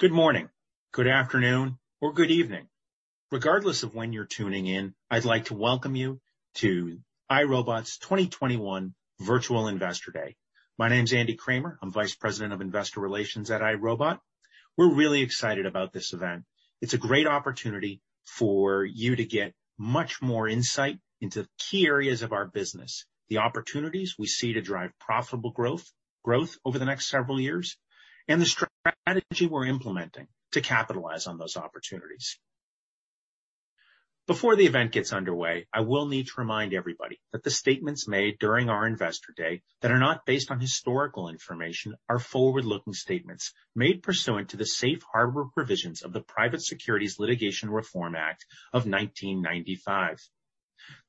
Good morning, good afternoon, or good evening. Regardless of when you're tuning in, I'd like to welcome you to iRobot's 2021 virtual Investor Day. My name's Andy Kramer. I'm Vice President of Investor Relations at iRobot. We're really excited about this event. It's a great opportunity for you to get much more insight into key areas of our business, the opportunities we see to drive profitable growth over the next several years, and the strategy we're implementing to capitalize on those opportunities. Before the event gets underway, I will need to remind everybody that the statements made during our Investor Day that are not based on historical information are forward-looking statements made pursuant to the safe harbor provisions of the Private Securities Litigation Reform Act of 1995.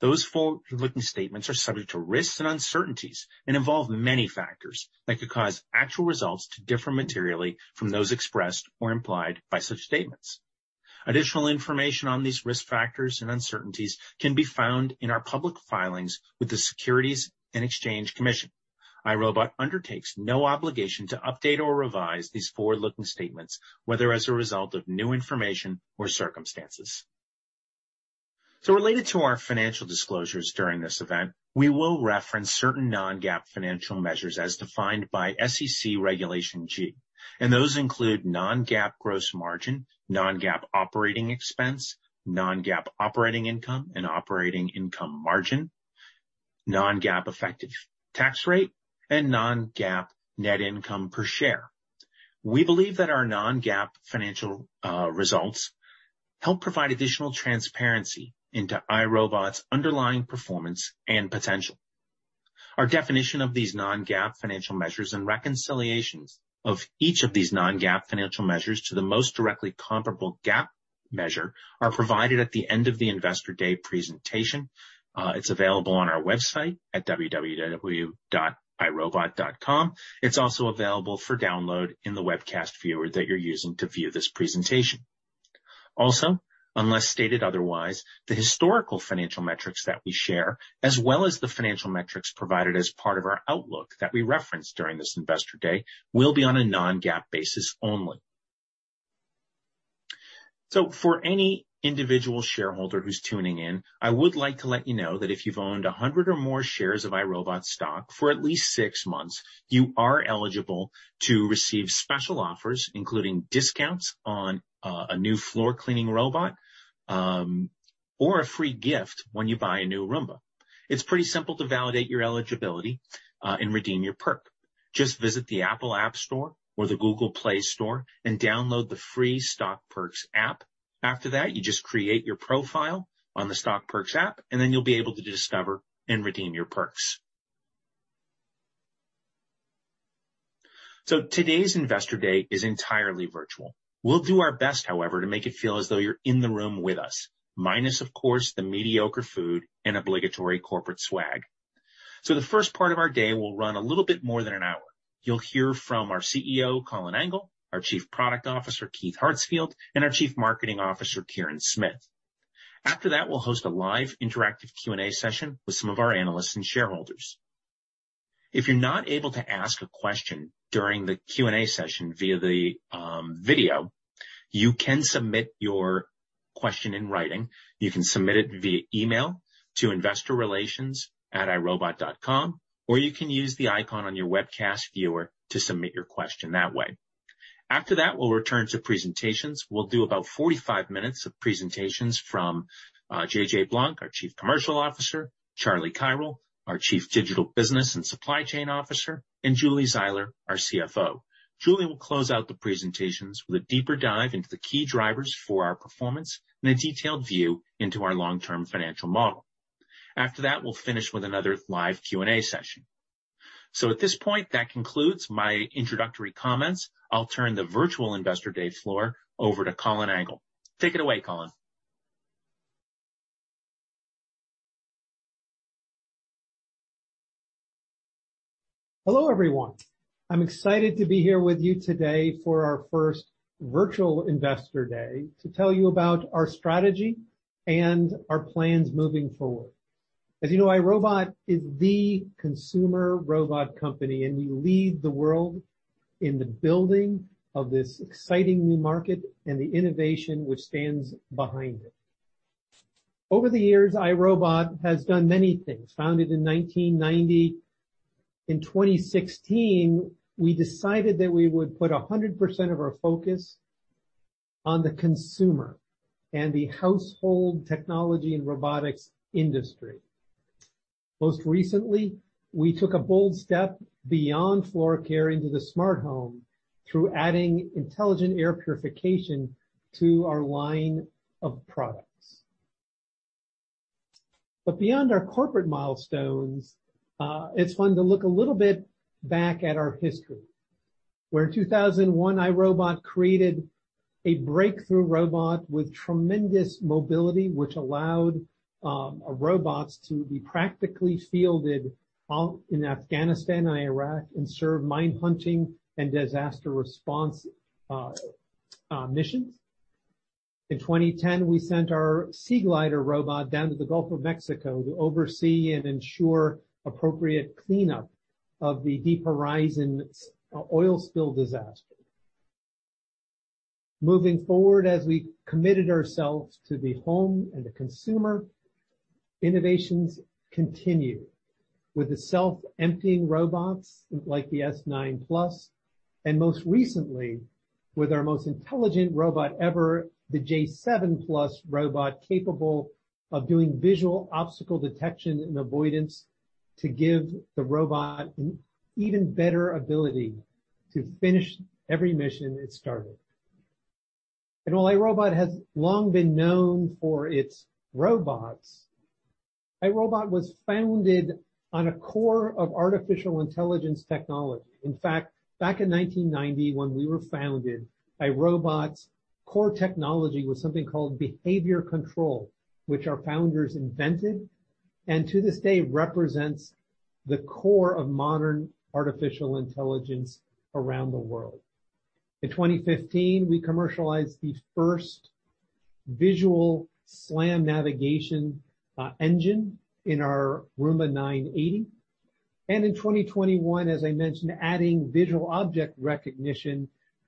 Those forward-looking statements are subject to risks and uncertainties and involve many factors that could cause actual results to differ materially from those expressed or implied by such statements. Additional information on these risk factors and uncertainties can be found in our public filings with the Securities and Exchange Commission. iRobot undertakes no obligation to update or revise these forward-looking statements, whether as a result of new information or circumstances. Related to our financial disclosures during this event, we will reference certain non-GAAP financial measures as defined by SEC Regulation G. Those include non-GAAP gross margin, non-GAAP operating expense, non-GAAP operating income, and operating income margin, non-GAAP effective tax rate, and non-GAAP net income per share. We believe that our non-GAAP financial results help provide additional transparency into iRobot's underlying performance and potential. Our definition of these non-GAAP financial measures and reconciliations of each of these non-GAAP financial measures to the most directly comparable GAAP measure are provided at the end of the Investor Day presentation. It's available on our website at www.irobot.com. It's also available for download in the webcast viewer that you're using to view this presentation. Also, unless stated otherwise, the historical financial metrics that we share, as well as the financial metrics provided as part of our outlook that we reference during this Investor Day, will be on a non-GAAP basis only. For any individual shareholder who's tuning in, I would like to let you know that if you've owned 100 or more shares of iRobot's stock for at least six months, you are eligible to receive special offers, including discounts on a new floor cleaning robot or a free gift when you buy a new Roomba. It's pretty simple to validate your eligibility and redeem your perk. Just visit the Apple App Store or the Google Play Store and download the free Stockperks app. After that, you just create your profile on the Stockperks app, and then you'll be able to discover and redeem your perks. Today's Investor Day is entirely virtual. We'll do our best, however, to make it feel as though you're in the room with us, minus, of course, the mediocre food and obligatory corporate swag. The first part of our day will run a little bit more than an hour. You'll hear from our CEO, Colin Angle, our Chief Product Officer, Keith Hartsfield, and our Chief Marketing Officer, Kiran Smith. After that, we'll host a live interactive Q&A session with some of our analysts and shareholders. If you're not able to ask a question during the Q&A session via the video, you can submit your question in writing. You can submit it via email to investorrelations@irobot.com, or you can use the icon on your webcast viewer to submit your question that way. After that, we'll return to presentations. We'll do about 45 minutes of presentations from JJ Blanc, our Chief Commercial Officer, Charlie Kirol, our Chief Digital Business and Supply Chain Officer, and Julie Zeiler, our CFO. Julie will close out the presentations with a deeper dive into the key drivers for our performance and a detailed view into our long-term financial model. After that, we'll finish with another live Q&A session. At this point, that concludes my introductory comments. I'll turn the virtual Investor Day floor over to Colin Angle. Take it away, Colin. Hello, everyone. I'm excited to be here with you today for our first virtual Investor Day to tell you about our strategy and our plans moving forward. As you know, iRobot is the consumer robot company, and we lead the world in the building of this exciting new market and the innovation which stands behind it. Over the years, iRobot has done many things, founded in 1990. In 2016, we decided that we would put 100% of our focus on the consumer and the household technology and robotics industry. Most recently, we took a bold step beyond floor care into the smart home through adding intelligent air purification to our line of products. Beyond our corporate milestones, it's fun to look a little bit back at our history, where in 2001, iRobot created a breakthrough robot with tremendous mobility, which allowed our robots to be practically fielded out in Afghanistan and Iraq and serve mine hunting and disaster response missions. In 2010, we sent our Seaglider robot down to the Gulf of Mexico to oversee and ensure appropriate cleanup of the Deepwater Horizon oil spill disaster. Moving forward, as we committed ourselves to the home and the consumer, innovations continued with the self-emptying robots like the s9+ and most recently, with our most intelligent robot ever, the j7+ robot, capable of doing visual obstacle detection and avoidance to give the robot an even better ability to finish every mission it started. While iRobot has long been known for its robots, iRobot was founded on a core of artificial intelligence technology. In fact, back in 1990 when we were founded, iRobot's core technology was something called behavior control, which our founders invented, and to this day represents the core of modern artificial intelligence around the world. In 2015, we commercialized the first visual SLAM navigation engine in our Roomba 980, and in 2021, as I mentioned, adding visual object recognition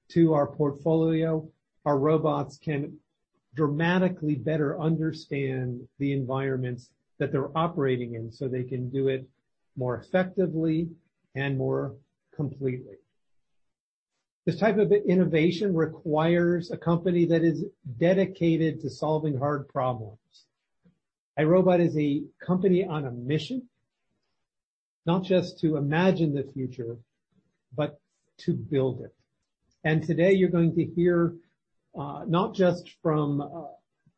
to our portfolio. Our robots can dramatically better understand the environments that they're operating in, so they can do it more effectively and more completely. This type of innovation requires a company that is dedicated to solving hard problems. iRobot is a company on a mission, not just to imagine the future, but to build it. Today you're going to hear, not just from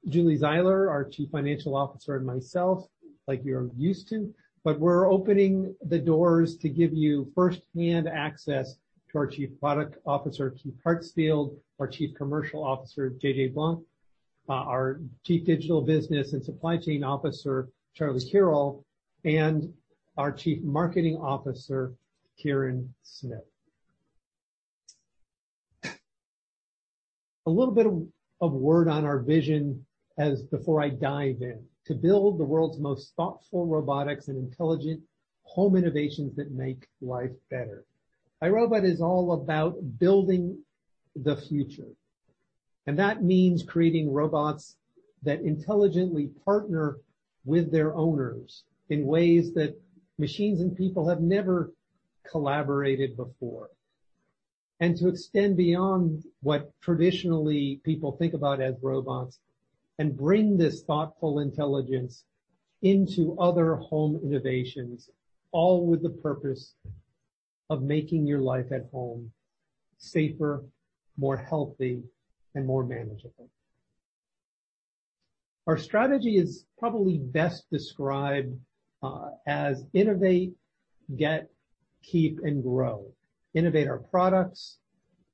Julie Zeiler, our Chief Financial Officer, and myself, like you're used to, but we're opening the doors to give you firsthand access to our Chief Product Officer, Keith Hartsfield, our Chief Commercial Officer, JJ Blanc, our Chief Digital Business and Supply Chain Officer, Charlie Kirol, and our Chief Marketing Officer, Kiran Smith. A little bit of a word on our vision before I dive in. To build the world's most thoughtful robotics and intelligent home innovations that make life better. iRobot is all about building the future, and that means creating robots that intelligently partner with their owners in ways that machines and people have never collaborated before. To extend beyond what traditionally people think about as robots, and bring this thoughtful intelligence into other home innovations, all with the purpose of making your life at home safer, more healthy, and more manageable. Our strategy is probably best described as innovate, get, keep, and grow. Innovate our products,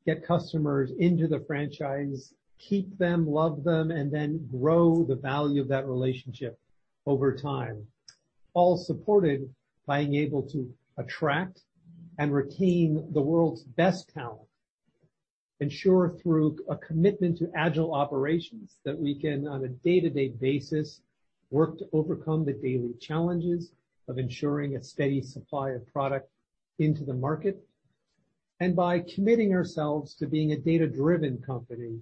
get customers into the franchise, keep them, love them, and then grow the value of that relationship over time. All supported by being able to attract and retain the world's best talent, ensure through a commitment to agile operations that we can on a day-to-day basis, work to overcome the daily challenges of ensuring a steady supply of product into the market, and by committing ourselves to being a data-driven company,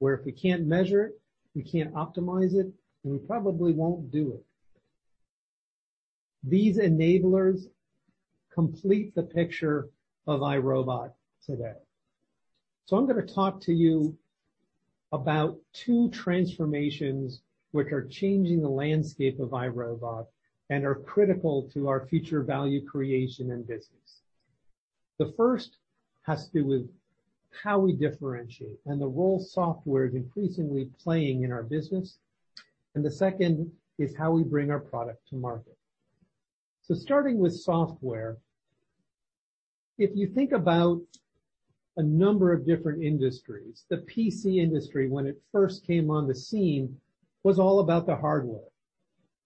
where if we can't measure it, we can't optimize it, and we probably won't do it. These enablers complete the picture of iRobot today. I'm gonna talk to you about two transformations which are changing the landscape of iRobot and are critical to our future value creation and business. The first has to do with how we differentiate and the role software is increasingly playing in our business. The second is how we bring our product to market. Starting with software, if you think about a number of different industries, the PC industry, when it first came on the scene, was all about the hardware.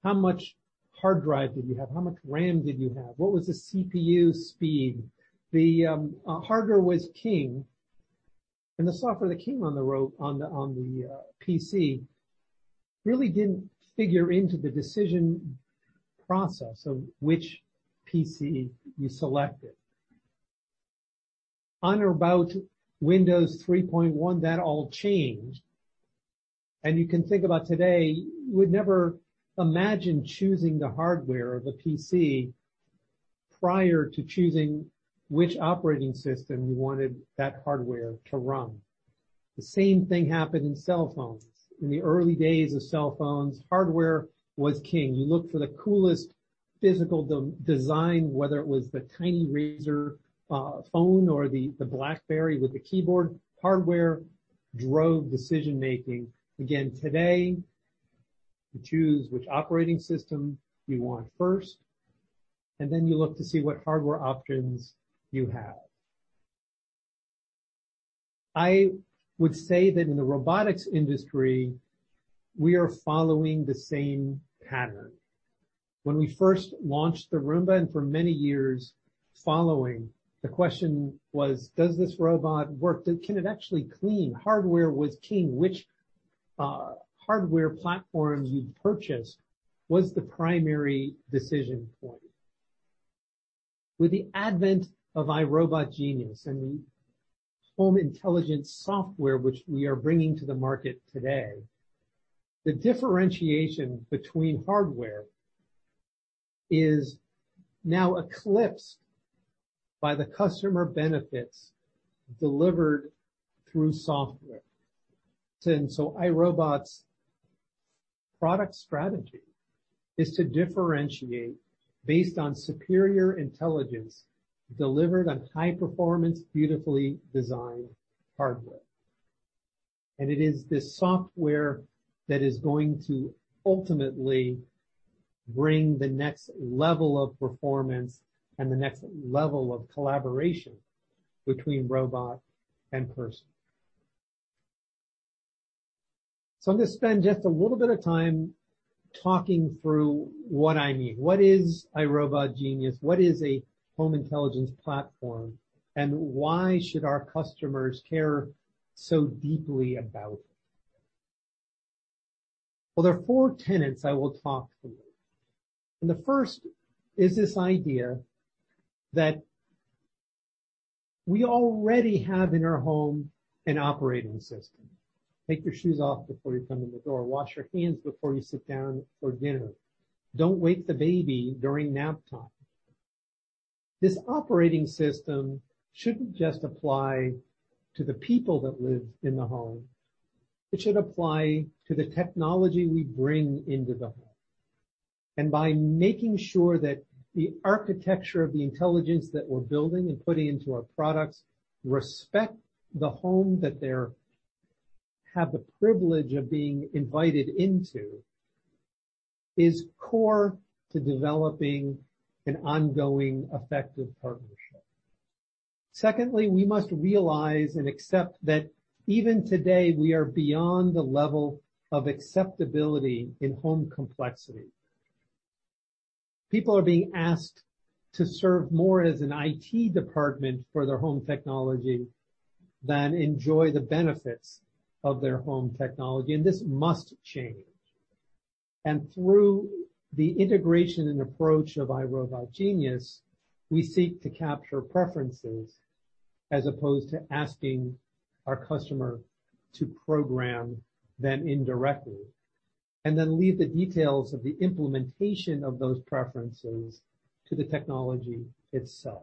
How much hard drive did you have? How much RAM did you have? What was the CPU speed? The hardware was king, and the software that came on the PC really didn't figure into the decision process of which PC you selected. On or about Windows 3.1, that all changed. You can think about today, you would never imagine choosing the hardware of a PC prior to choosing which operating system you wanted that hardware to run. The same thing happened in cell phones. In the early days of cell phones, hardware was king. You looked for the coolest physical design, whether it was the tiny Razr phone or the BlackBerry with the keyboard. Hardware drove decision-making. Again, today, you choose which operating system you want first, and then you look to see what hardware options you have. I would say that in the robotics industry, we are following the same pattern. When we first launched the Roomba and for many years following, the question was, does this robot work? Can it actually clean? Hardware was king. Which hardware platform you'd purchase was the primary decision point. With the advent of iRobot Genius and the home intelligence software, which we are bringing to the market today, the differentiation between hardware is now eclipsed by the customer benefits delivered through software. iRobot's product strategy is to differentiate based on superior intelligence delivered on high performance, beautifully designed hardware. It is this software that is going to ultimately bring the next level of performance and the next level of collaboration between robot and person. I'm gonna spend just a little bit of time talking through what I mean. What is iRobot Genius? What is a home intelligence platform? Why should our customers care so deeply about it? Well, there are four tenets I will talk through, and the first is this idea that we already have in our home an operating system. Take your shoes off before you come in the door. Wash your hands before you sit down for dinner. Don't wake the baby during nap time. This operating system shouldn't just apply to the people that live in the home. It should apply to the technology we bring into the home. By making sure that the architecture of the intelligence that we're building and putting into our products respect the home that have the privilege of being invited into is core to developing an ongoing, effective partnership. Secondly, we must realize and accept that even today we are beyond the level of acceptability in home complexity. People are being asked to serve more as an IT department for their home technology than enjoy the benefits of their home technology, and this must change. Through the integration and approach of iRobot Genius, we seek to capture preferences as opposed to asking our customer to program them indirectly, and then leave the details of the implementation of those preferences to the technology itself.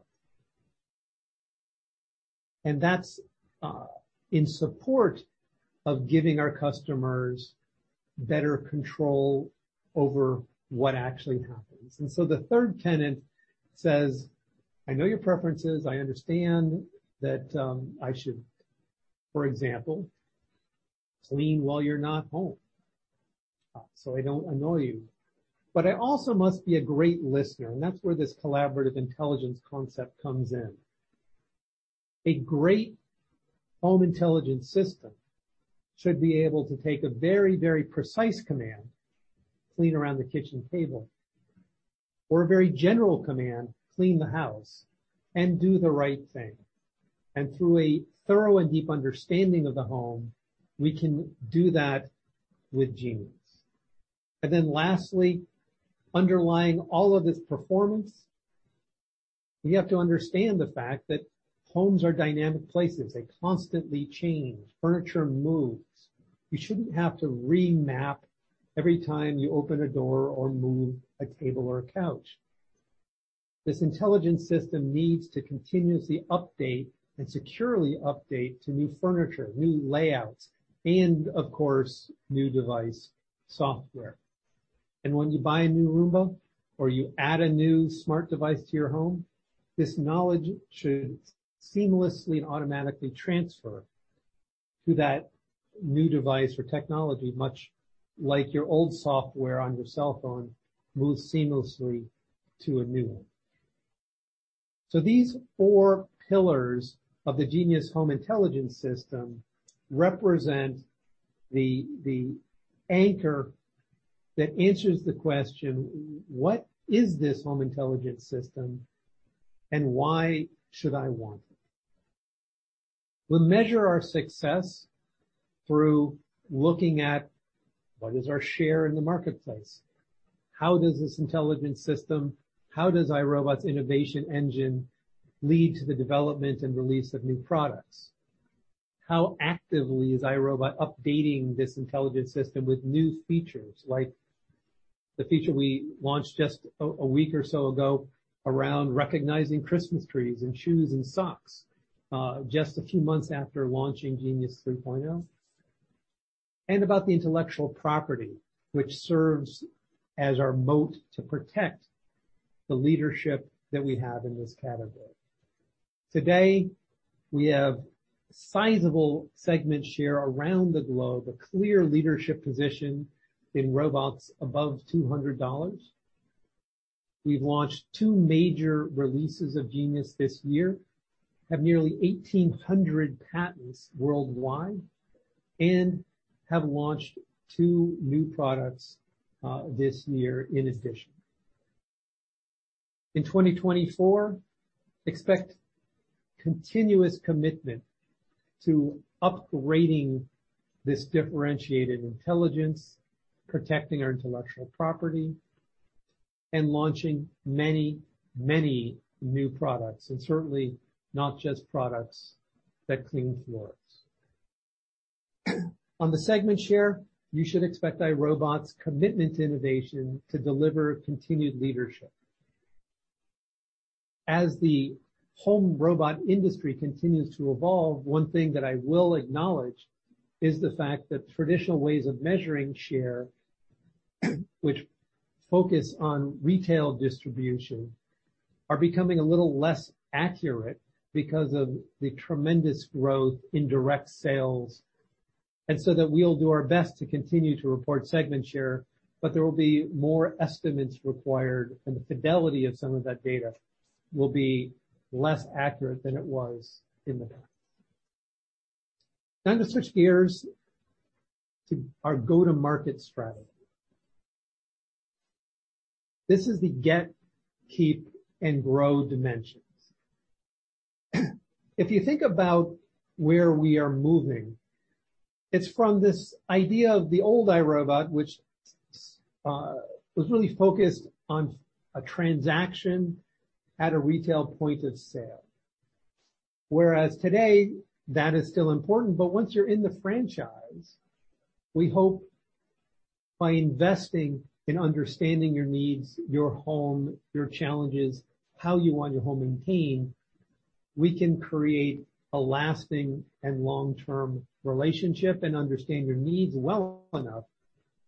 That's in support of giving our customers better control over what actually happens. The third tenet says, I know your preferences. I understand that I should, for example, clean while you're not home, so I don't annoy you. I also must be a great listener, and that's where this collaborative intelligence concept comes in. A great home intelligence system should be able to take a very, very precise command, clean around the kitchen table, or a very general command, clean the house, and do the right thing. Through a thorough and deep understanding of the home, we can do that with Genius. Then lastly, underlying all of this performance, we have to understand the fact that homes are dynamic places. They constantly change. Furniture moves. You shouldn't have to remap every time you open a door or move a table or a couch. This intelligence system needs to continuously update and securely update to new furniture, new layouts, and of course, new device software. And when you buy a new Roomba or you add a new smart device to your home, this knowledge should seamlessly and automatically transfer to that new device or technology, much like your old software on your cell phone moves seamlessly to a new one. These four pillars of the Genius home intelligence system represent the anchor that answers the question, what is this home intelligence system, and why should I want it? We'll measure our success through looking at what is our share in the marketplace. How does iRobot's innovation engine lead to the development and release of new products? How actively is iRobot updating this intelligence system with new features, like the feature we launched just a week or so ago around recognizing Christmas trees and shoes and socks, just a few months after launching Genius 3.0. About the intellectual property, which serves as our moat to protect the leadership that we have in this category. Today, we have sizable segment share around the globe, a clear leadership position in robots above $200. We've launched two major releases of Genius this year. We have nearly 1,800 patents worldwide and have launched two new products this year in addition. In 2024, expect continuous commitment to upgrading this differentiated intelligence, protecting our intellectual property, and launching many, many new products, and certainly not just products that clean floors. On the segment share, you should expect iRobot's commitment to innovation to deliver continued leadership. As the home robot industry continues to evolve, one thing that I will acknowledge is the fact that traditional ways of measuring share, which focus on retail distribution, are becoming a little less accurate because of the tremendous growth in direct sales. We'll do our best to continue to report segment share, but there will be more estimates required, and the fidelity of some of that data will be less accurate than it was in the past. Time to switch gears to our go-to-market strategy. This is the get, keep, and grow dimensions. If you think about where we are moving, it's from this idea of the old iRobot, which was really focused on a transaction at a retail point of sale. Whereas today, that is still important, but once you're in the franchise, we hope by investing in understanding your needs, your home, your challenges, how you want your home maintained, we can create a lasting and long-term relationship and understand your needs well enough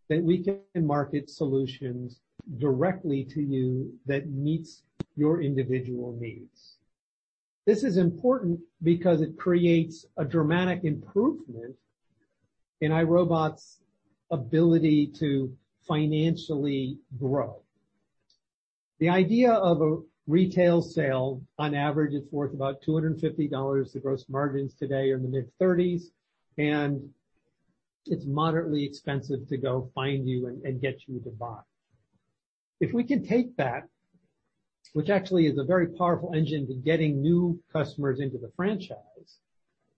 that we can market solutions directly to you that meets your individual needs. This is important because it creates a dramatic improvement in iRobot's ability to financially grow. The idea of a retail sale, on average, it's worth about $250. The gross margins today are in the mid-30s%, and it's moderately expensive to go find you and get you to buy. If we can take that, which actually is a very powerful engine to getting new customers into the franchise,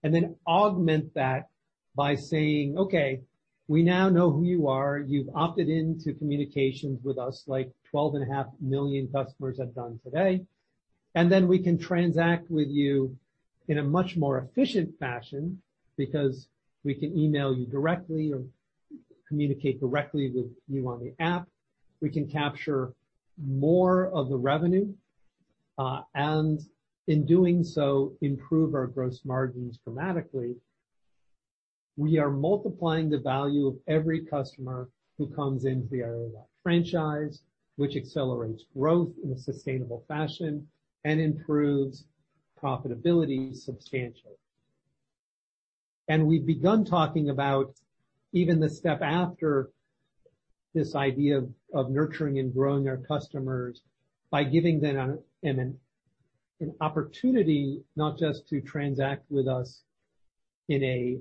and then augment that by saying, "Okay, we now know who you are. You've opted into communications with us," like 12.5 million customers have done today, and then we can transact with you in a much more efficient fashion because we can email you directly or communicate directly with you on the app. We can capture more of the revenue, and in doing so, improve our gross margins dramatically. We are multiplying the value of every customer who comes into the iRobot franchise, which accelerates growth in a sustainable fashion and improves profitability substantially. We've begun talking about even the step after this idea of nurturing and growing our customers by giving them an opportunity not just to transact with us in a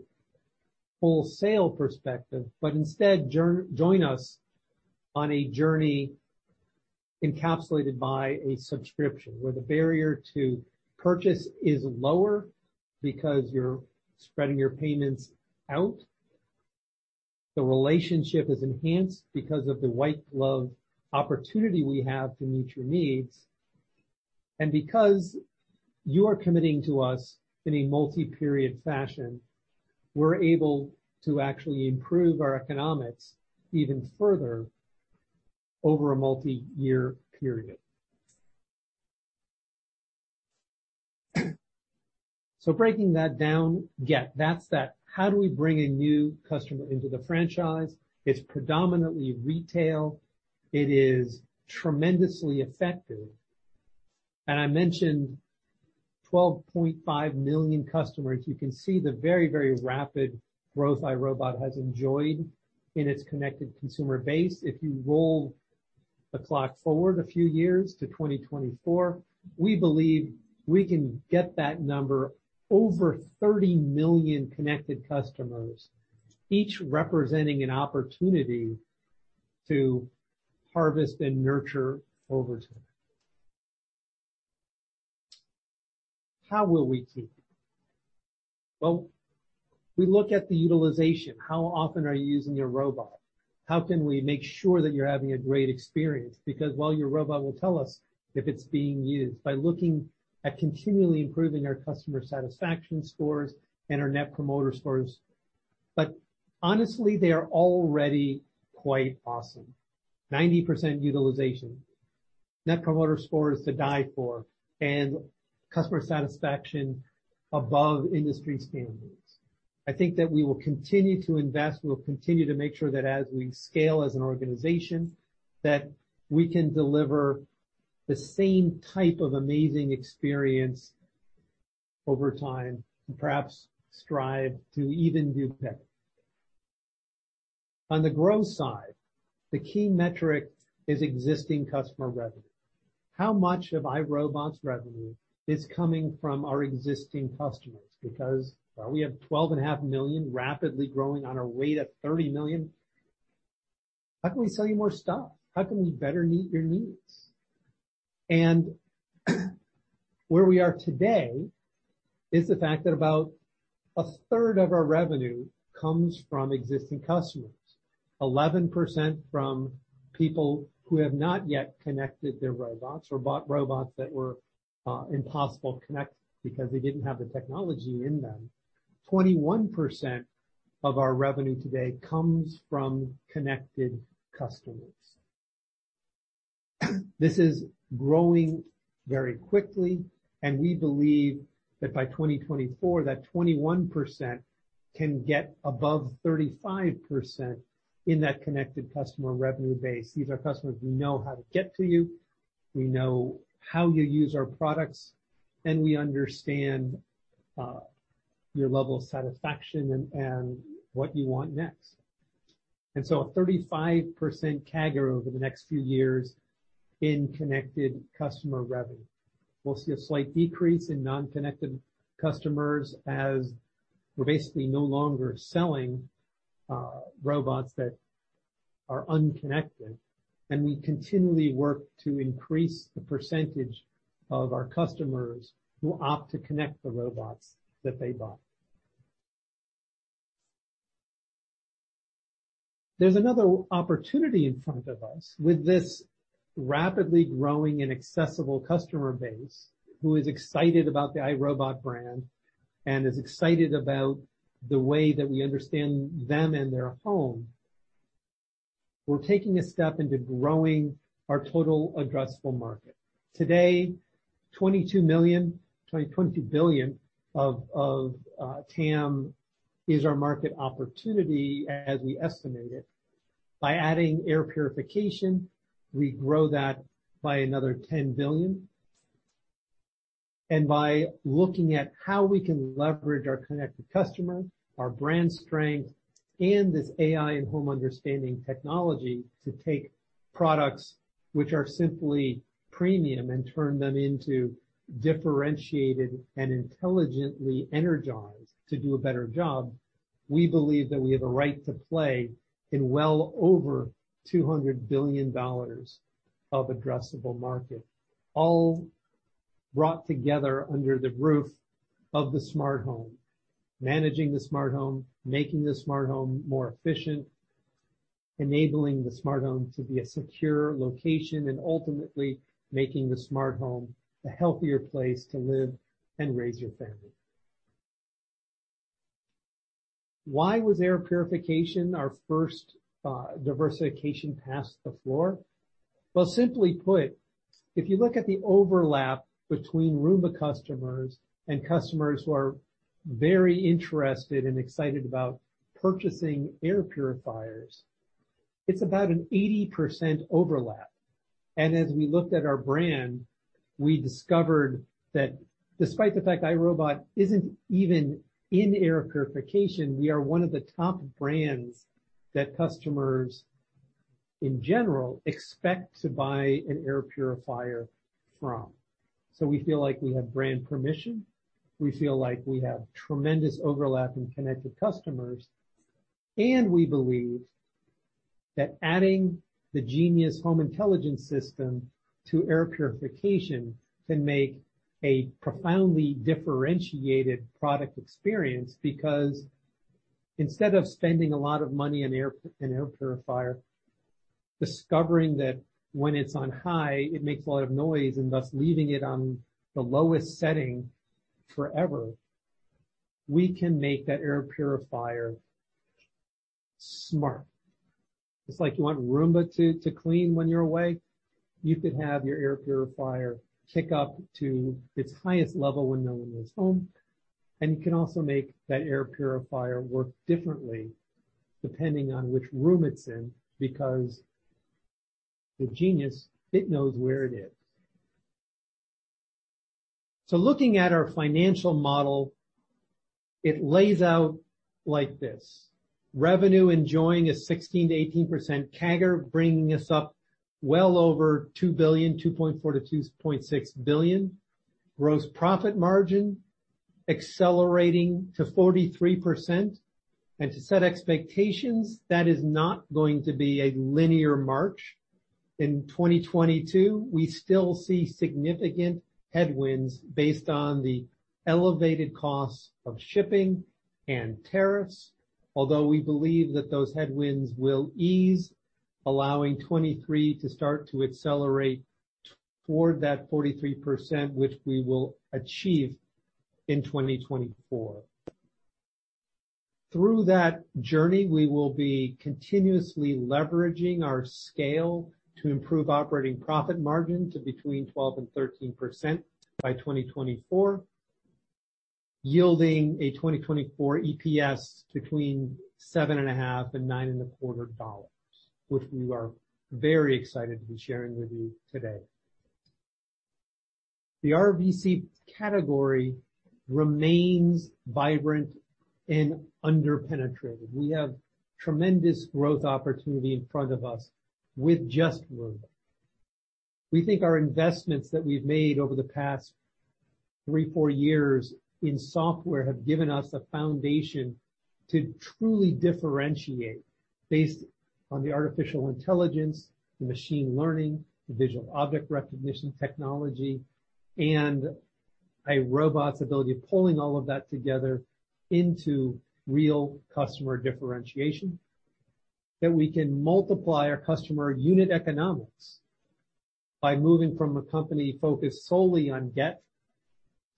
wholesale perspective, but instead join us on a journey encapsulated by a subscription, where the barrier to purchase is lower because you're spreading your payments out. The relationship is enhanced because of the white-glove opportunity we have to meet your needs. Because you are committing to us in a multi-period fashion, we're able to actually improve our economics even further over a multiyear period. Breaking that down, that's how do we bring a new customer into the franchise? It's predominantly retail. It is tremendously effective. I mentioned 12.5 million customers. You can see the very, very rapid growth iRobot has enjoyed in its connected consumer base. If you roll the clock forward a few years to 2024, we believe we can get that number over 30 million connected customers, each representing an opportunity to harvest and nurture over time. How will we keep? Well, we look at the utilization. How often are you using your robot? How can we make sure that you're having a great experience? Because while your robot will tell us if it's being used, by looking at continually improving our customer satisfaction scores and our net promoter scores. Honestly, they are already quite awesome. 90% utilization. Net promoter score is to die for, and customer satisfaction above industry standards. I think that we will continue to invest. We'll continue to make sure that as we scale as an organization, that we can deliver the same type of amazing experience over time and perhaps strive to even do better. On the growth side, the key metric is existing customer revenue. How much of iRobot's revenue is coming from our existing customers? Because while we have 12.5 million rapidly growing on our way to 30 million, how can we sell you more stuff? How can we better meet your needs? Where we are today is the fact that about 1/3 of our revenue comes from existing customers, 11% from people who have not yet connected their robots or bought robots that were impossible to connect because they didn't have the technology in them. 21% of our revenue today comes from connected customers. This is growing very quickly, and we believe that by 2024, that 21% can get above 35% in that connected customer revenue base. These are customers, we know how to get to you, we know how you use our products, and we understand your level of satisfaction and what you want next. A 35% CAGR over the next few years in connected customer revenue. We'll see a slight decrease in non-connected customers as we're basically no longer selling robots that are unconnected. We continually work to increase the percentage of our customers who opt to connect the robots that they buy. There's another opportunity in front of us with this rapidly growing and accessible customer base who is excited about the iRobot brand and is excited about the way that we understand them and their home. We're taking a step into growing our total addressable market. Today, 20 billion TAM is our market opportunity as we estimate it. By adding air purification, we grow that by another 10 billion. By looking at how we can leverage our connected customer, our brand strength, and this AI and home understanding technology to take products which are simply premium and turn them into differentiated and intelligently energized to do a better job, we believe that we have a right to play in well over $200 billion of addressable market, all brought together under the roof of the smart home, managing the smart home, making the smart home more efficient, enabling the smart home to be a secure location, and ultimately making the smart home a healthier place to live and raise your family. Why was air purification our first diversification past the floor? Well, simply put, if you look at the overlap between Roomba customers and customers who are very interested and excited about purchasing air purifiers, it's about an 80% overlap. As we looked at our brand, we discovered that despite the fact iRobot isn't even in air purification, we are one of the top brands that customers in general expect to buy an air purifier from. We feel like we have brand permission. We feel like we have tremendous overlap in connected customers. We believe that adding the Genius home intelligence system to air purification can make a profoundly differentiated product experience, because instead of spending a lot of money on air, an air purifier, discovering that when it's on high, it makes a lot of noise, and thus leaving it on the lowest setting forever, we can make that air purifier smart. Just like you want Roomba to clean when you're away, you could have your air purifier kick up to its highest level when no one is home. You can also make that air purifier work differently depending on which room it's in, because the Genius, it knows where it is. Looking at our financial model, it lays out like this: revenue enjoying a 16%-18% CAGR, bringing us up well over $2 billion, $2.4 billion-$2.6 billion. Gross profit margin accelerating to 43%. To set expectations, that is not going to be a linear march. In 2022, we still see significant headwinds based on the elevated costs of shipping and tariffs, although we believe that those headwinds will ease, allowing 2023 to start to accelerate toward that 43%, which we will achieve in 2024. Through that journey, we will be continuously leveraging our scale to improve operating profit margin to between 12% and 13% by 2024, yielding a 2024 EPS between $7.50 and $9.25, which we are very excited to be sharing with you today. The RVC category remains vibrant and underpenetrated. We have tremendous growth opportunity in front of us with just Roomba. We think our investments that we've made over the past three, four years in software have given us a foundation to truly differentiate based on the artificial intelligence, the machine learning, the visual object recognition technology, and iRobot's ability of pulling all of that together into real customer differentiation, that we can multiply our customer unit economics by moving from a company focused solely on get,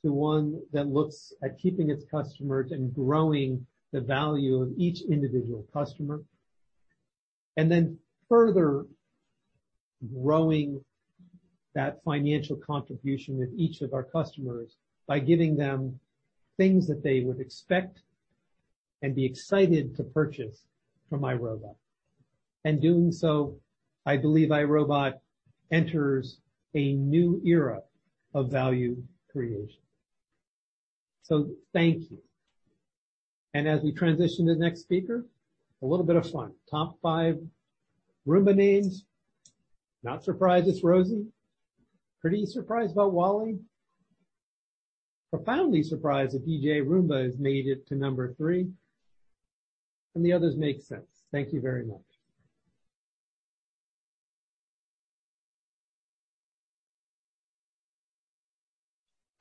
to one that looks at keeping its customers and growing the value of each individual customer. Then further growing that financial contribution with each of our customers by giving them things that they would expect and be excited to purchase from iRobot. Doing so, I believe iRobot enters a new era of value creation. Thank you. As we transition to the next speaker, a little bit of fun. Top 5 Roomba names. Not surprised it's Rosie. Pretty surprised about Wally. Profoundly surprised that DJ Roomba has made it to number 3, and the others make sense. Thank you very much.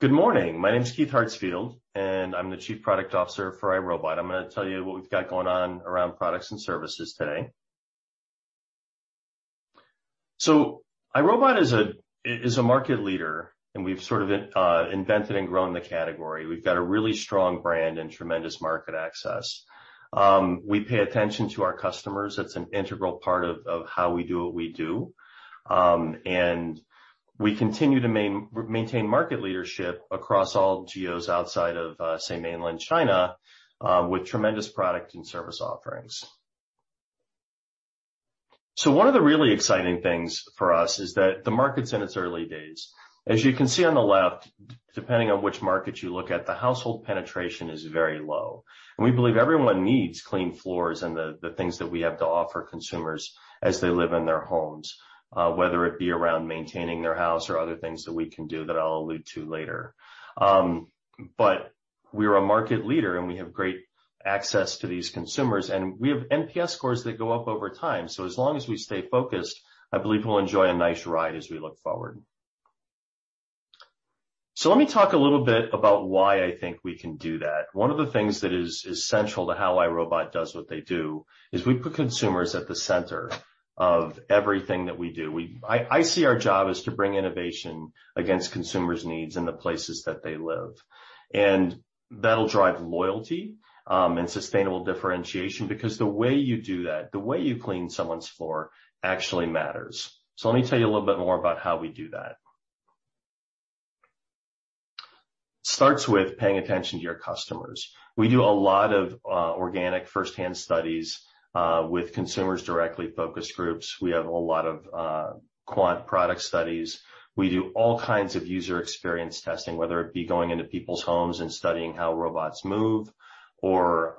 Good morning. My name is Keith Hartsfield, and I'm the Chief Product Officer for iRobot. I'm gonna tell you what we've got going on around products and services today. iRobot is a market leader, and we've sort of invented and grown the category. We've got a really strong brand and tremendous market access. We pay attention to our customers. That's an integral part of how we do what we do. We continue to maintain market leadership across all geos outside of, say, mainland China, with tremendous product and service offerings. One of the really exciting things for us is that the market's in its early days. As you can see on the left, depending on which market you look at, the household penetration is very low. We believe everyone needs clean floors and the things that we have to offer consumers as they live in their homes, whether it be around maintaining their house or other things that we can do that I'll allude to later. But we're a market leader, and we have great access to these consumers, and we have NPS scores that go up over time. As long as we stay focused, I believe we'll enjoy a nice ride as we look forward. Let me talk a little bit about why I think we can do that. One of the things that is central to how iRobot does what they do is we put consumers at the center of everything that we do. I see our job is to bring innovation against consumers' needs in the places that they live. That'll drive loyalty and sustainable differentiation because the way you do that, the way you clean someone's floor actually matters. Let me tell you a little bit more about how we do that. Starts with paying attention to your customers. We do a lot of organic first-hand studies with consumers directly, focus groups. We have a lot of quant product studies. We do all kinds of user experience testing, whether it be going into people's homes and studying how robots move or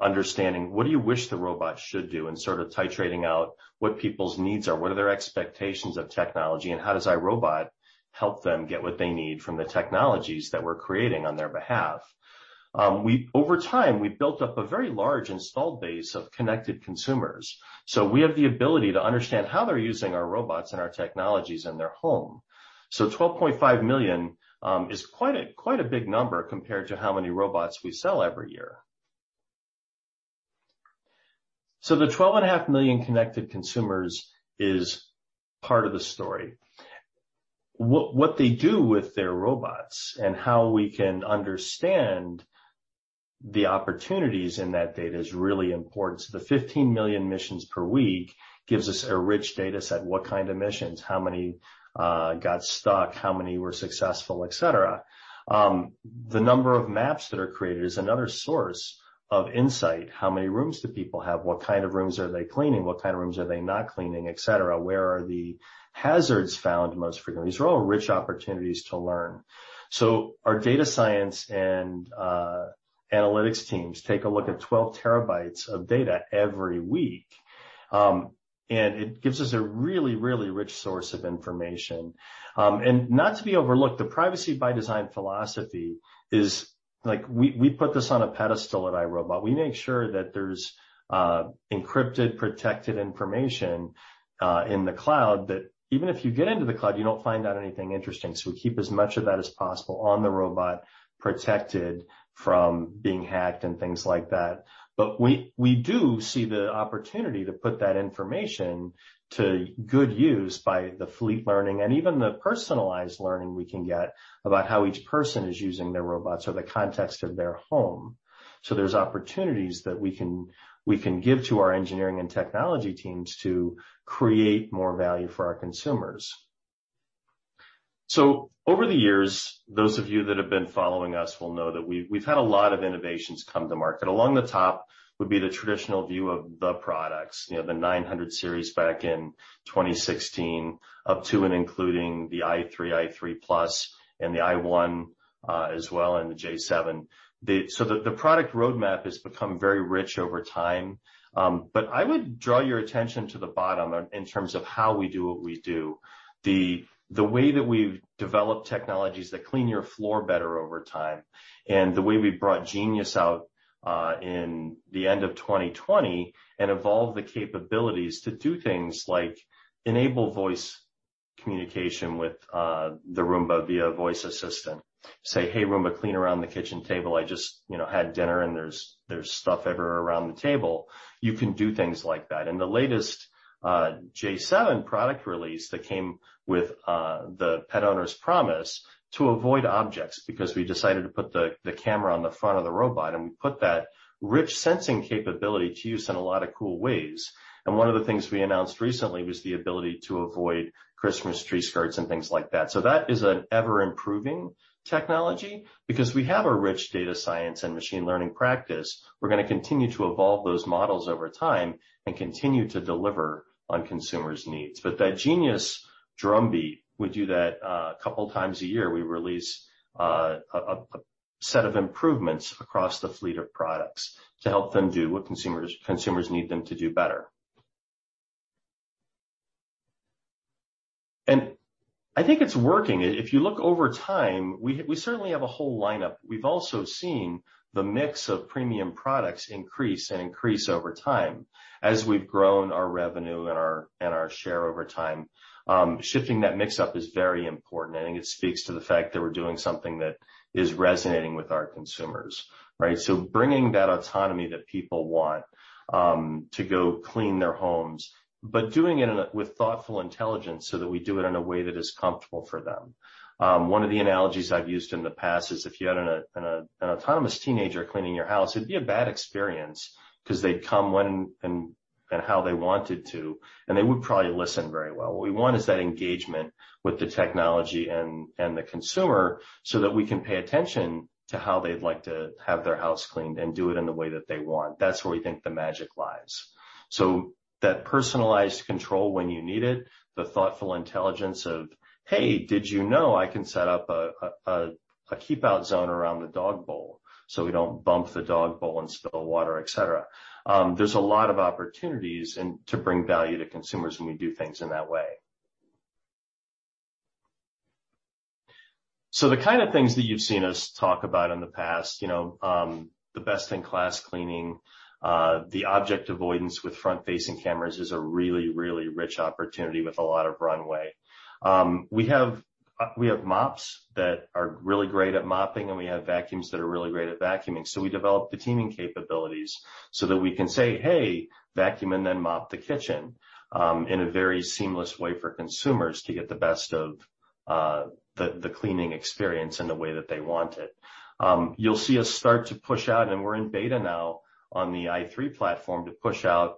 understanding what do you wish the robot should do and sort of titrating out what people's needs are, what are their expectations of technology, and how does iRobot help them get what they need from the technologies that we're creating on their behalf. Over time, we've built up a very large installed base of connected consumers. We have the ability to understand how they're using our robots and our technologies in their home. 12.5 million is quite a big number compared to how many robots we sell every year. The 12.5 million connected consumers is part of the story. What they do with their robots and how we can understand the opportunities in that data is really important. The 15 million missions per week gives us a rich data set. What kind of missions? How many got stuck? How many were successful, et cetera? The number of maps that are created is another source of insight. How many rooms do people have? What kind of rooms are they cleaning? What kind of rooms are they not cleaning, et cetera? Where are the hazards found most frequently? These are all rich opportunities to learn. Our data science and analytics teams take a look at 12 TB of data every week, and it gives us a really rich source of information. Not to be overlooked, the privacy by design philosophy is like we put this on a pedestal at iRobot. We make sure that there's encrypted, protected information in the cloud that even if you get into the cloud, you don't find out anything interesting. We keep as much of that as possible on the robot, protected from being hacked and things like that. We do see the opportunity to put that information to good use by the fleet learning and even the personalized learning we can get about how each person is using their robots or the context of their home. There's opportunities that we can give to our engineering and technology teams to create more value for our consumers. Over the years, those of you that have been following us will know that we've had a lot of innovations come to market. Along the top would be the traditional view of the products, you know, the 900 series back in 2016 up to and including the i3+ and the i1, as well in the j7. The product roadmap has become very rich over time. I would draw your attention to the bottom in terms of how we do what we do. The way that we've developed technologies that clean your floor better over time, and the way we brought Genius out in the end of 2020, and evolved the capabilities to do things like enable voice communication with the Roomba via voice assistant. Say, "Hey, Roomba, clean around the kitchen table. I just, you know, had dinner, and there's stuff everywhere around the table." You can do things like that. The latest j7 product release that came with the Pet Owner's Promise to avoid objects because we decided to put the camera on the front of the robot, and we put that rich sensing capability to use in a lot of cool ways. One of the things we announced recently was the ability to avoid Christmas tree skirts and things like that. That is an ever-improving technology. Because we have a rich data science and machine learning practice, we're gonna continue to evolve those models over time and continue to deliver on consumers' needs. That Genius drumbeat, we do that a couple times a year. We release a set of improvements across the fleet of products to help them do what consumers need them to do better. I think it's working. If you look over time, we certainly have a whole lineup. We've also seen the mix of premium products increase and increase over time as we've grown our revenue and our share over time. Shifting that mix up is very important, and it speaks to the fact that we're doing something that is resonating with our consumers, right? Bringing that autonomy that people want to go clean their homes, but doing it with thoughtful intelligence so that we do it in a way that is comfortable for them. One of the analogies I've used in the past is if you had an autonomous teenager cleaning your house, it'd be a bad experience because they'd come when and how they wanted to, and they wouldn't probably listen very well. What we want is that engagement with the technology and the consumer so that we can pay attention to how they'd like to have their house cleaned and do it in the way that they want. That's where we think the magic lies. That personalized control when you need it, the thoughtful intelligence of, "Hey, did you know I can set up a keep-out zone around the dog bowl so we don't bump the dog bowl and spill water, et cetera?" There's a lot of opportunities and to bring value to consumers when we do things in that way. The kind of things that you've seen us talk about in the past, you know, the best-in-class cleaning, the object avoidance with front-facing cameras is a really rich opportunity with a lot of runway. We have mops that are really great at mopping, and we have vacuums that are really great at vacuuming, so we developed the teaming capabilities so that we can say, "Hey, vacuum and then mop the kitchen," in a very seamless way for consumers to get the best of the cleaning experience in the way that they want it. You'll see us start to push out, and we're in beta now on the i3 platform to push out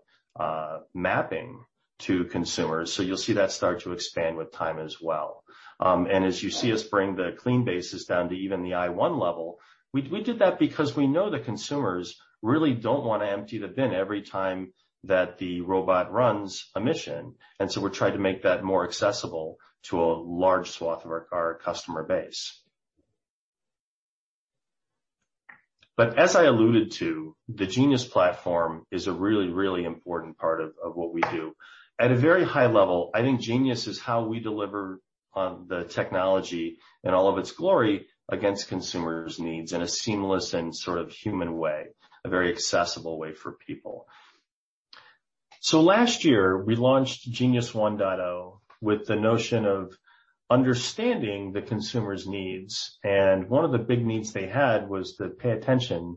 mapping to consumers. You'll see that start to expand with time as well. As you see us bring the Clean Base down to even the i1 level, we did that because we know the consumers really don't wanna empty the bin every time that the robot runs a mission, and we're trying to make that more accessible to a large swath of our customer base. As I alluded to, the Genius platform is a really important part of what we do. At a very high level, I think Genius is how we deliver on the technology in all of its glory against consumers' needs in a seamless and sort of human way, a very accessible way for people. Last year, we launched Genius 1.0 with the notion of understanding the consumer's needs, and one of the big needs they had was to pay attention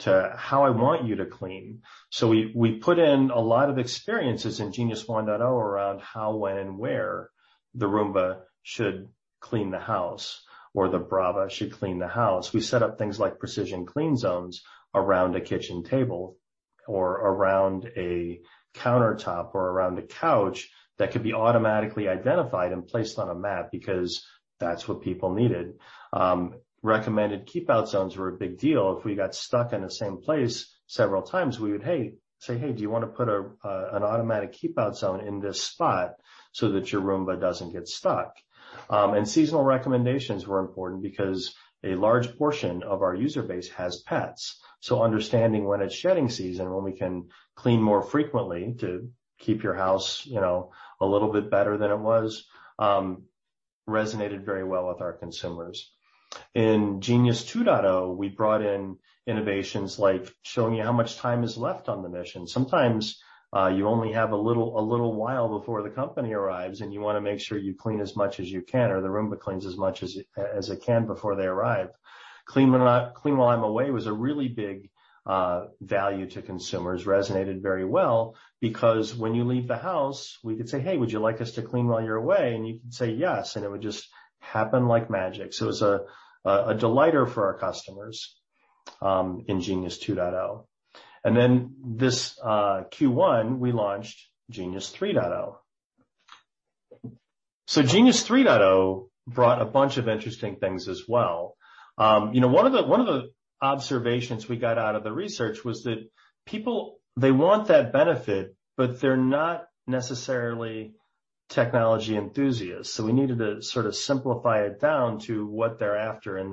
to how I want you to clean. We put in a lot of experiences in Genius 1.0 around how, when, and where the Roomba should clean the house or the Braava should clean the house. We set up things like precision clean zones around a kitchen table or around a countertop or around a couch that could be automatically identified and placed on a map because that's what people needed. Recommended keep-out zones were a big deal. If we got stuck in the same place several times, we would say, "Hey, do you wanna put an automatic keep-out zone in this spot so that your Roomba doesn't get stuck?" Seasonal recommendations were important because a large portion of our user base has pets. Understanding when it's shedding season, when we can clean more frequently to keep your house, you know, a little bit better than it was, resonated very well with our consumers. In Genius 2.0, we brought in innovations like showing you how much time is left on the mission. Sometimes you only have a little while before the company arrives, and you wanna make sure you clean as much as you can, or the Roomba cleans as much as it can before they arrive. Clean While I'm Away was a really big value to consumers, resonated very well because when you leave the house, we could say, "Hey, would you like us to clean while you're away?" You could say, "Yes," and it would just happen like magic. It was a delighter for our customers in Genius 2.0. This Q1, we launched Genius 3.0. Genius 3.0 brought a bunch of interesting things as well. One of the observations we got out of the research was that people they want that benefit, but they're not necessarily technology enthusiasts. We needed to sort of simplify it down to what they're after and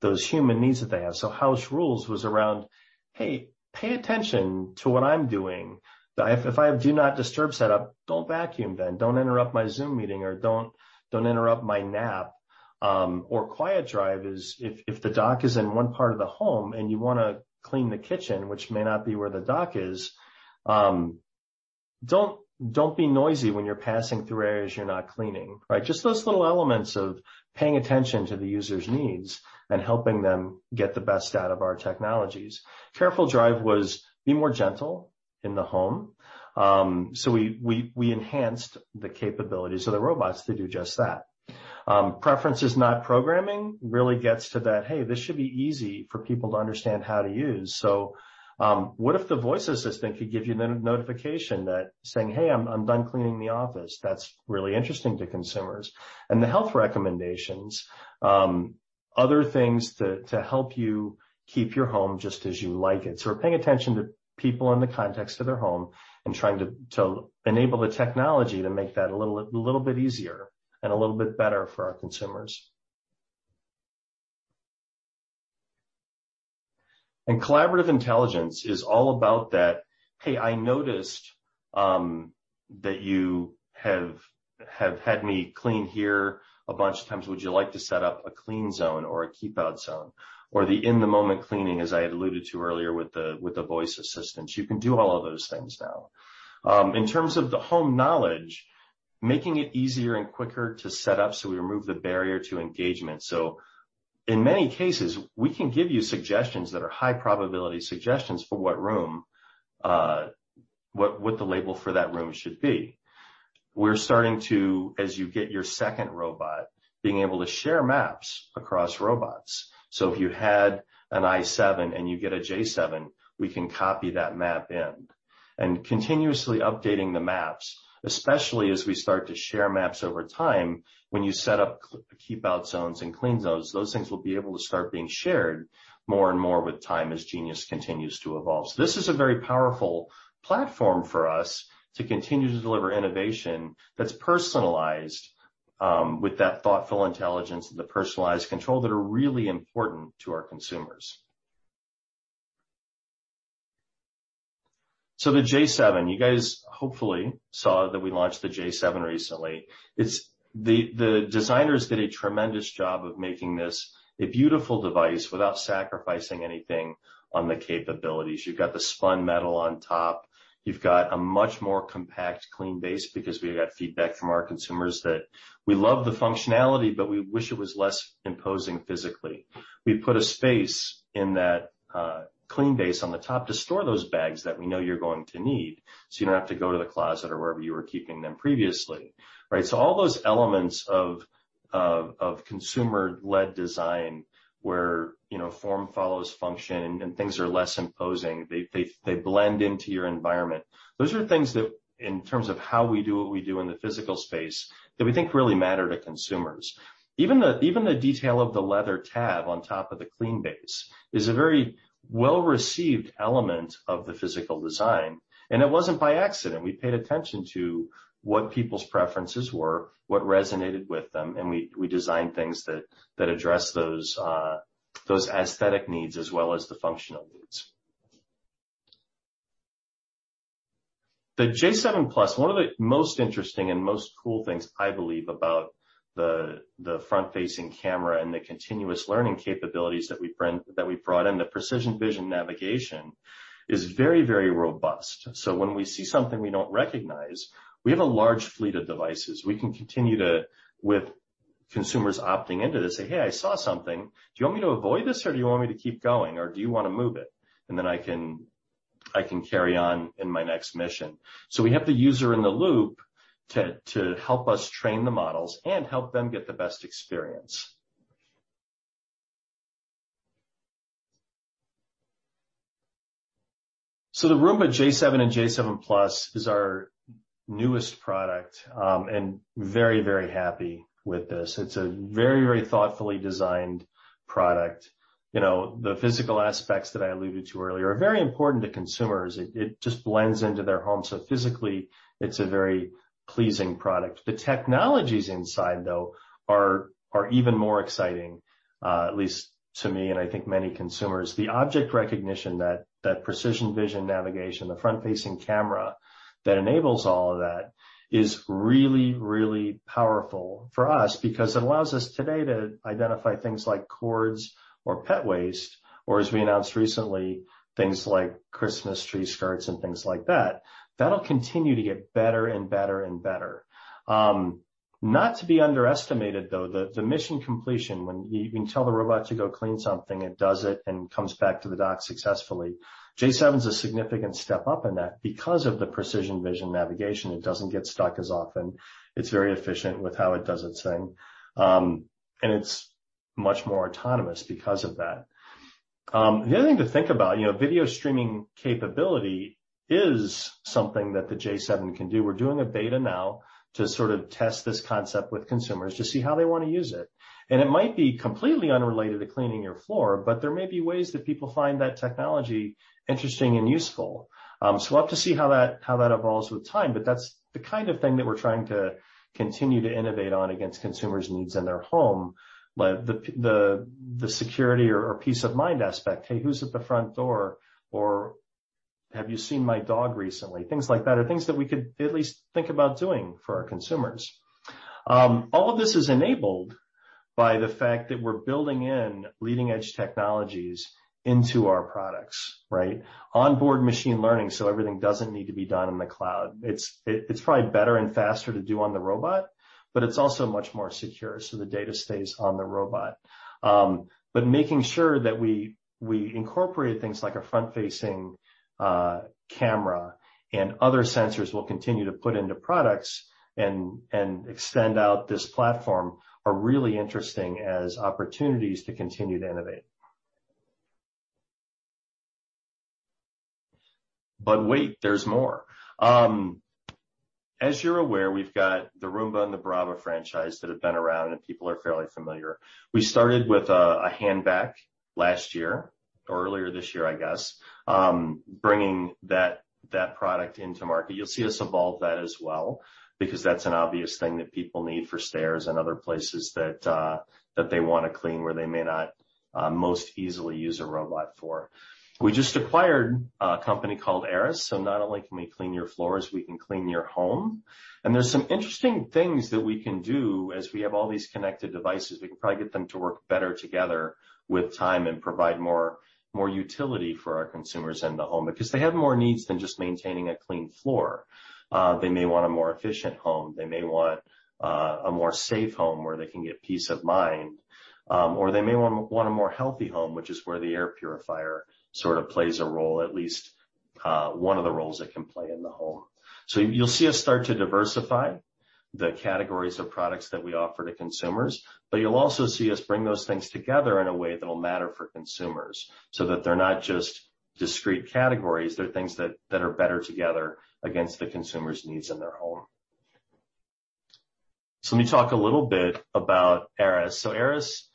those human needs that they have. House rules was around, "Hey, pay attention to what I'm doing." That if I have Do Not Disturb set up, don't vacuum then. Don't interrupt my Zoom meeting or don't interrupt my nap. Our Quiet Drive is if the dock is in one part of the home and you wanna clean the kitchen, which may not be where the dock is, don't be noisy when you're passing through areas you're not cleaning, right? Just those little elements of paying attention to the user's needs and helping them get the best out of our technologies. Careful Drive was to be more gentle in the home. We enhanced the capabilities of the robots to do just that. Preferences, not programming, really gets to that. Hey, this should be easy for people to understand how to use. What if the voice assistant could give you a notification that's saying, "Hey, I'm done cleaning the office." That's really interesting to consumers. The health recommendations, other things to help you keep your home just as you like it. We're paying attention to people in the context of their home and trying to enable the technology to make that a little bit easier and a little bit better for our consumers. Collaborative intelligence is all about that, "Hey, I noticed that you have had me clean here a bunch of times. Would you like to set up a clean zone or a keep-out zone?" Or the in-the-moment cleaning, as I had alluded to earlier with the voice assistants. You can do all of those things now. In terms of the home knowledge, making it easier and quicker to set up, so we remove the barrier to engagement. In many cases, we can give you suggestions that are high probability suggestions for what room, what the label for that room should be. We're starting to, as you get your second robot, being able to share maps across robots. If you had an i7 and you get a j7, we can copy that map in. Continuously updating the maps, especially as we start to share maps over time, when you set up keep-out zones and clean zones, those things will be able to start being shared more and more with time as Genius continues to evolve. This is a very powerful platform for us to continue to deliver innovation that's personalized, with that thoughtful intelligence and the personalized control that are really important to our consumers. The j7, you guys hopefully saw that we launched the j7 recently. It's... The designers did a tremendous job of making this a beautiful device without sacrificing anything on the capabilities. You've got the spun metal on top. You've got a much more compact clean base because we got feedback from our consumers that we love the functionality, but we wish it was less imposing physically. We put a space in that clean base on the top to store those bags that we know you're going to need, so you don't have to go to the closet or wherever you were keeping them previously, right? All those elements of consumer-led design where, you know, form follows function and things are less imposing, they blend into your environment, those are things that in terms of how we do what we do in the physical space that we think really matter to consumers. Even the detail of the leather tab on top of the Clean Base is a very well-received element of the physical design, and it wasn't by accident. We paid attention to what people's preferences were, what resonated with them, and we designed things that address those aesthetic needs as well as the functional needs. The j7+, one of the most interesting and most cool things I believe about the front-facing camera and the continuous learning capabilities that we brought in, the PrecisionVision Navigation is very robust. So when we see something we don't recognize, we have a large fleet of devices. We can continue to, with consumers opting into this, say, "Hey, I saw something. Do you want me to avoid this, or do you want me to keep going, or do you wanna move it?" Then I can carry on in my next mission. We have the user in the loop to help us train the models and help them get the best experience. The Roomba j7 and j7+ is our newest product, and very, very happy with this. It's a very, very thoughtfully designed product. You know, the physical aspects that I alluded to earlier are very important to consumers. It just blends into their home. Physically, it's a very pleasing product. The technologies inside, though, are even more exciting, at least to me and I think many consumers. The object recognition that PrecisionVision Navigation, the front-facing camera that enables all of that, is really powerful for us because it allows us today to identify things like cords or pet waste or, as we announced recently, things like Christmas tree skirts and things like that. That'll continue to get better and better and better. Not to be underestimated, though, the mission completion, when you can tell the robot to go clean something, it does it and comes back to the dock successfully. j7's a significant step up in that. Because of the PrecisionVision Navigation, it doesn't get stuck as often. It's very efficient with how it does its thing. And it's much more autonomous because of that. The other thing to think about, you know, video streaming capability is something that the j7 can do. We're doing a beta now to sort of test this concept with consumers to see how they wanna use it. It might be completely unrelated to cleaning your floor, but there may be ways that people find that technology interesting and useful. We'll have to see how that evolves with time, but that's the kind of thing that we're trying to continue to innovate on against consumers' needs in their home. Like the security or peace of mind aspect. Hey, who's at the front door? Or have you seen my dog recently? Things like that are things that we could at least think about doing for our consumers. All of this is enabled by the fact that we're building in leading edge technologies into our products, right? Onboard machine learning, so everything doesn't need to be done in the cloud. It's probably better and faster to do on the robot, but it's also much more secure, so the data stays on the robot. Making sure that we incorporate things like a front-facing camera and other sensors we'll continue to put into products and extend out this platform are really interesting as opportunities to continue to innovate. Wait, there's more. As you're aware, we've got the Roomba and the Braava franchise that have been around and people are fairly familiar. We started with a hand vac last year or earlier this year, I guess, bringing that product into market. You'll see us evolve that as well, because that's an obvious thing that people need for stairs and other places that they wanna clean, where they may not most easily use a robot for. We just acquired a company called Aeris. Not only can we clean your floors, we can clean your home. There's some interesting things that we can do as we have all these connected devices. We can probably get them to work better together with time and provide more utility for our consumers in the home, because they have more needs than just maintaining a clean floor. They may want a more efficient home. They may want a more safe home where they can get peace of mind, or they may want a more healthy home, which is where the air purifier sort of plays a role, at least one of the roles it can play in the home. You'll see us start to diversify the categories of products that we offer to consumers, but you'll also see us bring those things together in a way that'll matter for consumers, so that they're not just discrete categories, they're things that are better together against the consumer's needs in their home. Let me talk a little bit about Aeris. Aeris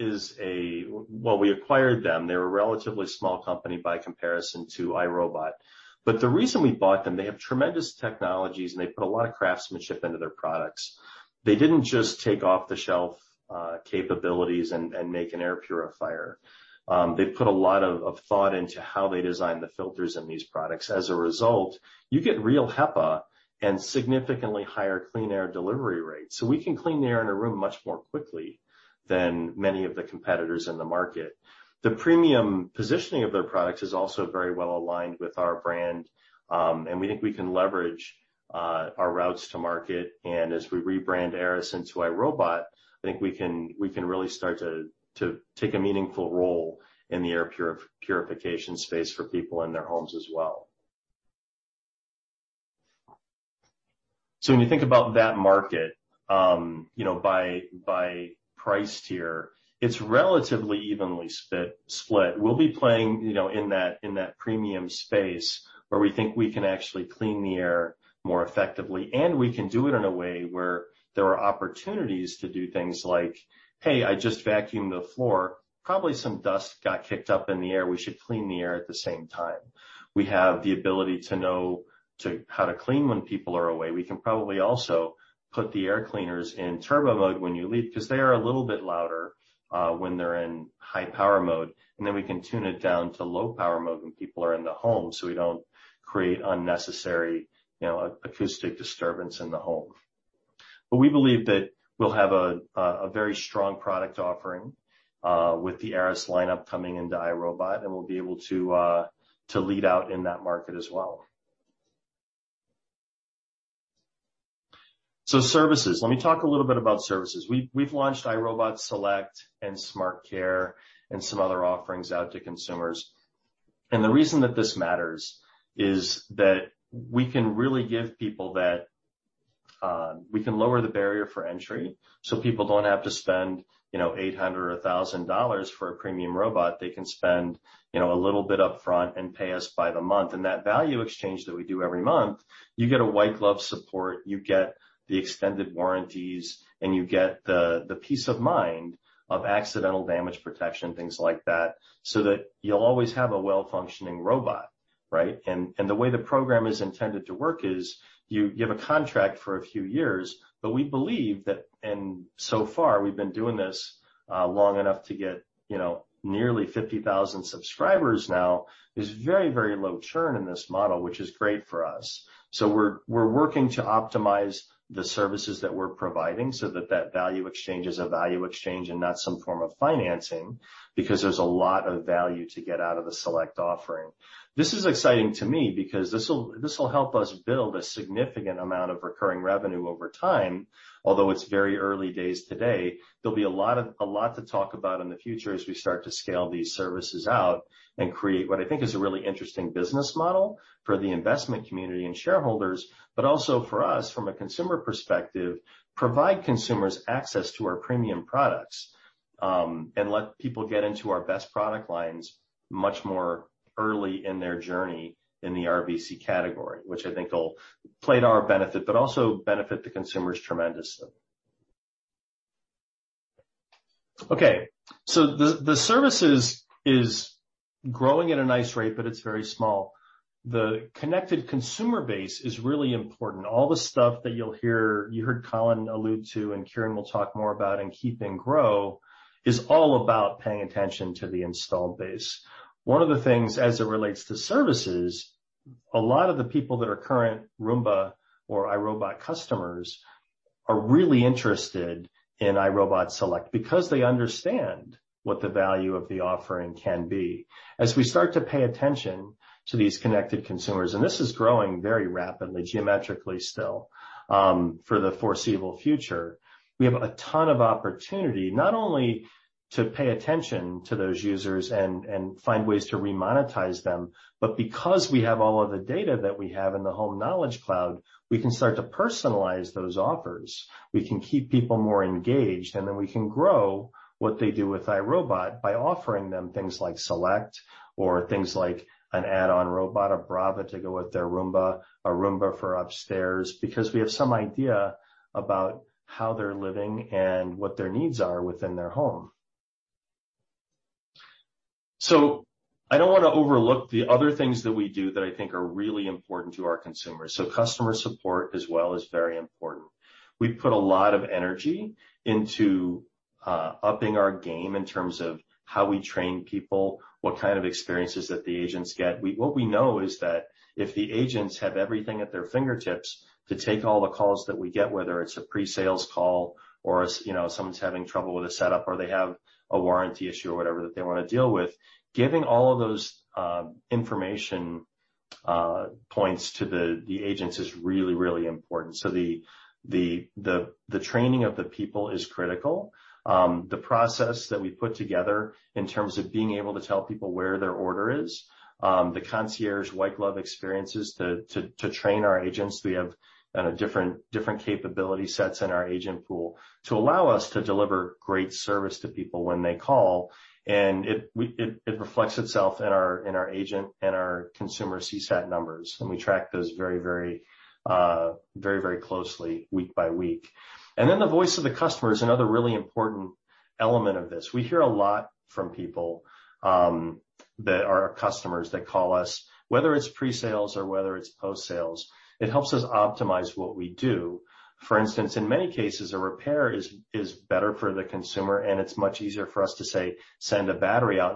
is. Well, we acquired them. They're a relatively small company by comparison to iRobot. The reason we bought them, they have tremendous technologies, and they put a lot of craftsmanship into their products. They didn't just take off-the-shelf capabilities and make an air purifier. They put a lot of thought into how they design the filters in these products. As a result, you get real HEPA and significantly higher clean air delivery rates. We can clean the air in a room much more quickly than many of the competitors in the market. The premium positioning of their products is also very well aligned with our brand, and we think we can leverage our routes to market. As we rebrand Aeris into iRobot, I think we can really start to take a meaningful role in the air purification space for people in their homes as well. When you think about that market, you know, by price tier, it's relatively evenly split. We'll be playing, you know, in that premium space where we think we can actually clean the air more effectively, and we can do it in a way where there are opportunities to do things like, "Hey, I just vacuumed the floor. Probably some dust got kicked up in the air. We should clean the air at the same time." We have the ability to know how to clean when people are away. We can probably also put the air cleaners in turbo mode when you leave, 'cause they are a little bit louder when they're in high power mode, and then we can tune it down to low power mode when people are in the home, so we don't create unnecessary, you know, acoustic disturbance in the home. But we believe that we'll have a very strong product offering with the Aeris lineup coming into iRobot, and we'll be able to lead out in that market as well. Services. Let me talk a little bit about services. We've launched iRobot Select and Smart Care and some other offerings out to consumers. The reason that this matters is that we can really give people that. We can lower the barrier for entry, so people don't have to spend, you know, $800 or $1,000 for a premium robot. They can spend, you know, a little bit upfront and pay us by the month. That value exchange that we do every month, you get a white glove support, you get the extended warranties, and you get the peace of mind of accidental damage protection, things like that, so that you'll always have a well-functioning robot, right? The way the program is intended to work is you have a contract for a few years, but we believe that, and so far, we've been doing this long enough to get, you know, nearly 50,000 subscribers now. There's very, very low churn in this model, which is great for us. We're working to optimize the services that we're providing so that that value exchange is a value exchange and not some form of financing, because there's a lot of value to get out of the Select offering. This is exciting to me because this'll help us build a significant amount of recurring revenue over time. Although it's very early days today, there'll be a lot to talk about in the future as we start to scale these services out and create what I think is a really interesting business model for the investment community and shareholders, but also for us, from a consumer perspective, provide consumers access to our premium products, and let people get into our best product lines much more early in their journey in the RVC category, which I think will play to our benefit, but also benefit the consumers tremendously. Okay. The services is growing at a nice rate, but it's very small. The connected consumer base is really important. All the stuff that you heard Colin allude to, and Kiran will talk more about in keep and grow, is all about paying attention to the installed base. One of the things as it relates to services, a lot of the people that are current Roomba or iRobot customers are really interested in iRobot Select because they understand what the value of the offering can be. As we start to pay attention to these connected consumers, and this is growing very rapidly, geometrically still, for the foreseeable future, we have a ton of opportunity not only to pay attention to those users and find ways to remonetize them, but because we have all of the data that we have in the Home Knowledge Cloud, we can start to personalize those offers. We can keep people more engaged, and then we can grow what they do with iRobot by offering them things like Select or things like an add-on robot, a Braava, to go with their Roomba, a Roomba for upstairs. Because we have some idea about how they're living and what their needs are within their home. I don't wanna overlook the other things that we do that I think are really important to our consumers. Customer support as well is very important. We put a lot of energy into upping our game in terms of how we train people, what kind of experiences that the agents get. What we know is that if the agents have everything at their fingertips to take all the calls that we get, whether it's a pre-sales call or it's, you know, someone's having trouble with a setup or they have a warranty issue or whatever that they wanna deal with. Giving all of those information points to the agents. The training of the people is critical. The process that we put together in terms of being able to tell people where their order is, the concierge white glove experiences to train our agents. We have different capability sets in our agent pool to allow us to deliver great service to people when they call, and it reflects itself in our agent and our consumer CSAT numbers, and we track those very closely week by week. The voice of the customer is another really important element of this. We hear a lot from people that are our customers that call us, whether it's pre-sales or whether it's post-sales. It helps us optimize what we do. For instance, in many cases, a repair is better for the consumer, and it's much easier for us to say, "Send a battery out,"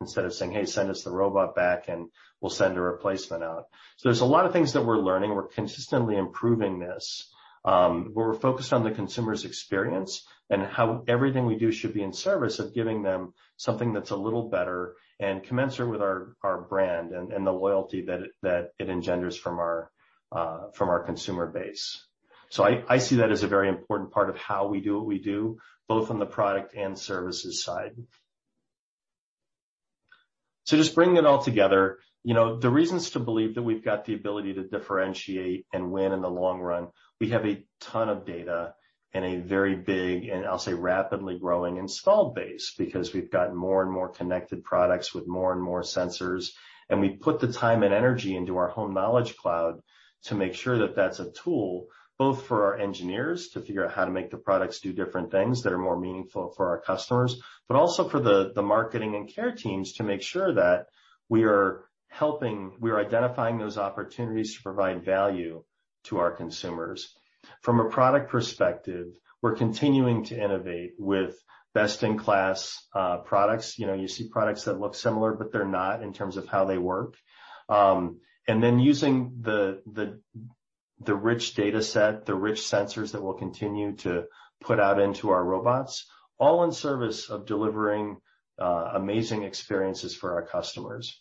instead of saying, "Hey, send us the robot back, and we'll send a replacement out." There's a lot of things that we're learning. We're consistently improving this. But we're focused on the consumer's experience and how everything we do should be in service of giving them something that's a little better and commensurate with our brand and the loyalty that it engenders from our consumer base. I see that as a very important part of how we do what we do, both on the product and services side. Just bringing it all together. You know, the reasons to believe that we've got the ability to differentiate and win in the long run, we have a ton of data and a very big, and I'll say, rapidly growing installed base because we've got more and more connected products with more and more sensors. We put the time and energy into our Home Knowledge Cloud to make sure that that's a tool both for our engineers to figure out how to make the products do different things that are more meaningful for our customers, but also for the marketing and care teams to make sure that we are helping, we are identifying those opportunities to provide value to our consumers. From a product perspective, we're continuing to innovate with best-in-class products. You know, you see products that look similar, but they're not in terms of how they work. Using the rich data set, the rich sensors that we'll continue to put out into our robots, all in service of delivering amazing experiences for our customers.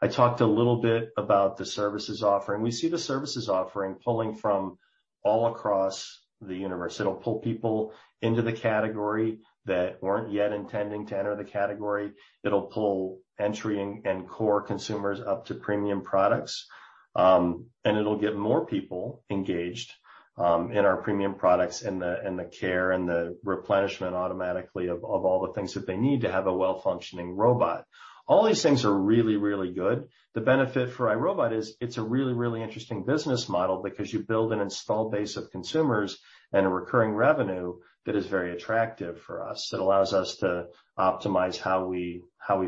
I talked a little bit about the services offering. We see the services offering pulling from all across the universe. It'll pull people into the category that weren't yet intending to enter the category. It'll pull entry and core consumers up to premium products, and it'll get more people engaged in our premium products and the care and the replenishment automatically of all the things that they need to have a well-functioning robot. All these things are really, really good. The benefit for iRobot is it's a really, really interesting business model because you build an install base of consumers and a recurring revenue that is very attractive for us. It allows us to optimize how we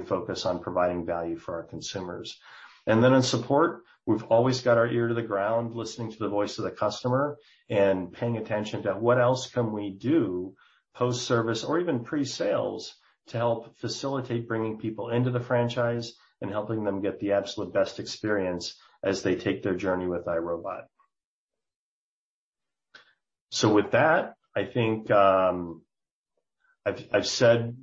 focus on providing value for our consumers. Then in support, we've always got our ear to the ground, listening to the voice of the customer and paying attention to what else can we do post-service or even pre-sales to help facilitate bringing people into the franchise and helping them get the absolute best experience as they take their journey with iRobot. With that, I think, I've said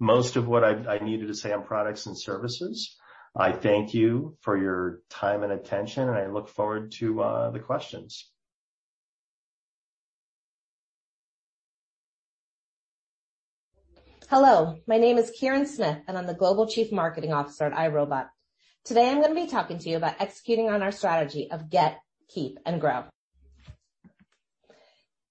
most of what I needed to say on products and services. I thank you for your time and attention, and I look forward to the questions. Hello. My name is Kiran Smith, and I'm the Global Chief Marketing Officer at iRobot. Today, I'm gonna be talking to you about executing on our strategy of get, keep, and grow.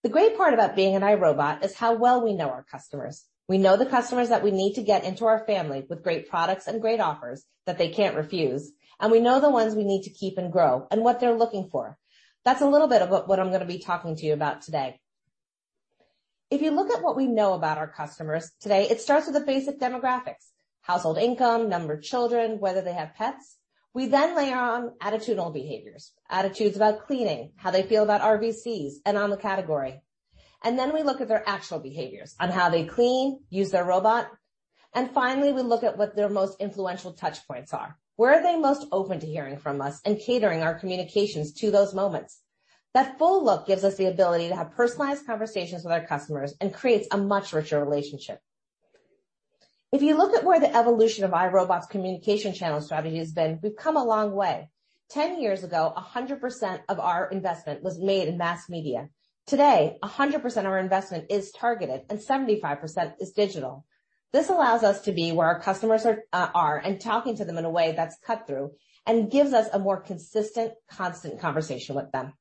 The great part about being at iRobot is how well we know our customers. We know the customers that we need to get into our family with great products and great offers that they can't refuse, and we know the ones we need to keep and grow and what they're looking for. That's a little bit about what I'm gonna be talking to you about today. If you look at what we know about our customers today, it starts with the basic demographics: household income, number of children, whether they have pets. We then layer on attitudinal behaviors, attitudes about cleaning, how they feel about RVCs, and on the category. Then we look at their actual behaviors on how they clean, use their robot. Finally, we look at what their most influential touch points are, where are they most open to hearing from us and catering our communications to those moments. That full look gives us the ability to have personalized conversations with our customers and creates a much richer relationship. If you look at where the evolution of iRobot's communication channel strategy has been, we've come a long way. 10 years ago, 100% of our investment was made in mass media. Today, 100% of our investment is targeted and 75% is digital. This allows us to be where our customers are and talking to them in a way that's cut through and gives us a more consistent, constant conversation with them.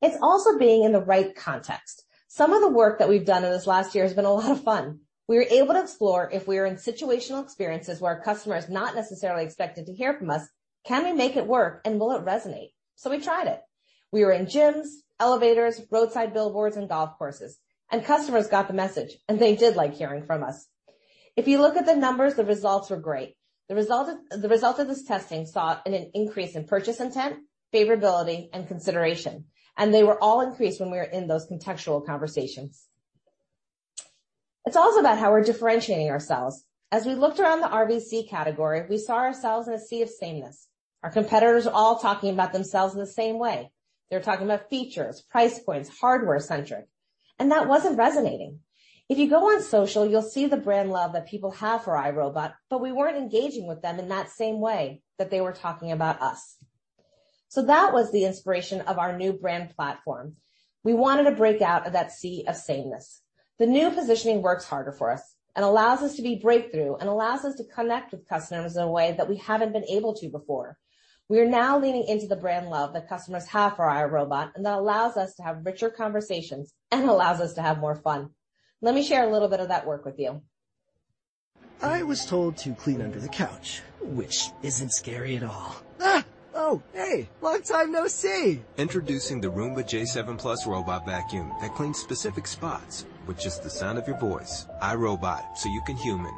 It's also being in the right context. Some of the work that we've done in this last year has been a lot of fun. We were able to explore if we are in situational experiences where a customer is not necessarily expected to hear from us, can we make it work and will it resonate? We tried it. We were in gyms, elevators, roadside billboards, and golf courses, and customers got the message, and they did like hearing from us. If you look at the numbers, the results were great. The result of this testing saw an increase in purchase intent, favorability, and consideration, and they were all increased when we were in those contextual conversations. It's also about how we're differentiating ourselves. As we looked around the RVC category, we saw ourselves in a sea of sameness. Our competitors are all talking about themselves in the same way. They're talking about features, price points, hardware-centric, and that wasn't resonating. If you go on social, you'll see the brand love that people have for iRobot, but we weren't engaging with them in that same way that they were talking about us. That was the inspiration of our new brand platform. We wanted to break out of that sea of sameness. The new positioning works harder for us and allows us to be breakthrough and allows us to connect with customers in a way that we haven't been able to before. We are now leaning into the brand love that customers have for iRobot, and that allows us to have richer conversations and allows us to have more fun. Let me share a little bit of that work with you. I was told to clean under the couch, which isn't scary at all. Hey, long time no see. Introducing the Roomba J7+ robot vacuum that cleans specific spots with just the sound of your voice. iRobot, so you can human.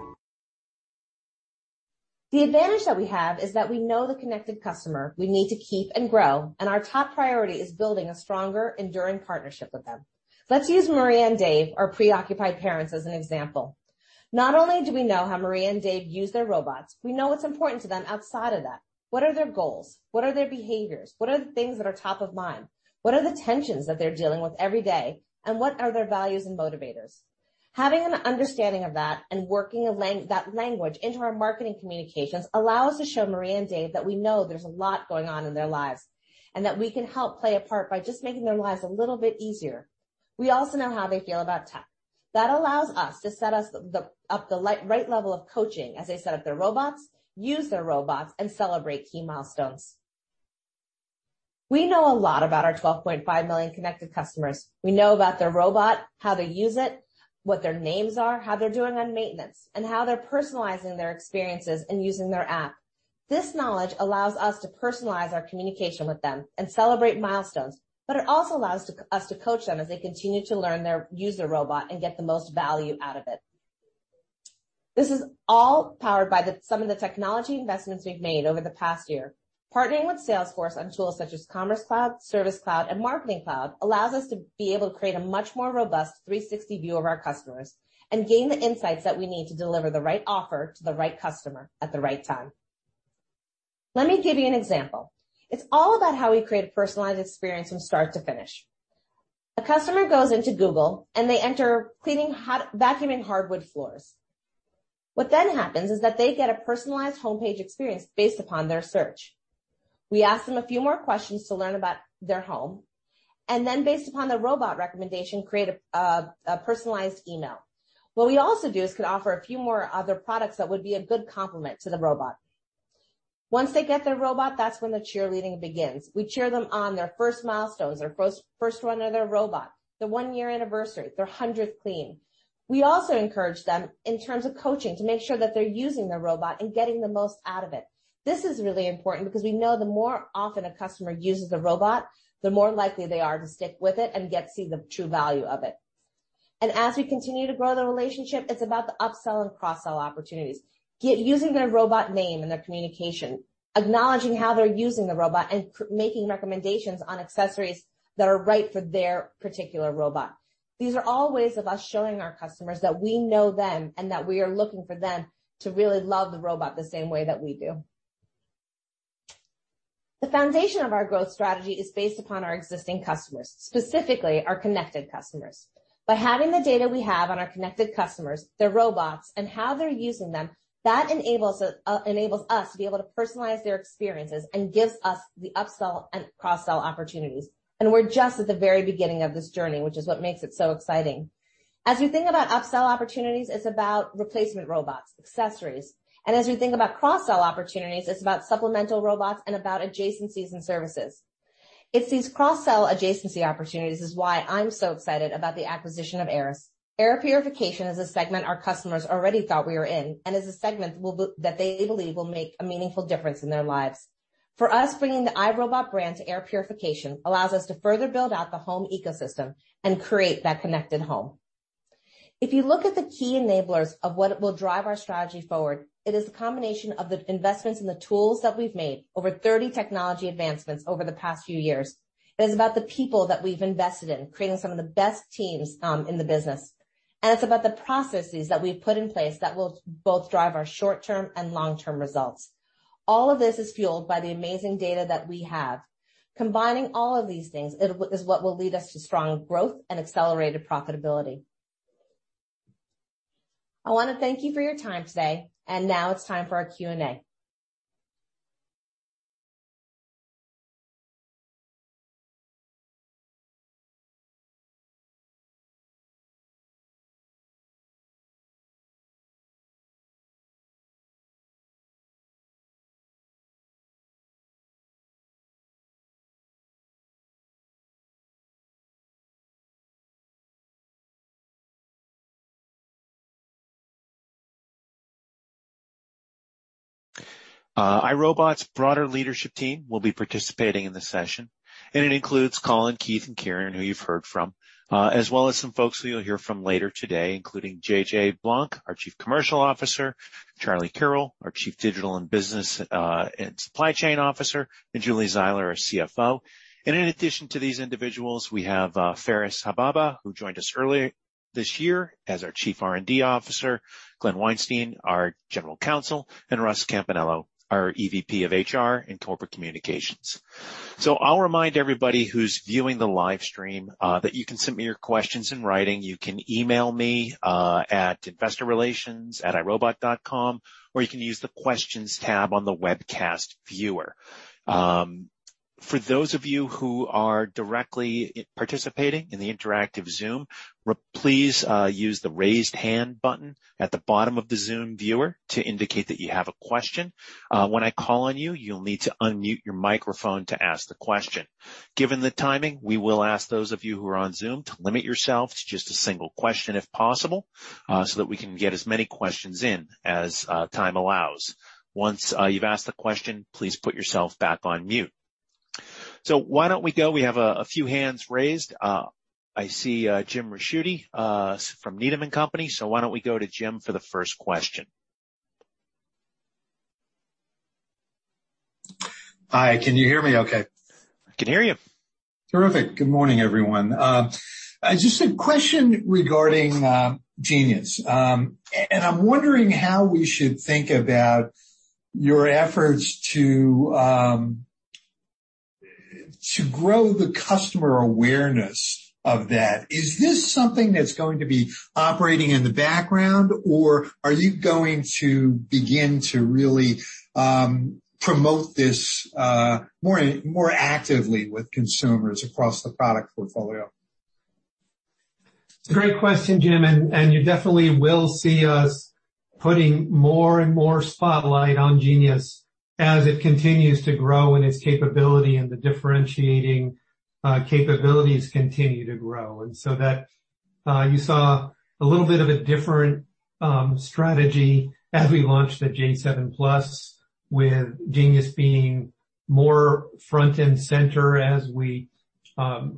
The advantage that we have is that we know the connected customer we need to keep and grow, and our top priority is building a stronger, enduring partnership with them. Let's use Maria and Dave, our preoccupied parents, as an example. Not only do we know how Maria and Dave use their robots, we know what's important to them outside of that. What are their goals? What are their behaviors? What are the things that are top of mind? What are the tensions that they're dealing with every day? And what are their values and motivators? Having an understanding of that and working that language into our marketing communications allows to show Maria and Dave that we know there's a lot going on in their lives and that we can help play a part by just making their lives a little bit easier. We also know how they feel about tech. That allows us to set up the right level of coaching as they set up their robots, use their robots, and celebrate key milestones. We know a lot about our 12.5 million connected customers. We know about their robot, how they use it, what their names are, how they're doing on maintenance, and how they're personalizing their experiences and using their app. This knowledge allows us to personalize our communication with them and celebrate milestones, but it also allows us to coach them as they continue to learn to use their robot and get the most value out of it. This is all powered by some of the technology investments we've made over the past year. Partnering with Salesforce on tools such as Commerce Cloud, Service Cloud, and Marketing Cloud allows us to be able to create a much more robust 360 view of our customers and gain the insights that we need to deliver the right offer to the right customer at the right time. Let me give you an example. It's all about how we create a personalized experience from start to finish. A customer goes into Google, and they enter vacuuming hardwood floors. What then happens is that they get a personalized homepage experience based upon their search. We ask them a few more questions to learn about their home, and then based upon the robot recommendation, create a personalized email. What we also do is can offer a few more other products that would be a good complement to the robot. Once they get their robot, that's when the cheerleading begins. We cheer them on their first milestones, their first run of their robot, their one-year anniversary, their 100th clean. We also encourage them in terms of coaching to make sure that they're using their robot and getting the most out of it. This is really important because we know the more often a customer uses the robot, the more likely they are to stick with it and get to see the true value of it. As we continue to grow the relationship, it's about the upsell and cross-sell opportunities. Using their robot name in their communication, acknowledging how they're using the robot, and making recommendations on accessories that are right for their particular robot. These are all ways of us showing our customers that we know them and that we are looking for them to really love the robot the same way that we do. The foundation of our growth strategy is based upon our existing customers, specifically our connected customers. By having the data we have on our connected customers, their robots, and how they're using them, that enables us to be able to personalize their experiences and gives us the upsell and cross-sell opportunities. We're just at the very beginning of this journey, which is what makes it so exciting. As we think about upsell opportunities, it's about replacement robots, accessories. As we think about cross-sell opportunities, it's about supplemental robots and about adjacencies and services. It's these cross-sell adjacency opportunities is why I'm so excited about the acquisition of Aeris. Air purification is a segment our customers already thought we were in and is a segment that they believe will make a meaningful difference in their lives. For us, bringing the iRobot brand to air purification allows us to further build out the home ecosystem and create that connected home. If you look at the key enablers of what will drive our strategy forward, it is a combination of the investments in the tools that we've made, over 30 technology advancements over the past few years. It is about the people that we've invested in, creating some of the best teams, in the business. It's about the processes that we've put in place that will both drive our short-term and long-term results. All of this is fueled by the amazing data that we have. Combining all of these things it is what will lead us to strong growth and accelerated profitability. I wanna thank you for your time today, and now it's time for our Q&A. iRobot's broader leadership team will be participating in this session, and it includes Colin, Keith, and Kiran, who you've heard from, as well as some folks who you'll hear from later today, including JJ Blanc, our Chief Commercial Officer, Charlie Kirol, our Chief Digital and Business and Supply Chain Officer, and Julie Zeiler, our CFO. In addition to these individuals, we have Faris Hababa, who joined us earlier this year as our Chief R&D Officer, Glenn Weinstein, our General Counsel, and Russ Campanello, our EVP of HR and Corporate Communications. I'll remind everybody who's viewing the live stream that you can submit your questions in writing. You can email me at investorrelations@irobot.com, or you can use the questions tab on the webcast viewer. For those of you who are directly participating in the interactive Zoom, please use the raise hand button at the bottom of the Zoom viewer to indicate that you have a question. When I call on you'll need to unmute your microphone to ask the question. Given the timing, we will ask those of you who are on Zoom to limit yourself to just a single question, if possible, so that we can get as many questions in as time allows. Once you've asked the question, please put yourself back on mute. Why don't we go? We have a few hands raised. I see Jim Ricchiuti from Needham & Company. Why don't we go to Jim for the first question? Hi, can you hear me okay? I can hear you. Terrific. Good morning, everyone. Just a question regarding Genius. I'm wondering how we should think about your efforts to grow the customer awareness of that. Is this something that's going to be operating in the background, or are you going to begin to really promote this more actively with consumers across the product portfolio? It's a great question, Jim. You definitely will see us putting more and more spotlight on Genius as it continues to grow in its capability and the differentiating capabilities continue to grow. You saw a little bit of a different strategy as we launched the j7+ with Genius being more front and center as our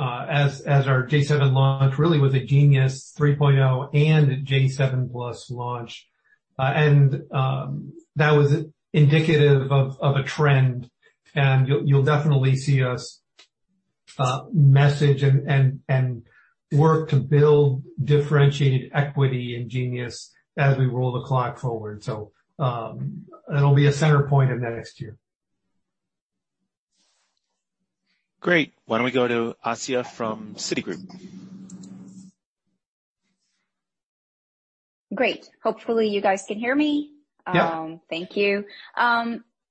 j7 launch really was a Genius 3.0 and j7+ launch. That was indicative of a trend. You'll definitely see us message and work to build differentiated equity in Genius as we roll the clock forward. It'll be a center point of next year. Great. Why don't we go to Asiya from Citigroup? Great. Hopefully, you guys can hear me. Yeah. Thank you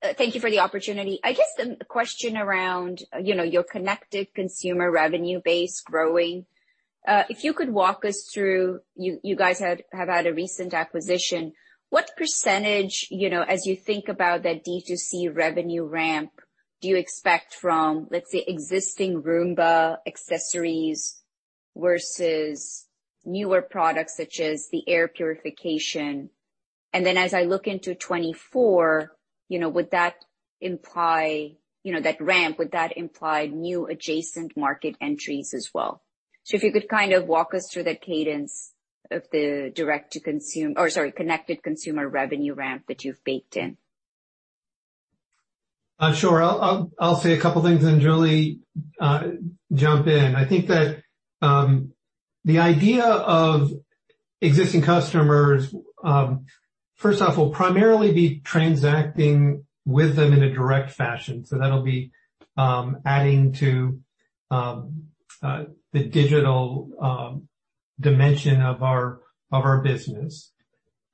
for the opportunity. I guess the question around, you know, your connected consumer revenue base growing, if you could walk us through. You guys have had a recent acquisition. What percentage, you know, as you think about that D2C revenue ramp, do you expect from, let's say, existing Roomba accessories versus newer products such as the air purification? And then as I look into 2024, you know, would that imply, you know, that ramp, would that imply new adjacent market entries as well? If you could kind of walk us through the cadence of the connected consumer revenue ramp that you've baked in. Sure. I'll say a couple things, and Julie, jump in. I think that the idea of existing customers, first off, we'll primarily be transacting with them in a direct fashion, so that'll be adding to the digital dimension of our business.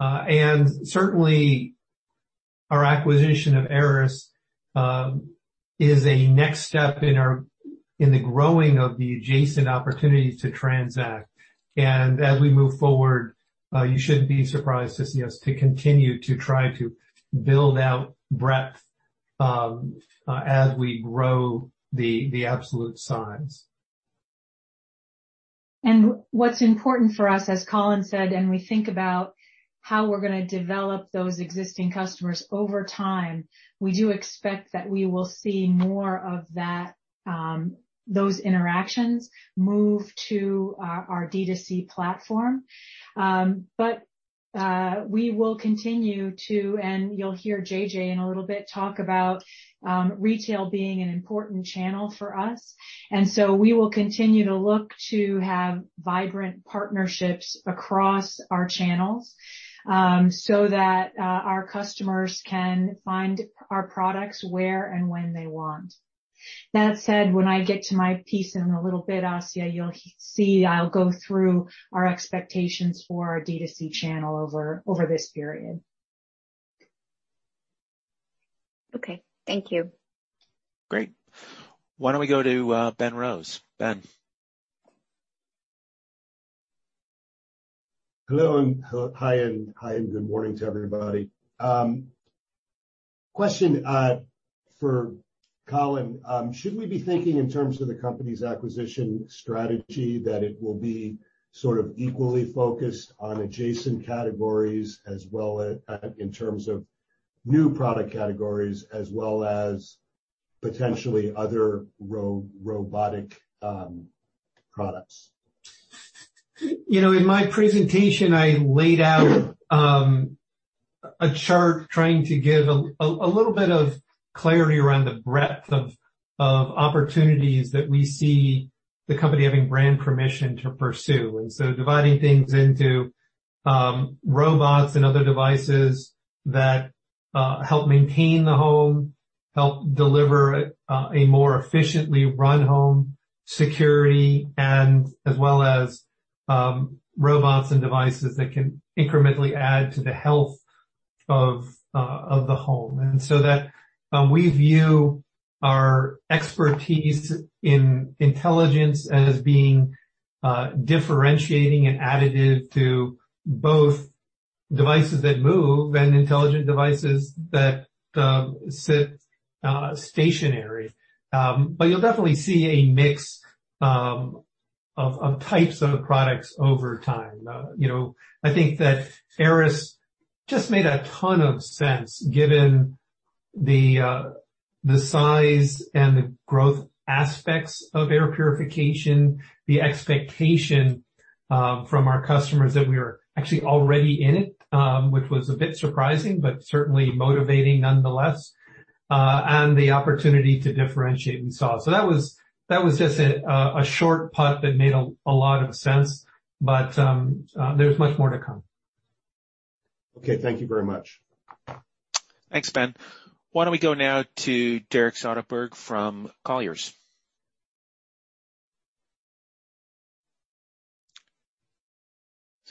Certainly, our acquisition of Aeris is a next step in the growing of the adjacent opportunities to transact. As we move forward, you shouldn't be surprised to see us to continue to try to build out breadth as we grow the absolute size. What's important for us, as Colin said, and we think about how we're gonna develop those existing customers over time, we do expect that we will see more of that, those interactions move to our D2C platform. We will continue to, and you'll hear JJ in a little bit talk about, retail being an important channel for us. We will continue to look to have vibrant partnerships across our channels, so that our customers can find our products where and when they want. That said, when I get to my piece in a little bit, Asya, you'll see I'll go through our expectations for our D2C channel over this period. Okay. Thank you. Great. Why don't we go to Ben Rose? Ben. Hello and hi, and good morning to everybody. Question for Colin. Should we be thinking in terms of the company's acquisition strategy, that it will be sort of equally focused on adjacent categories as well as in terms of new product categories as well as potentially other robotic products? You know, in my presentation, I laid out a chart trying to give a little bit of clarity around the breadth of opportunities that we see the company having brand permission to pursue. Dividing things into robots and other devices that help maintain the home, help deliver a more efficiently run home security, and as well as robots and devices that can incrementally add to the health of the home. We view our expertise in intelligence as being differentiating and additive to both devices that move and intelligent devices that sit stationary. But you'll definitely see a mix of types of products over time. You know, I think that Aeris just made a ton of sense given the size and the growth aspects of air purification, the expectation from our customers that we are actually already in it, which was a bit surprising, but certainly motivating nonetheless, and the opportunity to differentiate we saw. That was just a short putt that made a lot of sense, but there's much more to come. Okay, thank you very much. Thanks, Ben. Why don't we go now to Derek Soderberg from Colliers?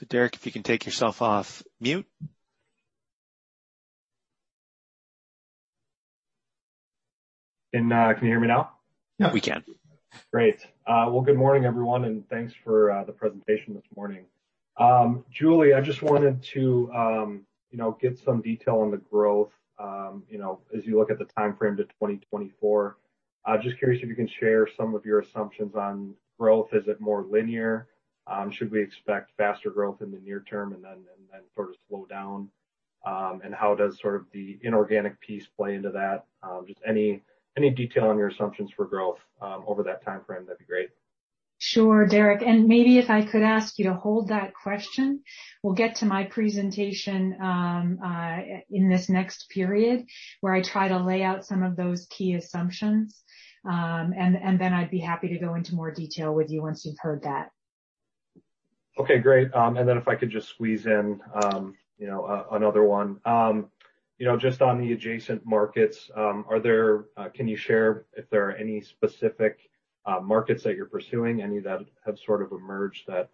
Derek, if you can take yourself off mute. Can you hear me now? Yeah, we can. Great. Well, good morning, everyone, and thanks for the presentation this morning. Julie, I just wanted to, you know, get some detail on the growth, you know, as you look at the timeframe to 2024. Just curious if you can share some of your assumptions on growth. Is it more linear? Should we expect faster growth in the near term and then sort of slow down? And how does sort of the inorganic piece play into that? Just any detail on your assumptions for growth over that timeframe, that'd be great. Sure, Derek. Maybe if I could ask you to hold that question, we'll get to my presentation in this next period, where I try to lay out some of those key assumptions. Then I'd be happy to go into more detail with you once you've heard that. Okay, great. Then if I could just squeeze in, you know, another one. You know, just on the adjacent markets, can you share if there are any specific markets that you're pursuing, any that have sort of emerged that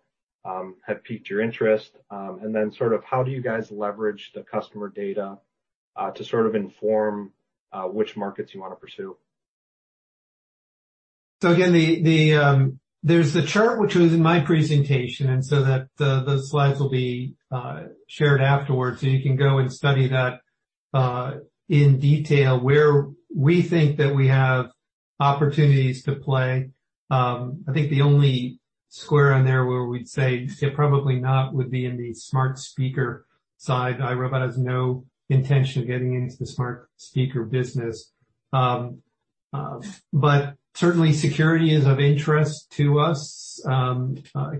have piqued your interest? Then sort of how do you guys leverage the customer data to sort of inform which markets you wanna pursue? Again, there's the chart which was in my presentation, and those slides will be shared afterwards, so you can go and study that in detail where we think that we have opportunities to play. I think the only square on there where we'd say probably not would be in the smart speaker side. iRobot has no intention of getting into the smart speaker business. Certainly security is of interest to us.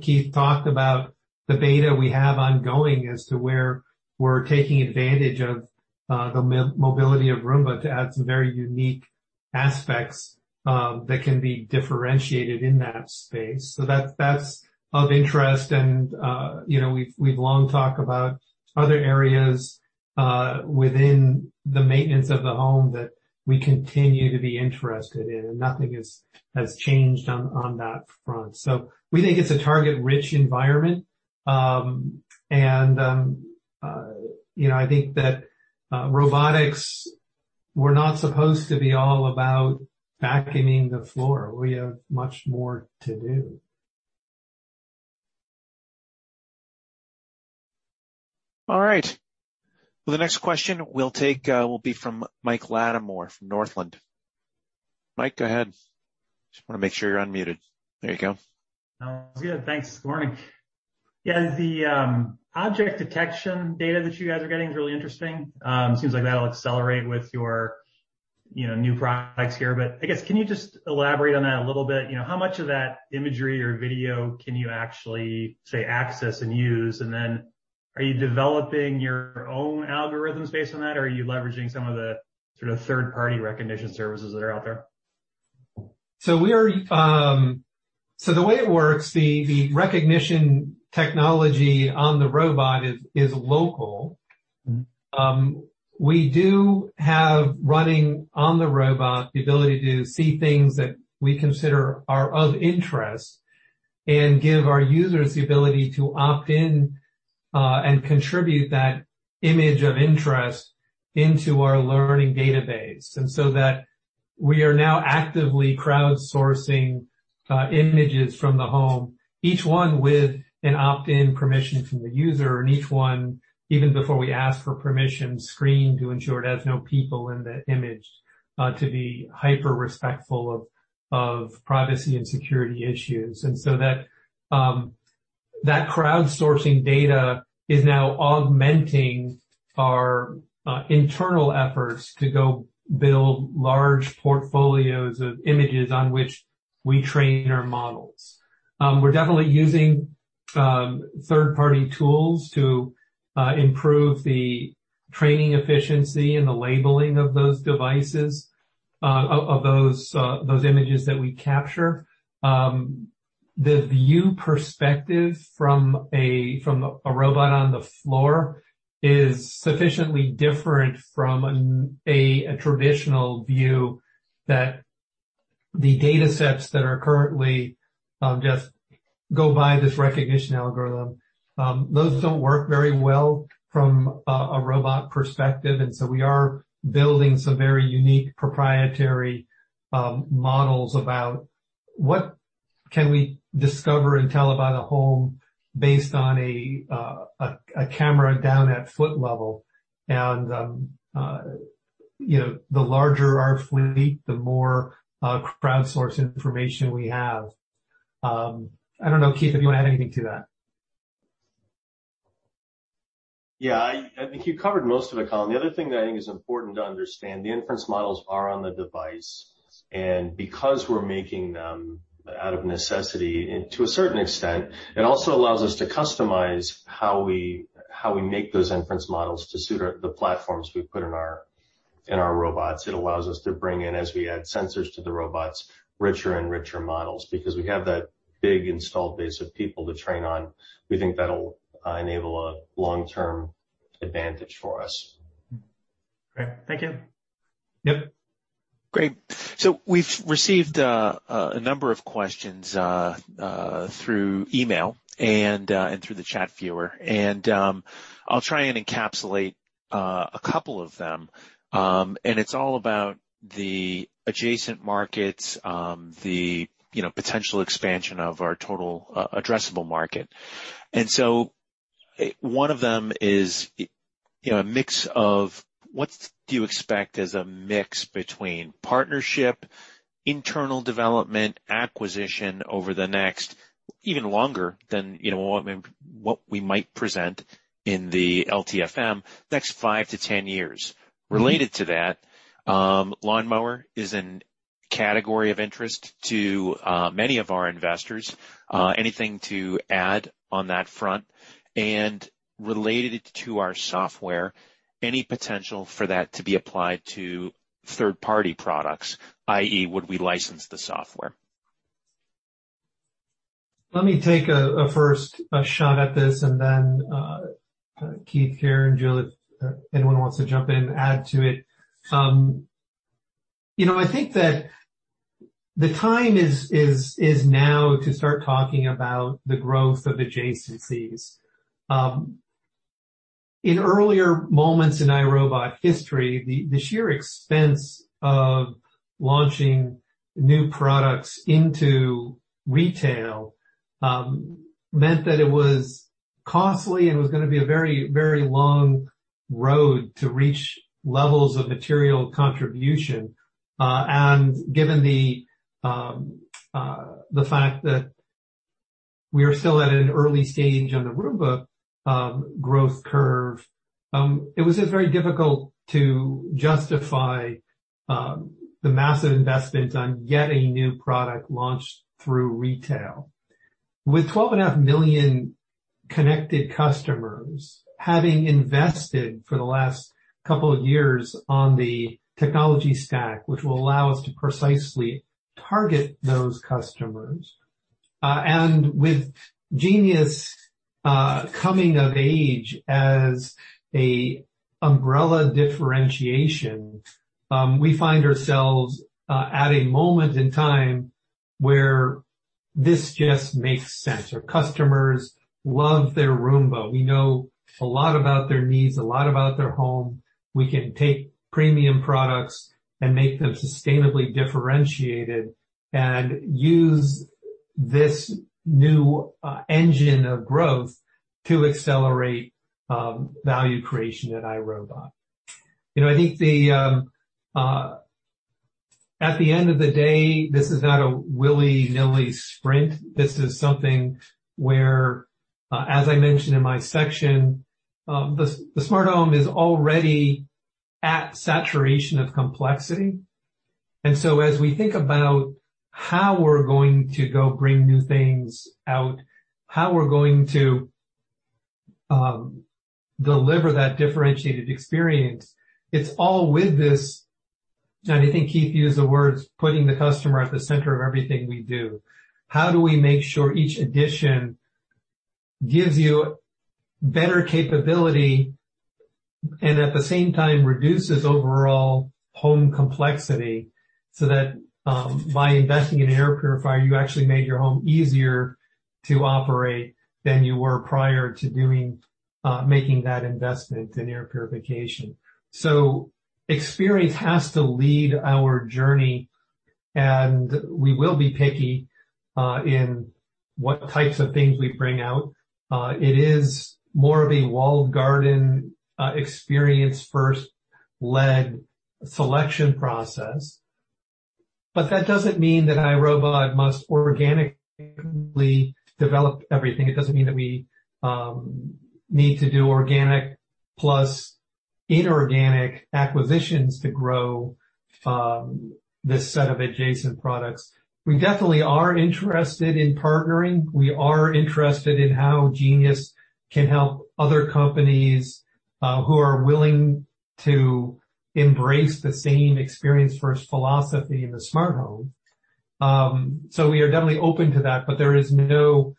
Keith talked about the beta we have ongoing as to where we're taking advantage of the mobility of Roomba to add some very unique aspects that can be differentiated in that space. That's of interest and, you know, we've long talked about other areas within the maintenance of the home that we continue to be interested in, and nothing has changed on that front. We think it's a target-rich environment. You know, I think that robotics were not supposed to be all about vacuuming the floor. We have much more to do. All right. Well, the next question we'll take will be from Mike Latimore from Northland. Mike, go ahead. Just wanna make sure you're unmuted. There you go. Sounds good. Thanks. Good morning. Yeah, the object detection data that you guys are getting is really interesting. Seems like that'll accelerate with your, you know, new products here, but I guess can you just elaborate on that a little bit? You know, how much of that imagery or video can you actually have access and use? And then are you developing your own algorithms based on that, or are you leveraging some of the sort of third-party recognition services that are out there? The way it works, the recognition technology on the robot is local. Mm-hmm. We do have running on the robot the ability to see things that we consider are of interest and give our users the ability to opt in and contribute that image of interest into our learning database, that we are now actively crowdsourcing images from the home, each one with an opt-in permission from the user, and each one, even before we ask for permission, screened to ensure it has no people in the image to be hyper respectful of privacy and security issues. That crowdsourcing data is now augmenting our internal efforts to go build large portfolios of images on which we train our models. We're definitely using third-party tools to improve the training efficiency and the labeling of those images that we capture. The view perspective from a robot on the floor is sufficiently different from a traditional view that the data sets that are currently just go by this recognition algorithm. Those don't work very well from a robot perspective, and so we are building some very unique proprietary models about what can we discover and tell about a home based on a camera down at foot level. You know, the larger our fleet, the more crowdsourced information we have. I don't know, Keith, if you wanna add anything to that. Yeah. I think you covered most of it, Colin. The other thing that I think is important to understand, the inference models are on the device, and because we're making them out of necessity, and to a certain extent, it also allows us to customize how we make those inference models to suit the platforms we put in our robots. It allows us to bring in, as we add sensors to the robots, richer and richer models. Because we have that big installed base of people to train on, we think that'll enable a long-term advantage for us. Great. Thank you. Yep. Great. We've received a number of questions through email and through the chat viewer, and I'll try and encapsulate a couple of them. It's all about the adjacent markets, you know, the potential expansion of our total addressable market. One of them is, you know, a mix of what do you expect as a mix between partnership, internal development, acquisition over the next even longer than, you know, what we might present in the LTFM, next 5-10 years. Related to that, lawnmower is a category of interest to many of our investors. Anything to add on that front? Related it to our software, any potential for that to be applied to third-party products, i.e., would we license the software? Let me take a first shot at this, and then Keith, Kiran, Julie, if anyone wants to jump in and add to it. You know, I think that the time is now to start talking about the growth of adjacencies. In earlier moments in iRobot history, the sheer expense of launching new products into retail meant that it was costly and was gonna be a very, very long road to reach levels of material contribution. Given the fact that we are still at an early stage on the Roomba growth curve, it was just very difficult to justify the massive investment on yet a new product launched through retail. With 12.5 million connected customers, having invested for the last couple of years on the technology stack, which will allow us to precisely target those customers, and with Genius coming of age as an umbrella differentiation, we find ourselves at a moment in time where this just makes sense. Our customers love their Roomba. We know a lot about their needs, a lot about their home. We can take premium products and make them sustainably differentiated and use this new engine of growth to accelerate value creation at iRobot. You know, I think the. At the end of the day, this is not a willy-nilly sprint. This is something where, as I mentioned in my section, the smart home is already at saturation of complexity. As we think about how we're going to go bring new things out, how we're going to deliver that differentiated experience, it's all with this, and I think Keith used the words, putting the customer at the center of everything we do. How do we make sure each addition gives you better capability and at the same time reduces overall home complexity so that by investing in air purifier, you actually made your home easier to operate than you were prior to making that investment in air purification. Experience has to lead our journey, and we will be picky in what types of things we bring out. It is more of a walled garden experience-first-led selection process. That doesn't mean that iRobot must organically develop everything. It doesn't mean that we need to do organic plus inorganic acquisitions to grow this set of adjacent products. We definitely are interested in partnering. We are interested in how Genius can help other companies who are willing to embrace the same experience first philosophy in the smart home. We are definitely open to that, but there is no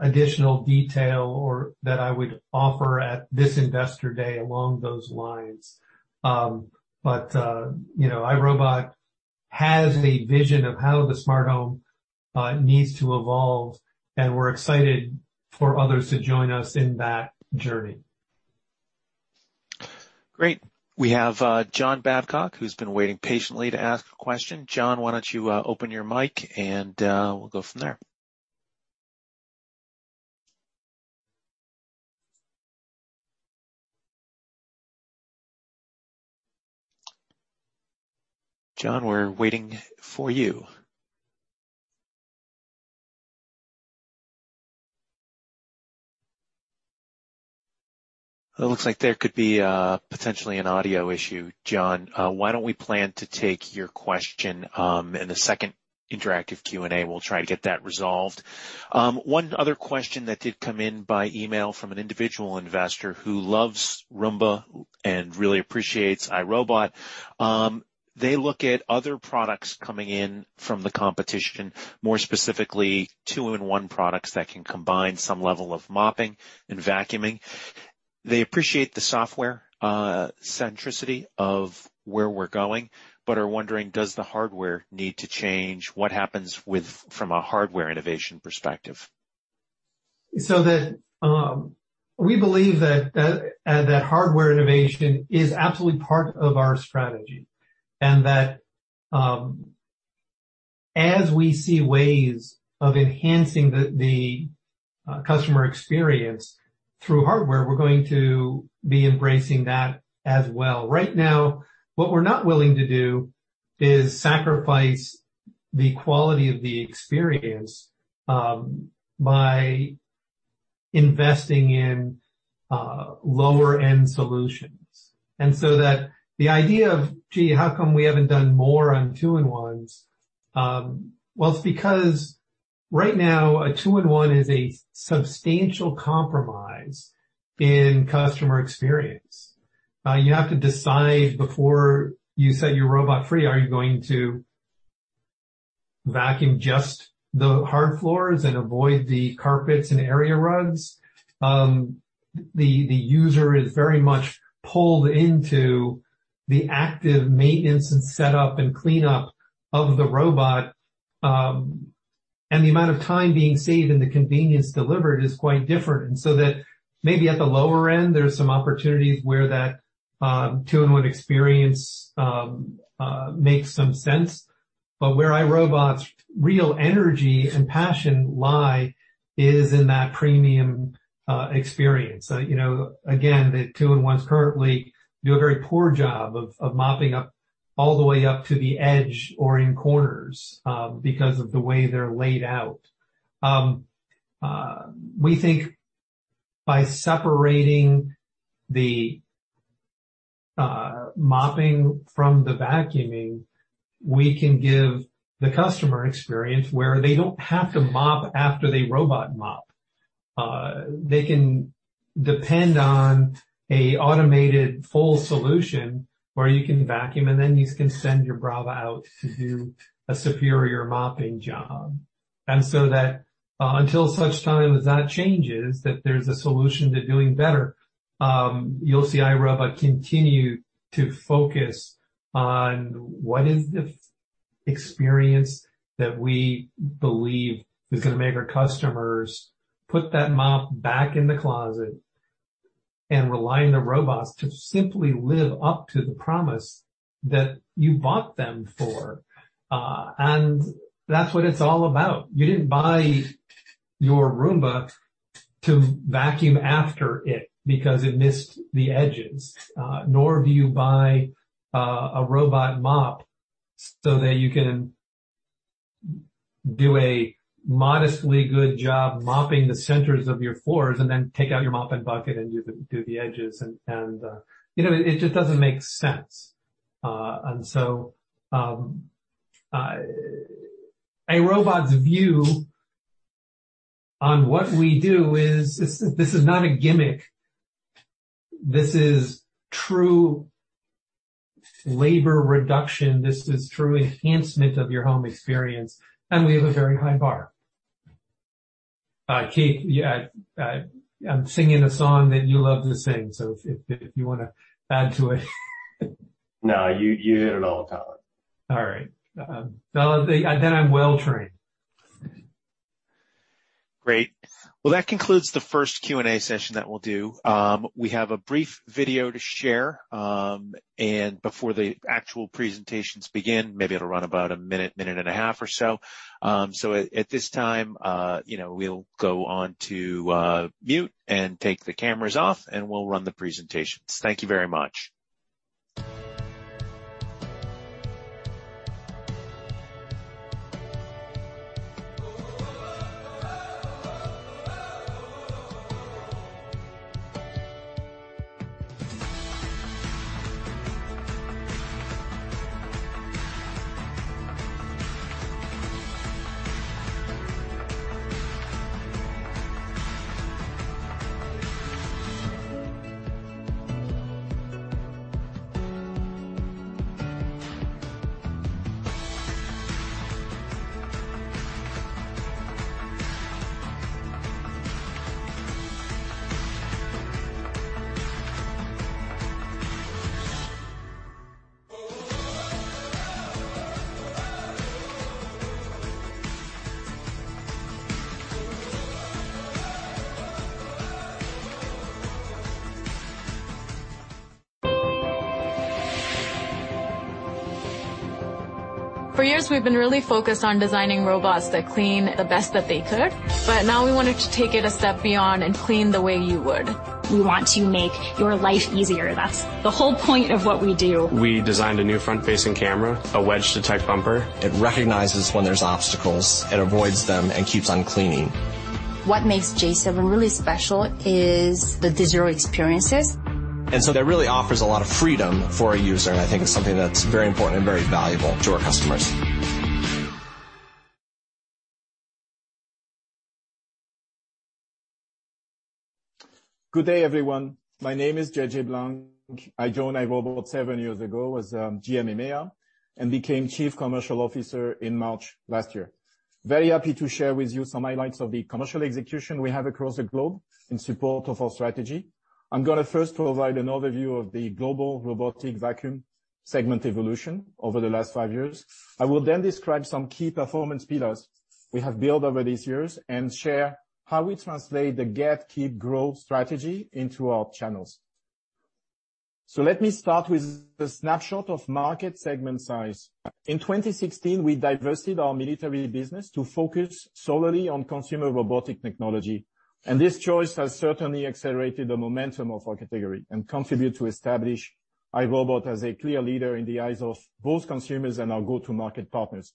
additional detail or that I would offer at this investor day along those lines. You know, iRobot has a vision of how the smart home needs to evolve, and we're excited for others to join us in that journey. Great. We have, John Babcock, who's been waiting patiently to ask a question. John, why don't you, open your mic and, we'll go from there. John, we're waiting for you. It looks like there could be, potentially an audio issue. John, why don't we plan to take your question, in the second interactive Q&A, we'll try to get that resolved. One other question that did come in by email from an individual investor who loves Roomba and really appreciates iRobot. They look at other products coming in from the competition, more specifically two-in-one products that can combine some level of mopping and vacuuming. They appreciate the software centricity of where we're going, but are wondering, does the hardware need to change from a hardware innovation perspective? We believe that hardware innovation is absolutely part of our strategy, and that as we see ways of enhancing the customer experience through hardware, we're going to be embracing that as well. Right now, what we're not willing to do is sacrifice the quality of the experience by investing in lower-end solutions. The idea of gee, how come we haven't done more on two-in-ones, well, it's because right now a two-in-one is a substantial compromise in customer experience. You have to decide before you set your robot free. Are you going to vacuum just the hard floors and avoid the carpets and area rugs? The user is very much pulled into the active maintenance and setup and cleanup of the robot. The amount of time being saved and the convenience delivered is quite different. That maybe at the lower end, there's some opportunities where that two-in-one experience makes some sense. Where iRobot's real energy and passion lie is in that premium experience. You know, again, the two-in-ones currently do a very poor job of mopping up all the way up to the edge or in corners because of the way they're laid out. We think by separating the mopping from the vacuuming, we can give the customer experience where they don't have to mop after they robot mop. They can depend on an automated full solution where you can vacuum, and then you can send your Braava out to do a superior mopping job. Until such time as that changes, that there's a solution to doing better, you'll see iRobot continue to focus on what is the experience that we believe is gonna make our customers put that mop back in the closet. Relying on robots to simply live up to the promise that you bought them for. That's what it's all about. You didn't buy your Roomba to vacuum after it because it missed the edges. Nor do you buy a robot mop so that you can do a modestly good job mopping the centers of your floors and then take out your mop and bucket and do the edges. You know, it just doesn't make sense. A robot's view on what we do is this. This is not a gimmick, this is true labor reduction, this is true enhancement of your home experience, and we have a very high bar. Keith, yeah, I'm singing a song that you love to sing, so if you wanna add to it. No, you hit it all, Colin. All right. Well, I'm well trained. Great. Well, that concludes the first Q&A session that we'll do. We have a brief video to share, and before the actual presentations begin, maybe it'll run about a minute, a minute and a half or so. So at this time, you know, we'll go on to mute and take the cameras off, and we'll run the presentations. Thank you very much. For years, we've been really focused on designing robots that clean the best that they could, but now we wanted to take it a step beyond and clean the way you would. We want to make your life easier. That's the whole point of what we do. We designed a new front-facing camera, an edge detect bumper. It recognizes when there's obstacles and avoids them and keeps on cleaning. What makes j7 really special is the digital experiences. that really offers a lot of freedom for a user, and I think it's something that's very important and very valuable to our customers. Good day, everyone. My name is JJ Blanc. I joined iRobot seven years ago as GM EMEA, and became chief commercial officer in March last year. Very happy to share with you some highlights of the commercial execution we have across the globe in support of our strategy. I'm gonna first provide an overview of the global robotic vacuum segment evolution over the last five years. I will then describe some key performance pillars we have built over these years and share how we translate the get, keep, grow strategy into our channels. Let me start with the snapshot of market segment size. In 2016, we divested our military business to focus solely on consumer robotic technology. This choice has certainly accelerated the momentum of our category and contribute to establish iRobot as a clear leader in the eyes of both consumers and our go-to market partners.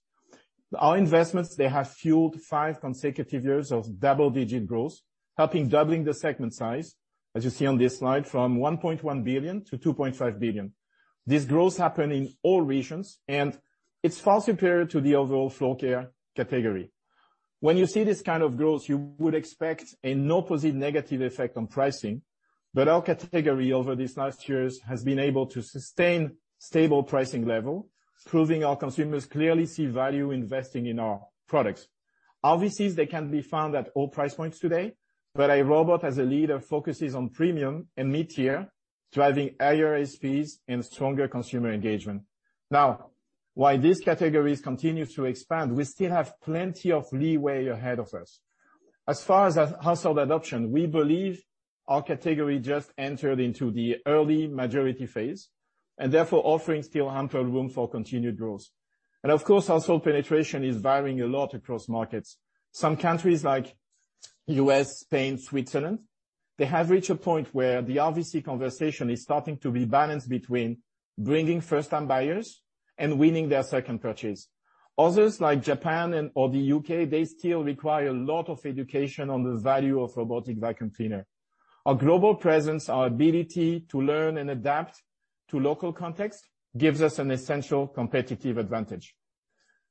Our investments, they have fueled five consecutive years of double-digit growth, helping doubling the segment size, as you see on this slide, from $1.1 billion-$2.5 billion. This growth happened in all regions, and it's far superior to the overall floor care category. When you see this kind of growth, you would expect an opposite negative effect on pricing, but our category over these last years has been able to sustain stable pricing level, proving our consumers clearly see value investing in our products. Obviously, they can be found at all price points today, but iRobot as a leader focuses on premium and mid-tier, driving ARSPs and stronger consumer engagement. Now, while these categories continue to expand, we still have plenty of leeway ahead of us. As far as household adoption, we believe our category just entered into the early majority phase, and therefore offering still ample room for continued growth. Of course, household penetration is varying a lot across markets. Some countries like U.S., Spain, Switzerland, they have reached a point where the RVC conversation is starting to be balanced between bringing first-time buyers and winning their second purchase. Others, like Japan and/or the U.K., they still require a lot of education on the value of robotic vacuum cleaner. Our global presence, our ability to learn and adapt to local context gives us an essential competitive advantage.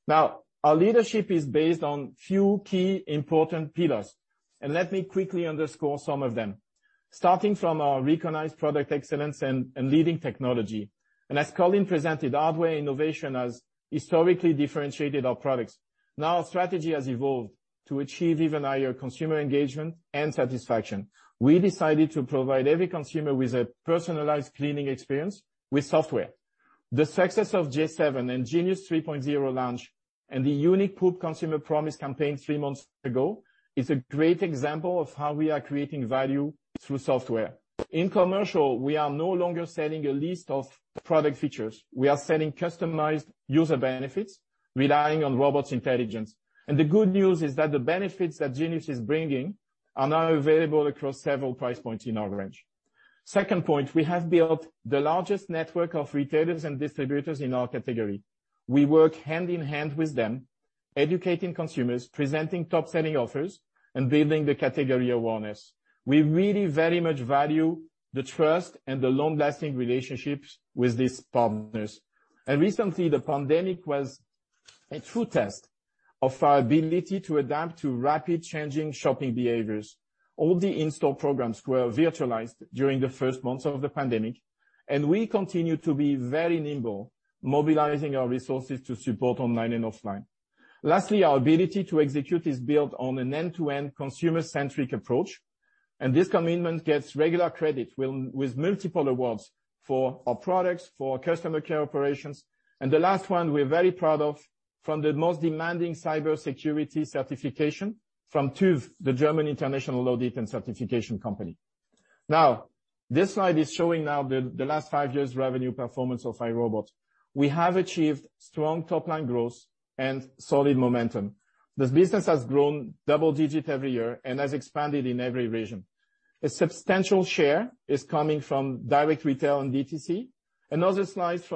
Now, our leadership is based on few key important pillars, and let me quickly underscore some of them. Starting from our recognized product excellence and leading technology. As Colin presented, hardware innovation has historically differentiated our products. Now, our strategy has evolved to achieve even higher consumer engagement and satisfaction. We decided to provide every consumer with a personalized cleaning experience with software. The success of j7 and Genius 3.0 launch and the unique P.O.O.P. consumer promise campaign three months ago is a great example of how we are creating value through software. In consumer, we are no longer selling a list of product features. We are selling customized user benefits relying on robot intelligence. The good news is that the benefits that Genius is bringing are now available across several price points in our range. Second point, we have built the largest network of retailers and distributors in our category. We work hand in hand with them, educating consumers, presenting top-selling offers, and building the category awareness. We really very much value the trust and the long-lasting relationships with these partners. Recently, the pandemic was a true test of our ability to adapt to rapid changing shopping behaviors. All the in-store programs were virtualized during the first months of the pandemic, and we continue to be very nimble, mobilizing our resources to support online and offline. Lastly, our ability to execute is built on an end-to-end consumer-centric approach, and this commitment gets regular credit with multiple awards for our products, for customer care operations. The last one we're very proud of, from the most demanding cybersecurity certification from TÜV, the German international product certification company. Now, this slide is showing the last five years revenue performance of iRobot. We have achieved strong top-line growth and solid momentum. This business has grown double-digit every year and has expanded in every region. A substantial share is coming from direct retail and DTC. Another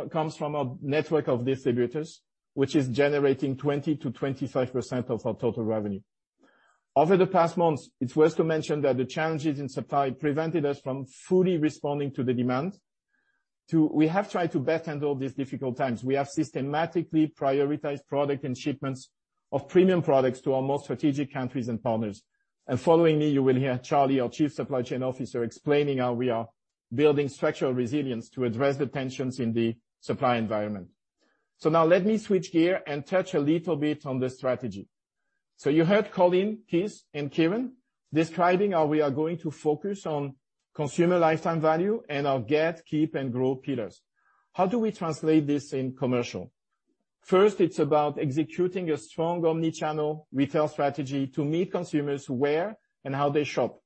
comes from our network of distributors, which is generating 20%-25% of our total revenue. Over the past months, it's worth to mention that the challenges in supply prevented us from fully responding to the demand. We have tried to handle these difficult times. We have systematically prioritized product and shipments of premium products to our most strategic countries and partners. Following me, you will hear Charlie, our Chief Supply Chain Officer, explaining how we are building structural resilience to address the tensions in the supply environment. Now let me switch gear and touch a little bit on the strategy. You heard Colin, Keith, and Kiran describing how we are going to focus on consumer lifetime value and our get, keep, and grow pillars. How do we translate this in commercial? First, it's about executing a strong omni-channel retail strategy to meet consumers where and how they shop.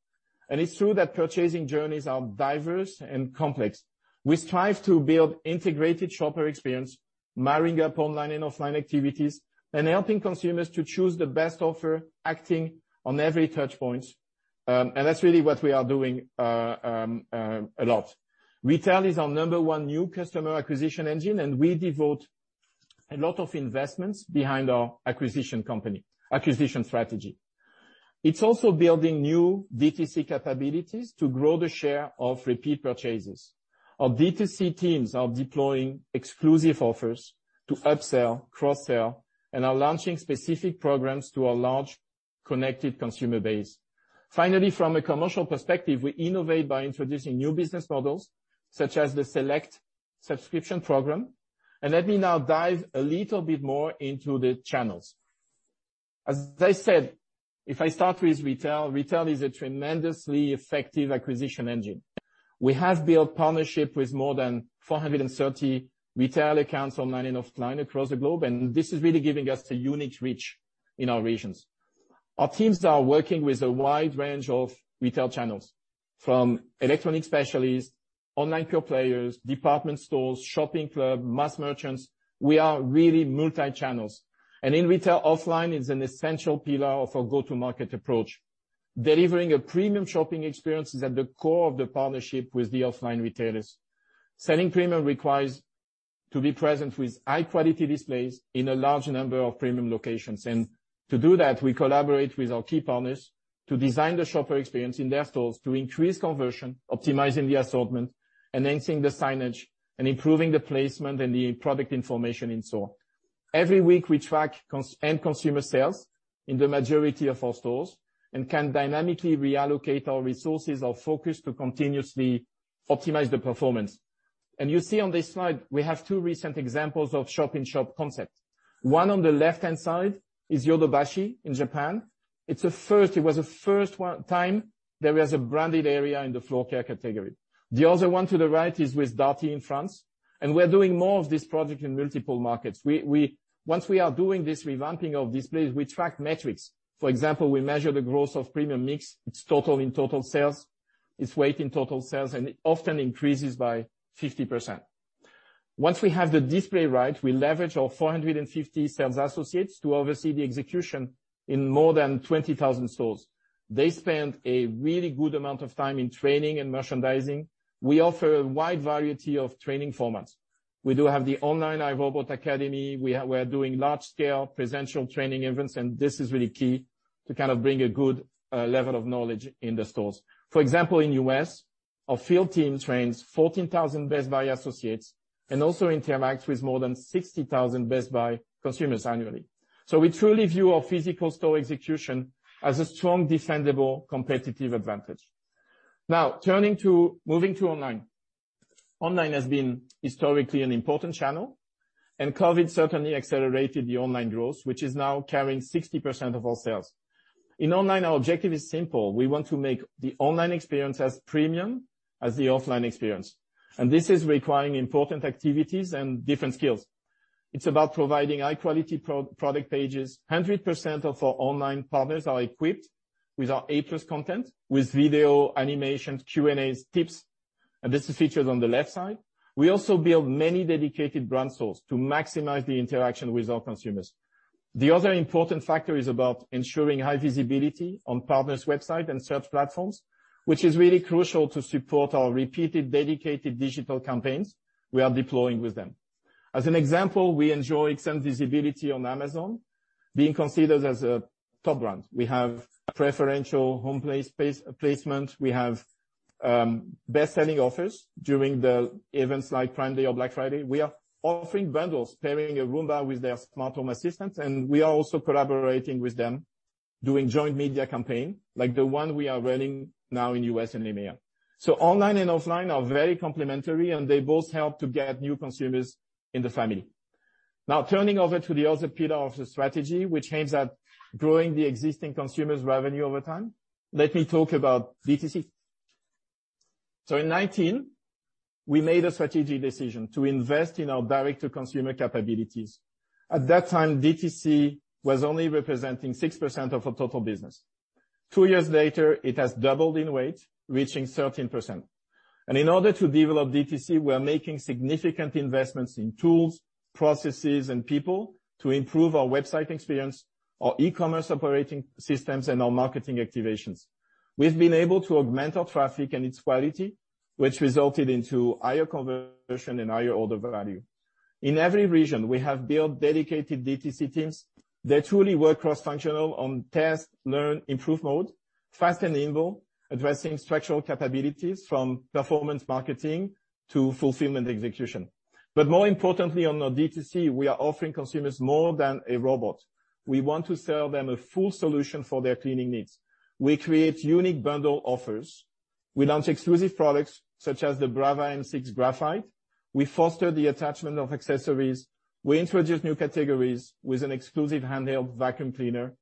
It's true that purchasing journeys are diverse and complex. We strive to build integrated shopper experience, marrying up online and offline activities, and helping consumers to choose the best offer, acting on every touch point. That's really what we are doing a lot. Retail is our number one new customer acquisition engine, and we devote a lot of investments behind our acquisition strategy. It's also building new DTC capabilities to grow the share of repeat purchases. Our DTC teams are deploying exclusive offers to upsell, cross-sell, and are launching specific programs to our large connected consumer base. Finally, from a commercial perspective, we innovate by introducing new business models, such as the Select subscription program. Let me now dive a little bit more into the channels. As I said, if I start with retail is a tremendously effective acquisition engine. We have built partnership with more than 430 retail accounts online and offline across the globe, and this is really giving us a unique reach in our regions. Our teams are working with a wide range of retail channels, from electronic specialists, online pure players, department stores, shopping club, mass merchants. We are really multi-channels. In retail, offline is an essential pillar of our go-to-market approach. Delivering a premium shopping experience is at the core of the partnership with the offline retailers. Selling premium requires to be present with high-quality displays in a large number of premium locations. To do that, we collaborate with our key partners to design the shopper experience in their stores to increase conversion, optimizing the assortment, enhancing the signage, and improving the placement and the product information in-store. Every week, we track consumer sales in the majority of our stores and can dynamically reallocate our resources, our focus to continuously optimize the performance. You see on this slide, we have two recent examples of shop-in-shop concept. One on the left-hand side is Yodobashi in Japan. It was the first time there was a branded area in the floor care category. The other one to the right is with Darty in France, and we're doing more of this project in multiple markets. Once we are doing this revamping of displays, we track metrics. For example, we measure the growth of premium mix, its total in total sales, its weight in total sales, and it often increases by 50%. Once we have the display right, we leverage our 450 sales associates to oversee the execution in more than 20,000 stores. They spend a really good amount of time in training and merchandising. We offer a wide variety of training formats. We do have the online iRobot Academy. We are doing large-scale in-person training events, and this is really key to kind of bring a good level of knowledge in the stores. For example, in the U.S., our field team trains 14,000 Best Buy associates, and also interacts with more than 60,000 Best Buy consumers annually. We truly view our physical store execution as a strong, defendable competitive advantage. Moving to online. Online has been historically an important channel, and COVID-19 certainly accelerated the online growth, which is now carrying 60% of our sales. In online, our objective is simple. We want to make the online experience as premium as the offline experience, and this is requiring important activities and different skills. It's about providing high-quality product pages. 100% of our online partners are equipped with our A+ content, with video animation, Q&As, tips, and this is featured on the left side. We also build many dedicated brand stores to maximize the interaction with our consumers. The other important factor is about ensuring high visibility on partners' websites and search platforms, which is really crucial to support our repeated, dedicated digital campaigns we are deploying with them. As an example, we enjoy extended visibility on Amazon, being considered as a top brand. We have preferential homepage placement. We have best-selling offers during the events like Prime Day or Black Friday. We are offering bundles, pairing a Roomba with their smart home assistants, and we are also collaborating with them, doing joint media campaign like the one we are running now in U.S. and EMEA. Online and offline are very complementary, and they both help to get new consumers in the family. Now, turning over to the other pillar of the strategy, which aims at growing the existing consumers revenue over time. Let me talk about DTC. In 2019, we made a strategic decision to invest in our direct-to-consumer capabilities. At that time, DTC was only representing 6% of our total business. Two years later, it has doubled in weight, reaching 13%. In order to develop DTC, we are making significant investments in tools, processes, and people to improve our website experience, our e-commerce operating systems, and our marketing activations. We've been able to augment our traffic and its quality, which resulted into higher conversion and higher order value. In every region, we have built dedicated DTC teams that truly work cross-functional on test, learn, improve mode, fast and nimble, addressing structural capabilities from performance marketing to fulfillment execution. More importantly, on our DTC, we are offering consumers more than a robot. We want to sell them a full solution for their cleaning needs. We create unique bundle offers. We launch exclusive products such as the Braava m6 Graphite. We foster the attachment of accessories. We introduce new categories with an exclusive handheld vacuum cleaner.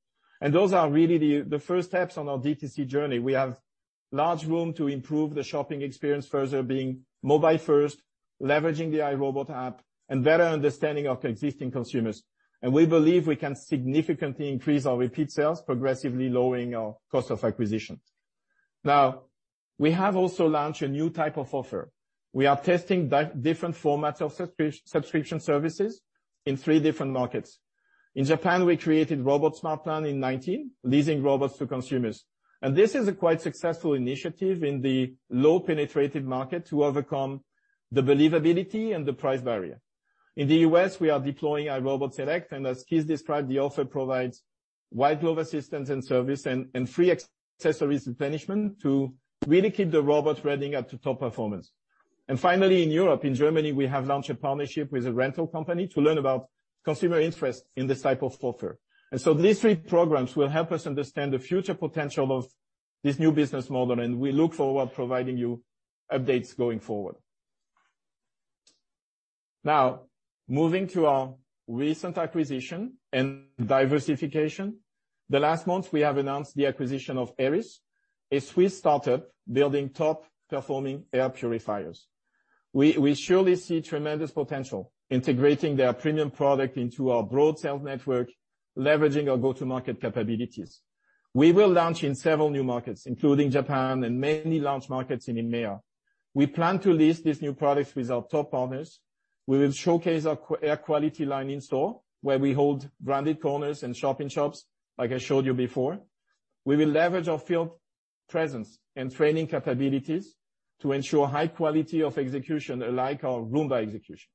Those are really the first steps on our DTC journey. We have large room to improve the shopping experience further, being mobile first, leveraging the iRobot app, and better understanding our existing consumers. We believe we can significantly increase our repeat sales, progressively lowering our cost of acquisitions. Now, we have also launched a new type of offer. We are testing different formats of subscription services in three different markets. In Japan, we created Robot Smart Plan in 2019, leasing robots to consumers. This is a quite successful initiative in the low-penetration market to overcome the believability and the price barrier. In the U.S., we are deploying iRobot Select, and as Keith described, the offer provides white glove assistance and service and free accessories replenishment to really keep the robot running at the top performance. Finally, in Europe, in Germany, we have launched a partnership with a rental company to learn about consumer interest in this type of offer. These three programs will help us understand the future potential of this new business model, and we look forward providing you updates going forward. Now, moving to our recent acquisition and diversification. The last month, we have announced the acquisition of Aeris, a Swiss startup building top-performing air purifiers. We surely see tremendous potential integrating their premium product into our broad sales network, leveraging our go-to-market capabilities. We will launch in several new markets, including Japan and many launch markets in EMEA. We plan to list these new products with our top partners. We will showcase our air quality line in-store where we hold branded corners and shop-in-shops like I showed you before. We will leverage our field presence and training capabilities to ensure high quality of execution like our Roomba execution.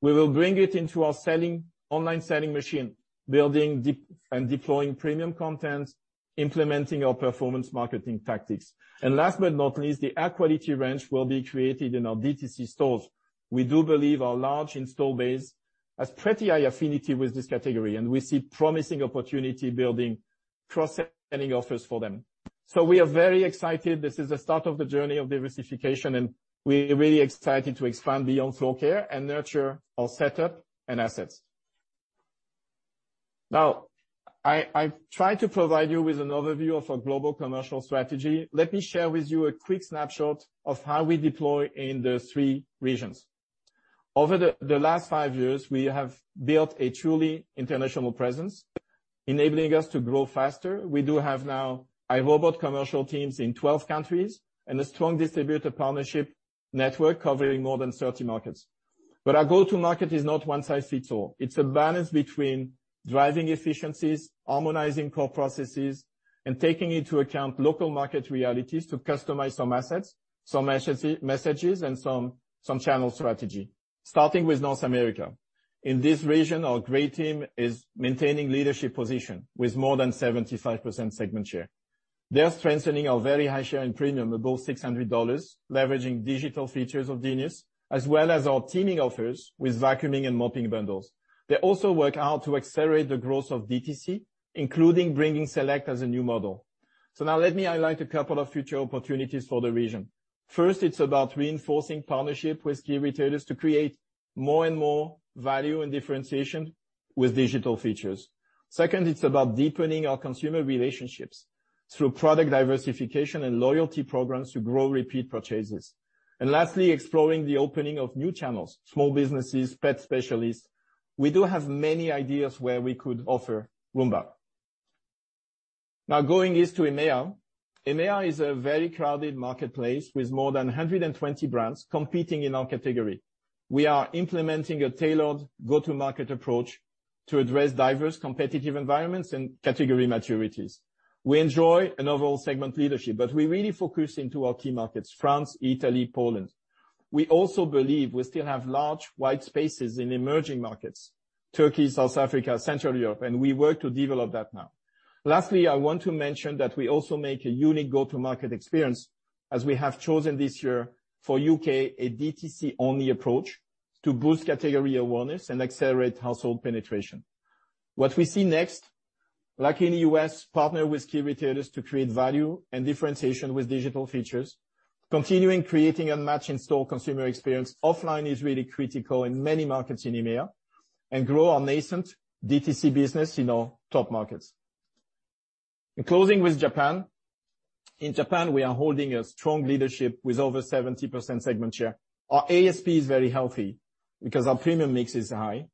We will bring it into our selling, online selling machine, and deploying premium contents, implementing our performance marketing tactics. Last but not least, the air quality range will be created in our DTC stores. We do believe our large install base has pretty high affinity with this category, and we see promising opportunity building cross-selling offers for them. We are very excited. This is the start of the journey of diversification, and we're really excited to expand beyond floor care and nurture our setup and assets. Now, I tried to provide you with an overview of our global commercial strategy. Let me share with you a quick snapshot of how we deploy in the three regions. Over the last five years, we have built a truly international presence, enabling us to grow faster. We do have now iRobot commercial teams in 12 countries and a strong distributor partnership network covering more than 30 markets. Our go-to market is not one-size-fits-all. It's a balance between driving efficiencies, harmonizing core processes, and taking into account local market realities to customize some assets, some messages, and some channel strategy. Starting with North America. In this region, our great team is maintaining leadership position with more than 75% segment share. They are strengthening our very high share and premium above $600, leveraging digital features of Genius, as well as our teaming offers with vacuuming and mopping bundles. They also work out to accelerate the growth of DTC, including bringing Select as a new model. Now let me highlight a couple of future opportunities for the region. First, it's about reinforcing partnership with key retailers to create more and more value and differentiation with digital features. Second, it's about deepening our consumer relationships through product diversification and loyalty programs to grow repeat purchases. Lastly, exploring the opening of new channels, small businesses, pet specialists. We do have many ideas where we could offer Roomba. Now going east to EMEA. EMEA is a very crowded marketplace with more than 120 brands competing in our category. We are implementing a tailored go-to-market approach to address diverse competitive environments and category maturities. We enjoy an overall segment leadership, but we really focus into our key markets, France, Italy, Poland. We also believe we still have large white spaces in emerging markets, Turkey, South Africa, Central Europe, and we work to develop that now. Lastly, I want to mention that we also make a unique go-to-market experience as we have chosen this year for the U.K. a DTC only approach to boost category awareness and accelerate household penetration. What we see next, like in the U.S., partner with key retailers to create value and differentiation with digital features, continuing creating a match in-store consumer experience offline is really critical in many markets in EMEA, and grow our nascent DTC business in our top markets. In closing with Japan. In Japan, we are holding a strong leadership with over 70% segment share. Our ASP is very healthy because our premium mix is high.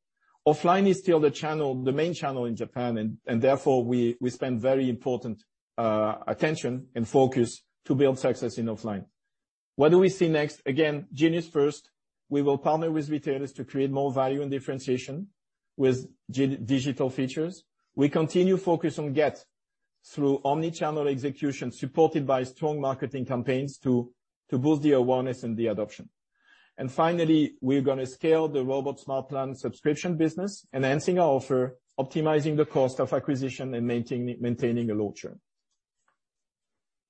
Offline is still the channel, the main channel in Japan, and therefore we pay very important attention and focus to build success in offline. What do we see next? Again, Genius first, we will partner with retailers to create more value and differentiation with Genius digital features. We continue to focus on our omni-channel execution supported by strong marketing campaigns to boost the awareness and the adoption. Finally, we're gonna scale the Robot Smart Plan subscription business, enhancing our offer, optimizing the cost of acquisition, and maintaining a long-term.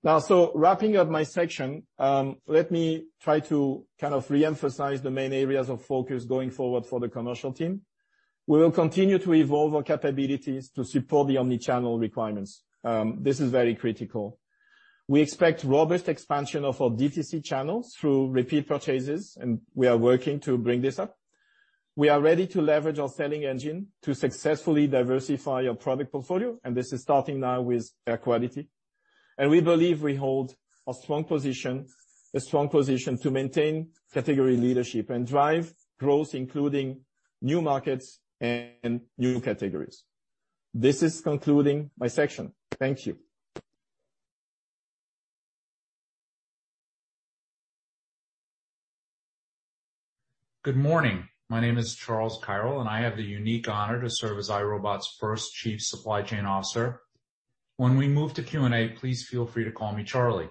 Wrapping up my section, let me try to kind of re-emphasize the main areas of focus going forward for the commercial team. We will continue to evolve our capabilities to support the omni-channel requirements. This is very critical. We expect robust expansion of our DTC channels through repeat purchases, and we are working to bring this up. We are ready to leverage our selling engine to successfully diversify our product portfolio, and this is starting now with air quality. We believe we hold a strong position to maintain category leadership and drive growth, including new markets and new categories. This is concluding my section. Thank you. Good morning. My name is Charlie Kirol, and I have the unique honor to serve as iRobot's first Chief Supply Chain Officer. When we move to Q&A, please feel free to call me Charlie.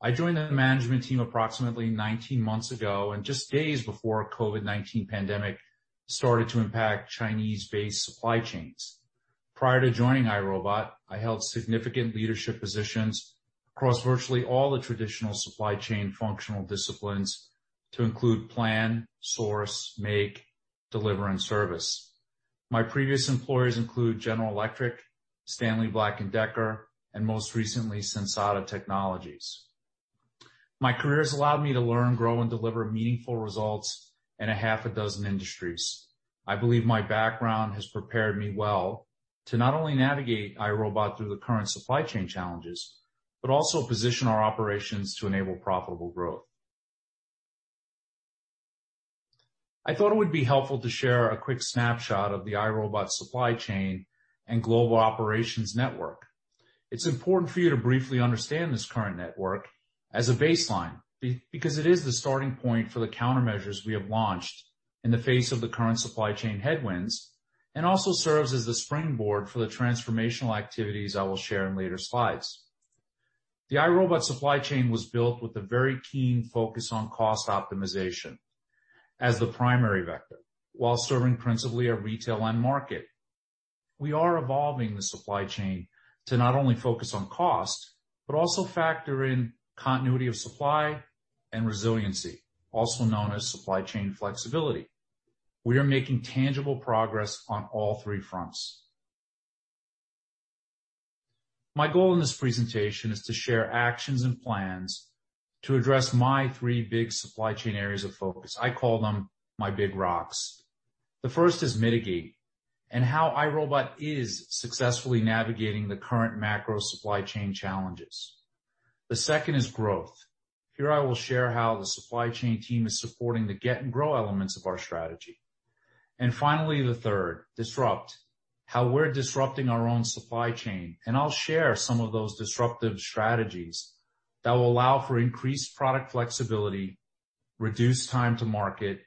I joined the management team approximately 19 months ago and just days before COVID-19 pandemic started to impact Chinese-based supply chains. Prior to joining iRobot, I held significant leadership positions across virtually all the traditional supply chain functional disciplines to include plan, source, make, deliver, and service. My previous employers include General Electric, Stanley Black & Decker, and most recently, Sensata Technologies. My career has allowed me to learn, grow, and deliver meaningful results in a half a dozen industries. I believe my background has prepared me well to not only navigate iRobot through the current supply chain challenges, but also position our operations to enable profitable growth. I thought it would be helpful to share a quick snapshot of the iRobot supply chain and global operations network. It's important for you to briefly understand this current network as a baseline because it is the starting point for the countermeasures we have launched in the face of the current supply chain headwinds, and also serves as the springboard for the transformational activities I will share in later slides. The iRobot supply chain was built with a very keen focus on cost optimization as the primary vector while serving principally our retail end market. We are evolving the supply chain to not only focus on cost, but also factor in continuity of supply and resiliency, also known as supply chain flexibility. We are making tangible progress on all three fronts. My goal in this presentation is to share actions and plans to address my three big supply chain areas of focus. I call them my big rocks. The first is mitigate, and how iRobot is successfully navigating the current macro supply chain challenges. The second is growth. Here I will share how the supply chain team is supporting the get and grow elements of our strategy. Finally, the third, disrupt, how we're disrupting our own supply chain. I'll share some of those disruptive strategies that will allow for increased product flexibility, reduced time to market,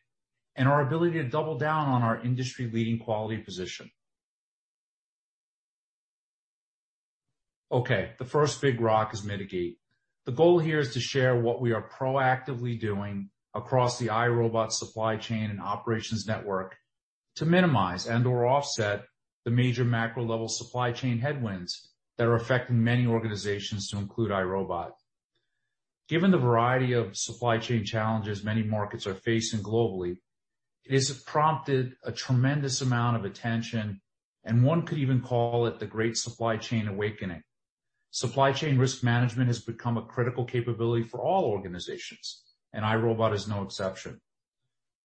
and our ability to double down on our industry-leading quality position. Okay, the first big rock is mitigate. The goal here is to share what we are proactively doing across the iRobot supply chain and operations network to minimize and/or offset the major macro level supply chain headwinds that are affecting many organizations, to include iRobot. Given the variety of supply chain challenges many markets are facing globally, it has prompted a tremendous amount of attention, and one could even call it the great supply chain awakening. Supply chain risk management has become a critical capability for all organizations, and iRobot is no exception.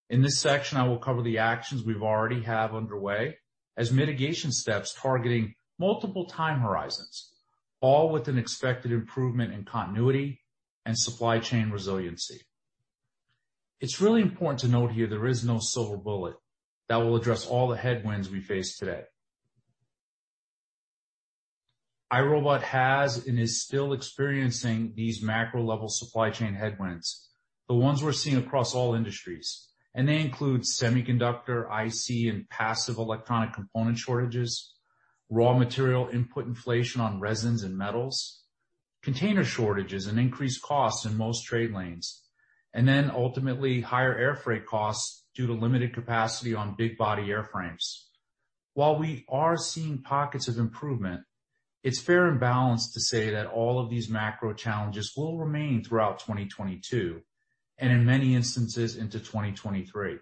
In this section, I will cover the actions we already have underway as mitigation steps targeting multiple time horizons, all with an expected improvement in continuity and supply chain resiliency. It's really important to note here there is no silver bullet that will address all the headwinds we face today. iRobot has and is still experiencing these macro-level supply chain headwinds, the ones we're seeing across all industries, and they include semiconductor, IC, and passive electronic component shortages, raw material input inflation on resins and metals, container shortages and increased costs in most trade lanes, and then ultimately, higher air freight costs due to limited capacity on big body airframes. While we are seeing pockets of improvement, it's fair and balanced to say that all of these macro challenges will remain throughout 2022, and in many instances, into 2023.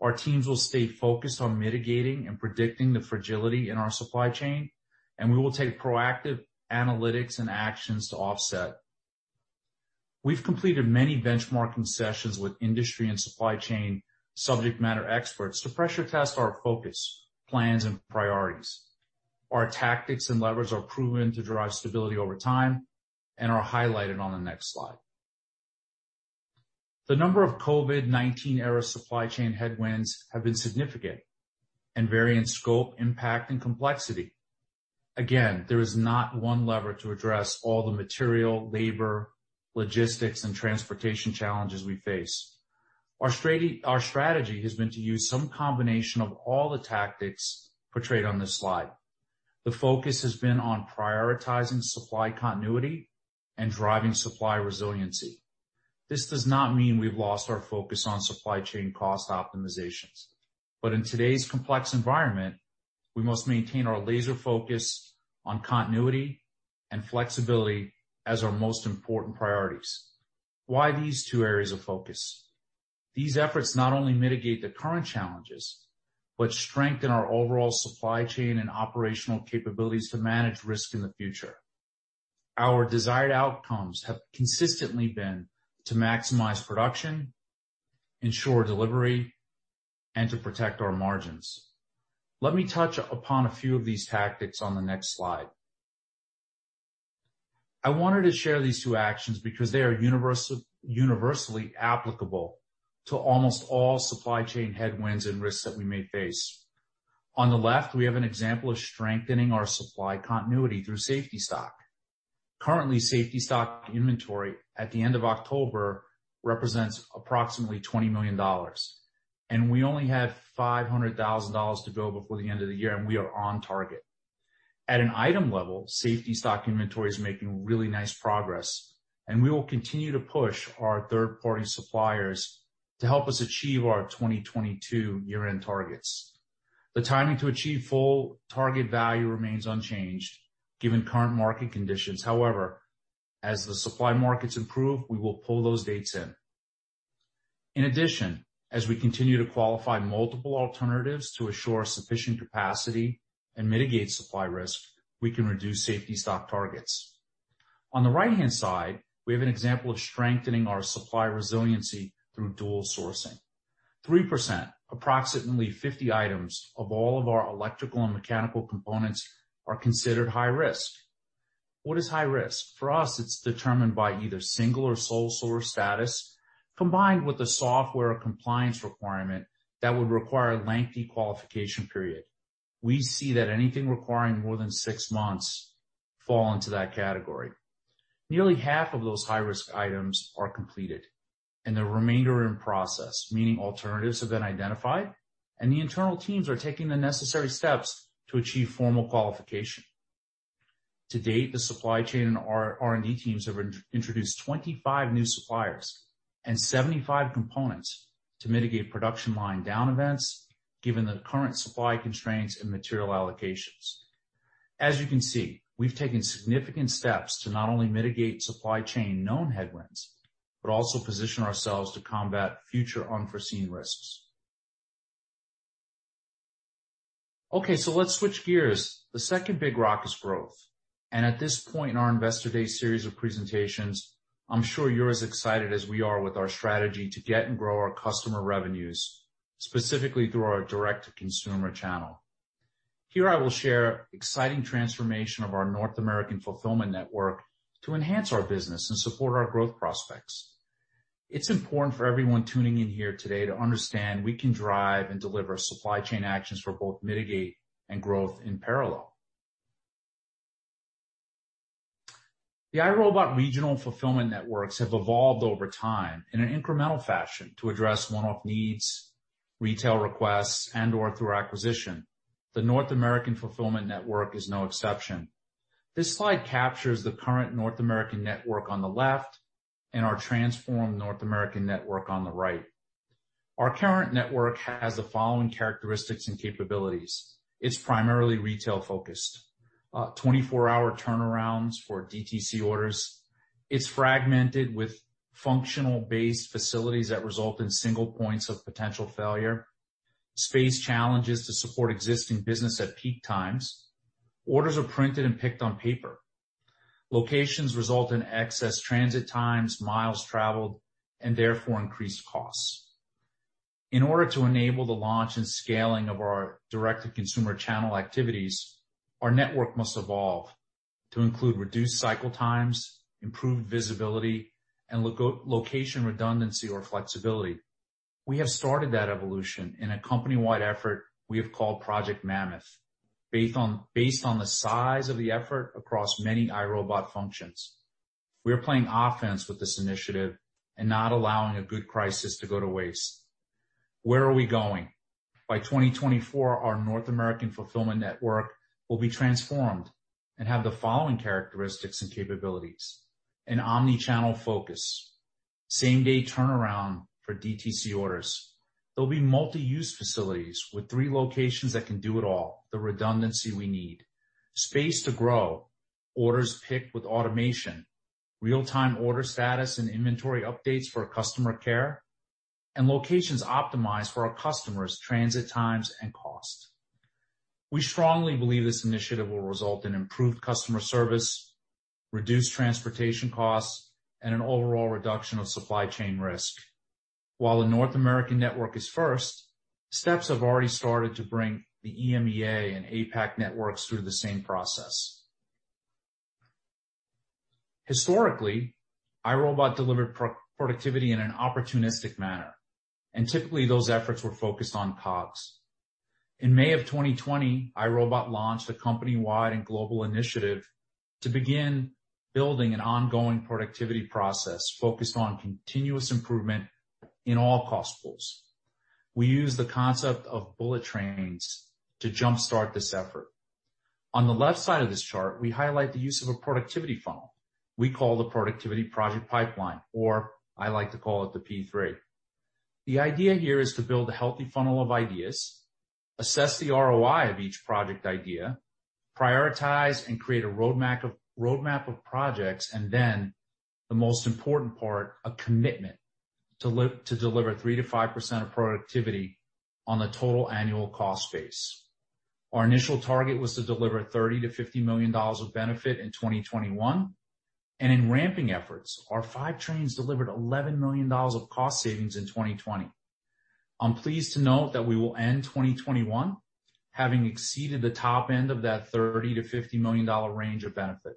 Our teams will stay focused on mitigating and predicting the fragility in our supply chain, and we will take proactive analytics and actions to offset. We've completed many benchmarking sessions with industry and supply chain subject matter experts to pressure test our focus, plans, and priorities. Our tactics and levers are proven to drive stability over time and are highlighted on the next slide. The number of COVID-19 era supply chain headwinds have been significant and vary in scope, impact, and complexity. Again, there is not one lever to address all the material, labor, logistics, and transportation challenges we face. Our strategy has been to use some combination of all the tactics portrayed on this slide. The focus has been on prioritizing supply continuity and driving supply resiliency. This does not mean we've lost our focus on supply chain cost optimizations. In today's complex environment, we must maintain our laser focus on continuity and flexibility as our most important priorities. Why these two areas of focus? These efforts not only mitigate the current challenges, but strengthen our overall supply chain and operational capabilities to manage risk in the future. Our desired outcomes have consistently been to maximize production, ensure delivery, and to protect our margins. Let me touch upon a few of these tactics on the next slide. I wanted to share these two actions because they are universally applicable to almost all supply chain headwinds and risks that we may face. On the left, we have an example of strengthening our supply continuity through safety stock. Currently, safety stock inventory at the end of October represents approximately $20 million, and we only have $500,000 to go before the end of the year, and we are on target. At an item level, safety stock inventory is making really nice progress, and we will continue to push our third-party suppliers to help us achieve our 2022 year-end targets. The timing to achieve full target value remains unchanged given current market conditions. However, as the supply markets improve, we will pull those dates in. In addition, as we continue to qualify multiple alternatives to assure sufficient capacity and mitigate supply risk, we can reduce safety stock targets. On the right-hand side, we have an example of strengthening our supply resiliency through dual sourcing. 3%, approximately 50 items of all of our electrical and mechanical components are considered high risk. What is high risk? For us, it's determined by either single or sole source status, combined with a software compliance requirement that would require a lengthy qualification period. We see that anything requiring more than six months fall into that category. Nearly half of those high-risk items are completed, and the remainder are in process, meaning alternatives have been identified and the internal teams are taking the necessary steps to achieve formal qualification. To date, the supply chain and R&D teams have introduced 25 new suppliers and 75 components to mitigate production line down events, given the current supply constraints and material allocations. As you can see, we've taken significant steps to not only mitigate supply chain known headwinds, but also position ourselves to combat future unforeseen risks. Okay, so let's switch gears. The second big rock is growth. At this point in our investor day series of presentations, I'm sure you're as excited as we are with our strategy to get and grow our customer revenues, specifically through our direct-to-consumer channel. Here I will share exciting transformation of our North American fulfillment network to enhance our business and support our growth prospects. It's important for everyone tuning in here today to understand we can drive and deliver supply chain actions for both mitigation and growth in parallel. The iRobot regional fulfillment networks have evolved over time in an incremental fashion to address one-off needs, retail requests, and/or through acquisition. The North American fulfillment network is no exception. This slide captures the current North American network on the left and our transformed North American network on the right. Our current network has the following characteristics and capabilities. It's primarily retail-focused, 24-hour turnarounds for DTC orders. It's fragmented with functional based facilities that result in single points of potential failure, space challenges to support existing business at peak times. Orders are printed and picked on paper. Locations result in excess transit times, miles traveled, and therefore increased costs. In order to enable the launch and scaling of our direct-to-consumer channel activities, our network must evolve to include reduced cycle times, improved visibility, and location redundancy or flexibility. We have started that evolution in a company-wide effort we have called Project Mammoth, based on the size of the effort across many iRobot functions. We are playing offense with this initiative and not allowing a good crisis to go to waste. Where are we going? By 2024, our North American fulfillment network will be transformed and have the following characteristics and capabilities. An omnichannel focus, same-day turnaround for DTC orders. There'll be multi-use facilities with three locations that can do it all, the redundancy we need. Space to grow, orders picked with automation, real-time order status and inventory updates for customer care, and locations optimized for our customers' transit times and cost. We strongly believe this initiative will result in improved customer service, reduced transportation costs, and an overall reduction of supply chain risk. While the North American network is first, steps have already started to bring the EMEA and APAC networks through the same process. Historically, iRobot delivered productivity in an opportunistic manner, and typically those efforts were focused on COGS. In May of 2020, iRobot launched a company-wide and global initiative to begin building an ongoing productivity process focused on continuous improvement in all cost pools. We use the concept of bullet trains to jumpstart this effort. On the left side of this chart, we highlight the use of a productivity funnel we call the Productivity Project Pipeline, or I like to call it the P3. The idea here is to build a healthy funnel of ideas, assess the ROI of each project idea, prioritize and create a roadmap of projects, and then the most important part, a commitment to deliver 3%-5% of productivity on the total annual cost base. Our initial target was to deliver $30 million-$50 million of benefit in 2021. In ramping efforts, our five teams delivered $11 million of cost savings in 2020. I'm pleased to note that we will end 2021 having exceeded the top end of that $30 million-$50 million range of benefit.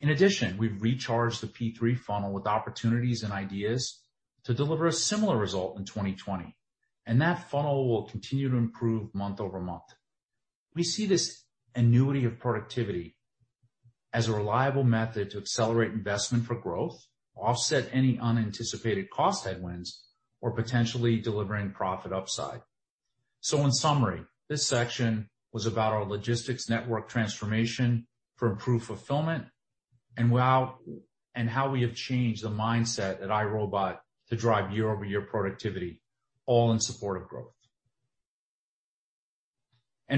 In addition, we've recharged the P3 funnel with opportunities and ideas to deliver a similar result in 2020, and that funnel will continue to improve month-over-month. We see this annuity of productivity as a reliable method to accelerate investment for growth, offset any unanticipated cost headwinds, or potentially delivering profit upside. In summary, this section was about our logistics network transformation for improved fulfillment and how we have changed the mindset at iRobot to drive year-over-year productivity, all in support of growth.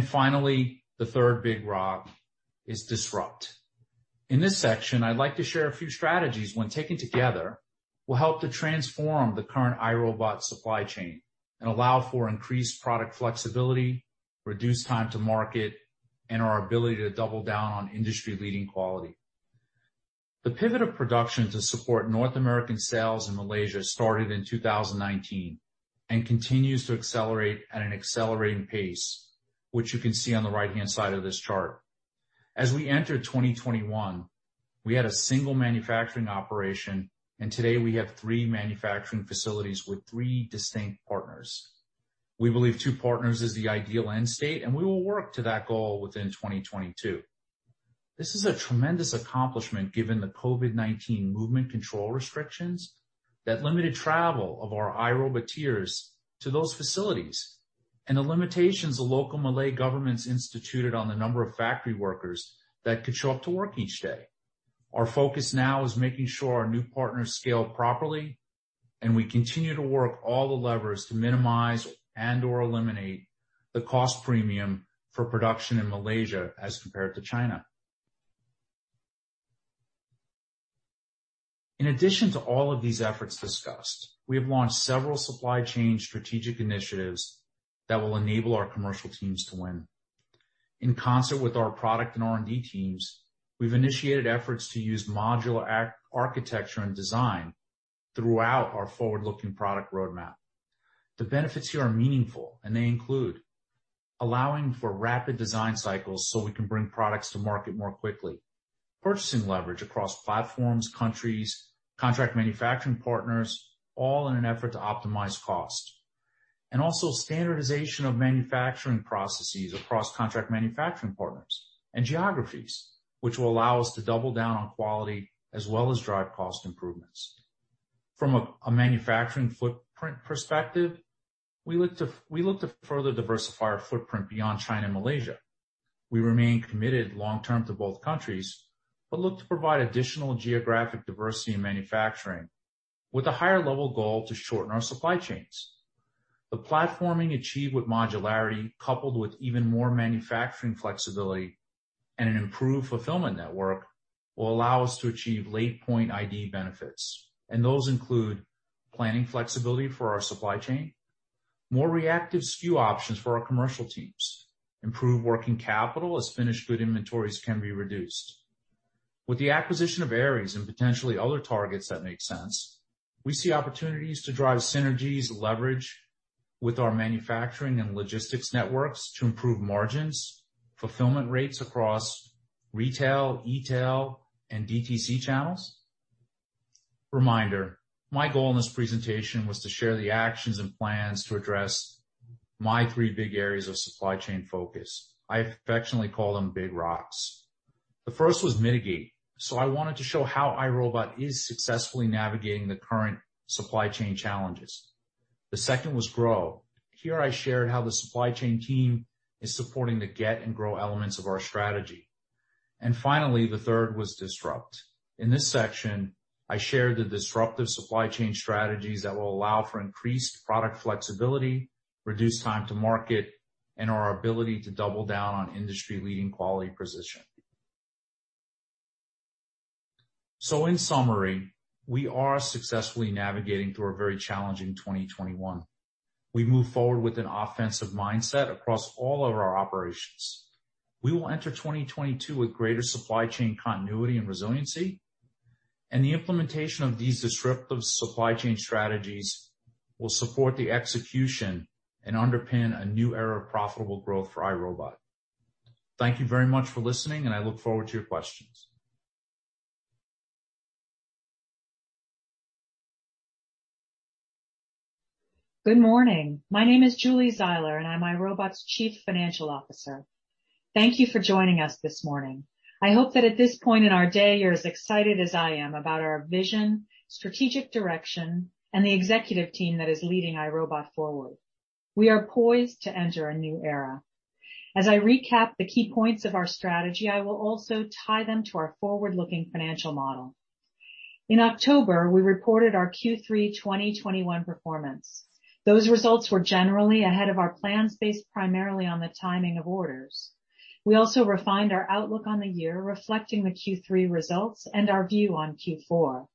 Finally, the third big rock is disrupt. In this section, I'd like to share a few strategies when taken together, will help to transform the current iRobot supply chain and allow for increased product flexibility, reduced time to market, and our ability to double down on industry-leading quality. The pivot of production to support North American sales in Malaysia started in 2019 and continues to accelerate at an accelerating pace, which you can see on the right-hand side of this chart. As we enter 2021, we had a single manufacturing operation, and today we have three manufacturing facilities with three distinct partners. We believe two partners is the ideal end state, and we will work to that goal within 2022. This is a tremendous accomplishment given the COVID-19 movement control restrictions that limited travel of our iRobotiers to those facilities and the limitations the local Malay governments instituted on the number of factory workers that could show up to work each day. Our focus now is making sure our new partners scale properly, and we continue to work all the levers to minimize and/or eliminate the cost premium for production in Malaysia as compared to China. In addition to all of these efforts discussed, we have launched several supply chain strategic initiatives that will enable our commercial teams to win. In concert with our product and R&D teams, we've initiated efforts to use modular architecture and design throughout our forward-looking product roadmap. The benefits here are meaningful, and they include allowing for rapid design cycles so we can bring products to market more quickly, purchasing leverage across platforms, countries, contract manufacturing partners, all in an effort to optimize cost. Also standardization of manufacturing processes across contract manufacturing partners and geographies, which will allow us to double down on quality as well as drive cost improvements. From a manufacturing footprint perspective, we look to further diversify our footprint beyond China and Malaysia. We remain committed long term to both countries, but look to provide additional geographic diversity in manufacturing with a higher level goal to shorten our supply chains. The platforming achieved with modularity, coupled with even more manufacturing flexibility and an improved fulfillment network, will allow us to achieve late-point identification benefits, and those include planning flexibility for our supply chain, more reactive SKU options for our commercial teams, improved working capital as finished good inventories can be reduced. With the acquisition of Aeris and potentially other targets that make sense, we see opportunities to drive synergies leverage with our manufacturing and logistics networks to improve margins, fulfillment rates across retail, e-tail, and DTC channels. Reminder, my goal in this presentation was to share the actions and plans to address my three big areas of supply chain focus. I affectionately call them big rocks. The first was mitigate. I wanted to show how iRobot is successfully navigating the current supply chain challenges. The second was grow. Here I shared how the supply chain team is supporting the get and grow elements of our strategy. Finally, the third was disrupt. In this section, I shared the disruptive supply chain strategies that will allow for increased product flexibility, reduced time to market, and our ability to double down on industry leading quality precision. In summary, we are successfully navigating through a very challenging 2021. We move forward with an offensive mindset across all of our operations. We will enter 2022 with greater supply chain continuity and resiliency, and the implementation of these disruptive supply chain strategies will support the execution and underpin a new era of profitable growth for iRobot. Thank you very much for listening, and I look forward to your questions. Good morning. My name is Julie Zeiler, and I'm iRobot's Chief Financial Officer. Thank you for joining us this morning. I hope that at this point in our day, you're as excited as I am about our vision, strategic direction, and the executive team that is leading iRobot forward. We are poised to enter a new era. As I recap the key points of our strategy, I will also tie them to our forward-looking financial model. In October, we reported our Q3 2021 performance. Those results were generally ahead of our plans, based primarily on the timing of orders. We also refined our outlook on the year, reflecting the Q3 results and our view on Q4.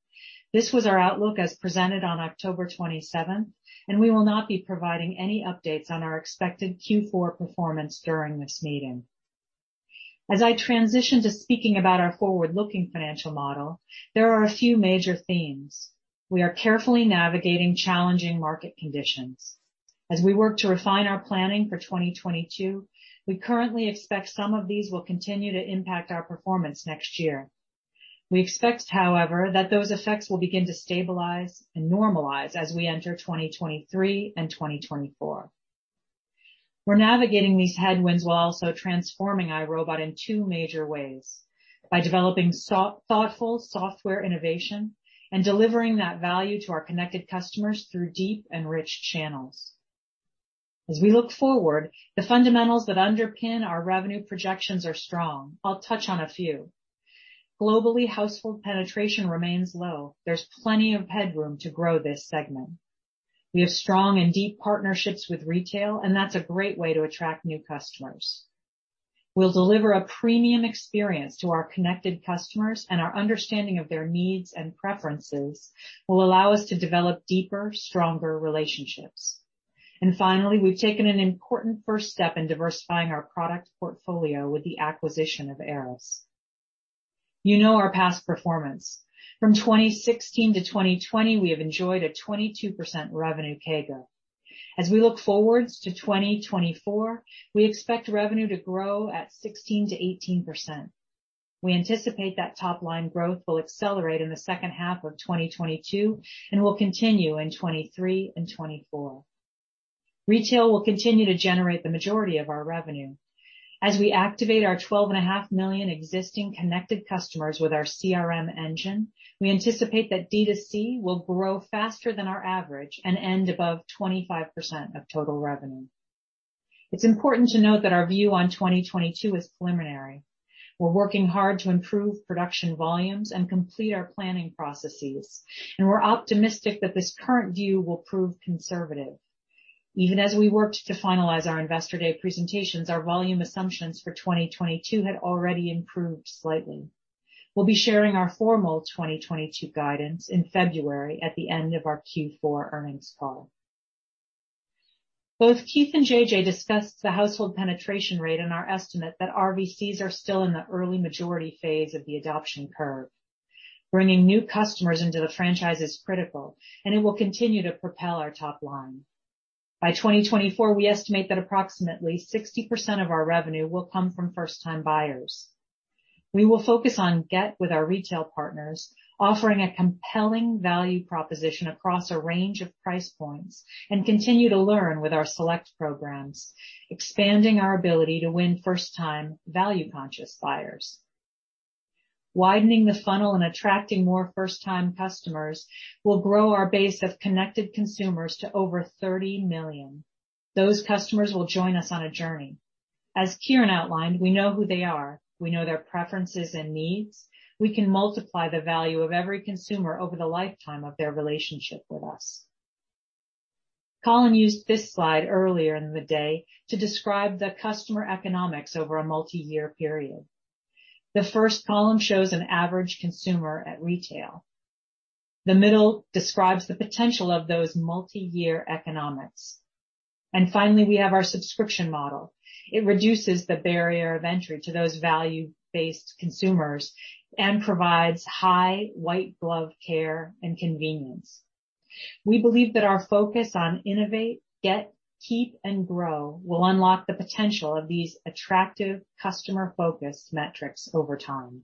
This was our outlook as presented on October 27, and we will not be providing any updates on our expected Q4 performance during this meeting. As I transition to speaking about our forward-looking financial model, there are a few major themes. We are carefully navigating challenging market conditions. As we work to refine our planning for 2022, we currently expect some of these will continue to impact our performance next year. We expect, however, that those effects will begin to stabilize and normalize as we enter 2023 and 2024. We're navigating these headwinds while also transforming iRobot in two major ways, by developing thoughtful software innovation and delivering that value to our connected customers through deep and rich channels. As we look forward, the fundamentals that underpin our revenue projections are strong. I'll touch on a few. Globally, household penetration remains low. There's plenty of headroom to grow this segment. We have strong and deep partnerships with retail, and that's a great way to attract new customers. We'll deliver a premium experience to our connected customers, and our understanding of their needs and preferences will allow us to develop deeper, stronger relationships. Finally, we've taken an important first step in diversifying our product portfolio with the acquisition of Aeris. You know our past performance. From 2016 to 2020, we have enjoyed a 22% revenue CAGR. As we look forwards to 2024, we expect revenue to grow at 16%-18%. We anticipate that top line growth will accelerate in the second half of 2022 and will continue in 2023 and 2024. Retail will continue to generate the majority of our revenue. As we activate our 12.5 million existing connected customers with our CRM engine, we anticipate that D2C will grow faster than our average and end above 25% of total revenue. It's important to note that our view on 2022 is preliminary. We're working hard to improve production volumes and complete our planning processes, and we're optimistic that this current view will prove conservative. Even as we worked to finalize our Investor Day presentations, our volume assumptions for 2022 had already improved slightly. We'll be sharing our formal 2022 guidance in February at the end of our Q4 earnings call. Both Keith and JJ discussed the household penetration rate and our estimate that RVCs are still in the early majority phase of the adoption curve. Bringing new customers into the franchise is critical, and it will continue to propel our top line. By 2024, we estimate that approximately 60% of our revenue will come from first-time buyers. We will focus on getting with our retail partners, offering a compelling value proposition across a range of price points, and continue to learn with our Select programs, expanding our ability to win first-time value-conscious buyers. Widening the funnel and attracting more first-time customers will grow our base of connected consumers to over 30 million. Those customers will join us on a journey. As Kiran outlined, we know who they are. We know their preferences and needs. We can multiply the value of every consumer over the lifetime of their relationship with us. Colin used this slide earlier in the day to describe the customer economics over a multiyear period. The first column shows an average consumer at retail. The middle describes the potential of those multi-year economics. Finally, we have our subscription model. It reduces the barrier of entry to those value-based consumers and provides high white glove care and convenience. We believe that our focus on innovate, get, keep and grow will unlock the potential of these attractive customer-focused metrics over time.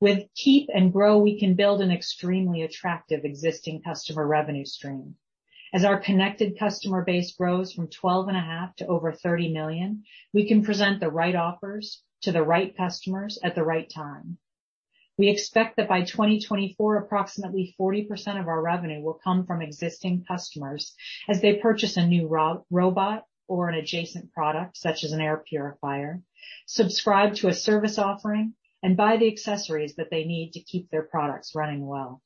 With keep and grow, we can build an extremely attractive existing customer revenue stream. As our connected customer base grows from 12.5 to over 30 million, we can present the right offers to the right customers at the right time. We expect that by 2024, approximately 40% of our revenue will come from existing customers as they purchase a new robot or an adjacent product, such as an air purifier, subscribe to a service offering, and buy the accessories that they need to keep their products running well.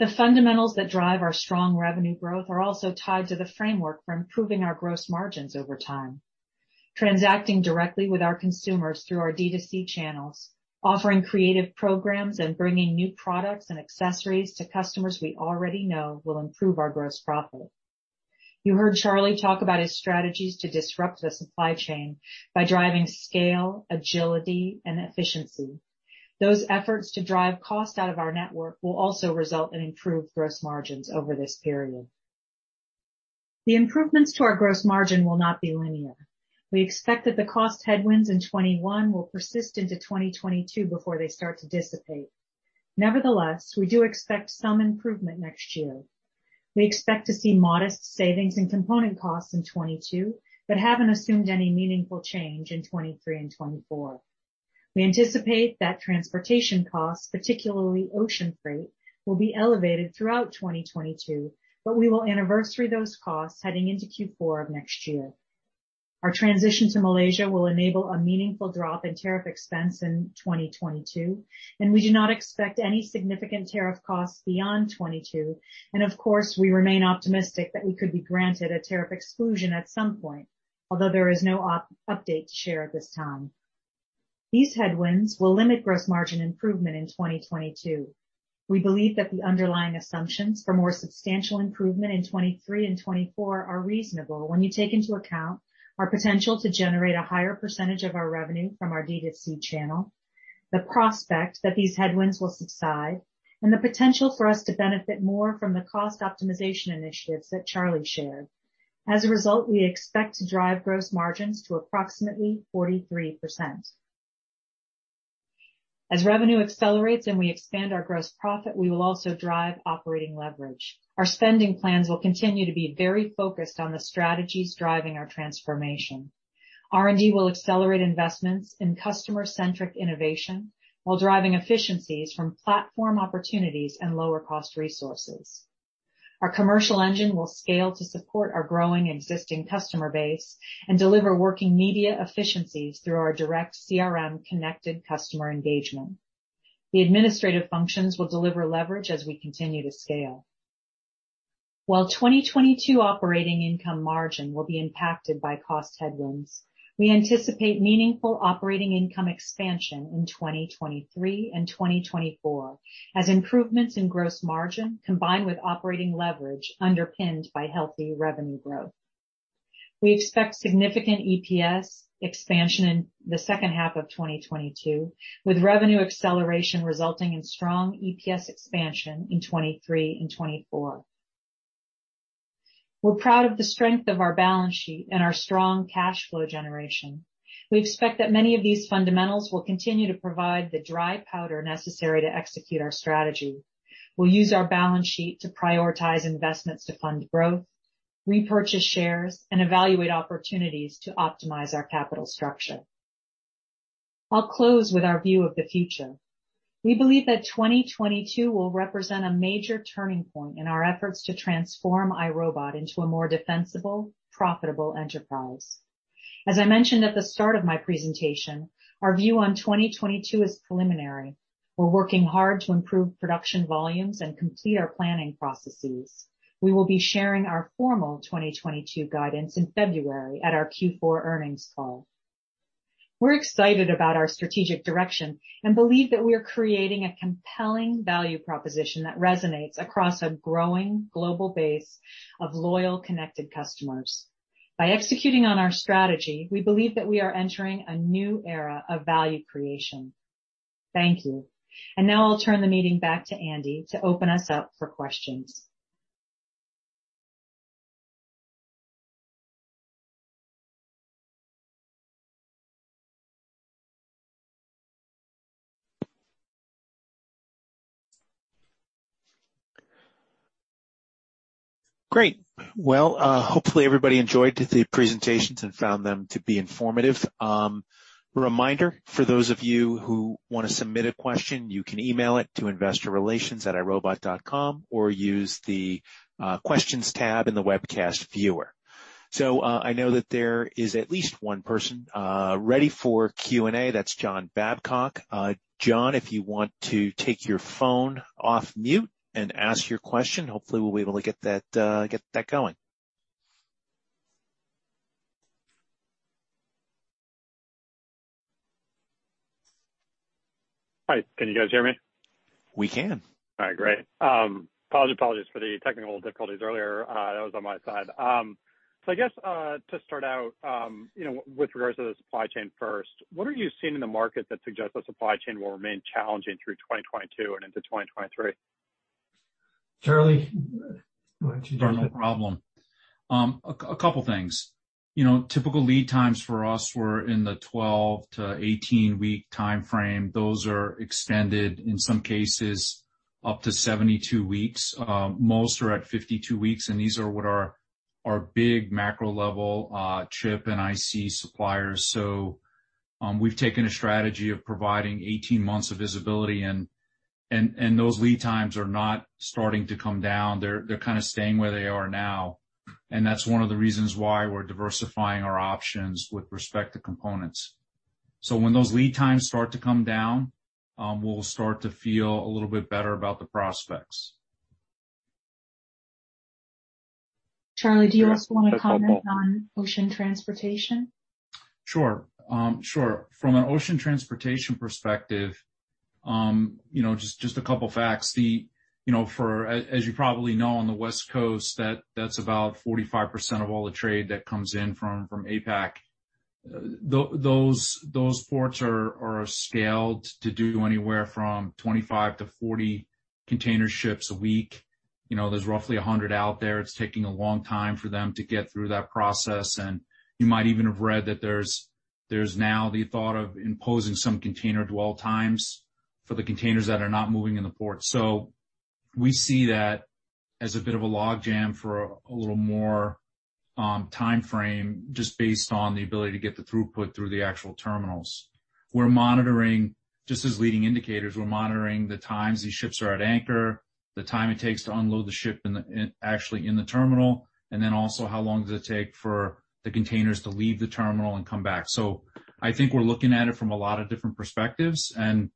The fundamentals that drive our strong revenue growth are also tied to the framework for improving our gross margins over time. Transacting directly with our consumers through our D2C channels, offering creative programs and bringing new products and accessories to customers we already know will improve our gross profit. You heard Charlie talk about his strategies to disrupt the supply chain by driving scale, agility, and efficiency. Those efforts to drive cost out of our network will also result in improved gross margins over this period. The improvements to our gross margin will not be linear. We expect that the cost headwinds in 2021 will persist into 2022 before they start to dissipate. Nevertheless, we do expect some improvement next year. We expect to see modest savings and component costs in 2022, but haven't assumed any meaningful change in 2023 and 2024. We anticipate that transportation costs, particularly ocean freight, will be elevated throughout 2022, but we will anniversary those costs heading into Q4 of next year. Our transition to Malaysia will enable a meaningful drop in tariff expense in 2022, and we do not expect any significant tariff costs beyond 2022, and of course, we remain optimistic that we could be granted a tariff exclusion at some point, although there is no update to share at this time. These headwinds will limit gross margin improvement in 2022. We believe that the underlying assumptions for more substantial improvement in 2023 and 2024 are reasonable when you take into account our potential to generate a higher percentage of our revenue from our D2C channel, the prospect that these headwinds will subside, and the potential for us to benefit more from the cost optimization initiatives that Charlie shared. As a result, we expect to drive gross margins to approximately 43%. As revenue accelerates and we expand our gross profit, we will also drive operating leverage. Our spending plans will continue to be very focused on the strategies driving our transformation. R&D will accelerate investments in customer-centric innovation while driving efficiencies from platform opportunities and lower cost resources. Our commercial engine will scale to support our growing existing customer base and deliver working media efficiencies through our direct CRM connected customer engagement. The administrative functions will deliver leverage as we continue to scale. While 2022 operating income margin will be impacted by cost headwinds, we anticipate meaningful operating income expansion in 2023 and 2024 as improvements in gross margin combined with operating leverage underpinned by healthy revenue growth. We expect significant EPS expansion in the second half of 2022, with revenue acceleration resulting in strong EPS expansion in 2023 and 2024. We're proud of the strength of our balance sheet and our strong cash flow generation. We expect that many of these fundamentals will continue to provide the dry powder necessary to execute our strategy. We'll use our balance sheet to prioritize investments to fund growth, repurchase shares, and evaluate opportunities to optimize our capital structure. I'll close with our view of the future. We believe that 2022 will represent a major turning point in our efforts to transform iRobot into a more defensible, profitable enterprise. As I mentioned at the start of my presentation, our view on 2022 is preliminary. We're working hard to improve production volumes and complete our planning processes. We will be sharing our formal 2022 guidance in February at our Q4 earnings call. We're excited about our strategic direction and believe that we are creating a compelling value proposition that resonates across a growing global base of loyal, connected customers. By executing on our strategy, we believe that we are entering a new era of value creation. Thank you. Now I'll turn the meeting back to Andy to open us up for questions. Great. Well, hopefully everybody enjoyed the presentations and found them to be informative. Reminder, for those of you who wanna submit a question, you can email it to investorrelations@irobot.com or use the questions tab in the webcast viewer. I know that there is at least one person ready for Q&A. That's John Babcock. John, if you want to take your phone off mute and ask your question, hopefully we'll be able to get that going. Hi. Can you guys hear me? We can. All right, great. Apologies for the technical difficulties earlier. That was on my side. I guess, to start out, you know, with regards to the supply chain first, what are you seeing in the market that suggests the supply chain will remain challenging through 2022 and into 2023? Charlie, why don't you take that? Sure, no problem. A couple things. You know, typical lead times for us were in the 12-18-week timeframe. Those are extended, in some cases up to 72 weeks. Most are at 52 weeks, and these are with our big macro level chip and IC suppliers. We've taken a strategy of providing 18 months of visibility and those lead times are not starting to come down. They're kinda staying where they are now, and that's one of the reasons why we're diversifying our options with respect to components. When those lead times start to come down, we'll start to feel a little bit better about the prospects. Charlie, do you also wanna comment on ocean transportation? Sure. From an ocean transportation perspective, you know, just a couple facts. You know, as you probably know, on the West Coast, that's about 45% of all the trade that comes in from APAC. Those ports are scaled to do anywhere from 25-40 container ships a week. You know, there's roughly 100 out there. It's taking a long time for them to get through that process, and you might even have read that there's now the thought of imposing some container dwell times for the containers that are not moving in the port. We see that as a bit of a log jam for a little more timeframe just based on the ability to get the throughput through the actual terminals. We're monitoring, just as leading indicators, we're monitoring the times these ships are at anchor, the time it takes to unload the ship in the terminal, and then also how long does it take for the containers to leave the terminal and come back. I think we're looking at it from a lot of different perspectives and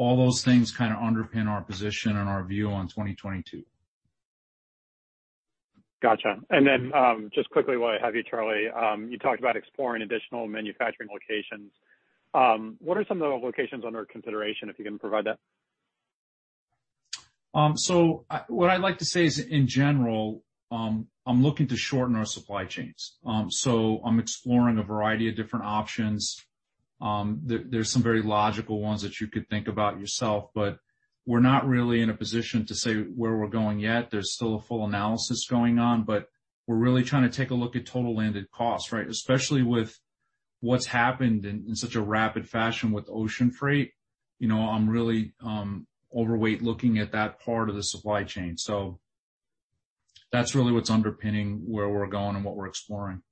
all those things kinda underpin our position and our view on 2022. Gotcha. Just quickly while I have you, Charlie, you talked about exploring additional manufacturing locations. What are some of the locations under consideration, if you can provide that? What I'd like to say is in general, I'm looking to shorten our supply chains. I'm exploring a variety of different options. There's some very logical ones that you could think about yourself, but we're not really in a position to say where we're going yet. There's still a full analysis going on, but we're really trying to take a look at total landed cost, right? Especially with what's happened in such a rapid fashion with ocean freight. You know, I'm really overweight looking at that part of the supply chain. That's really what's underpinning where we're going and what we're exploring.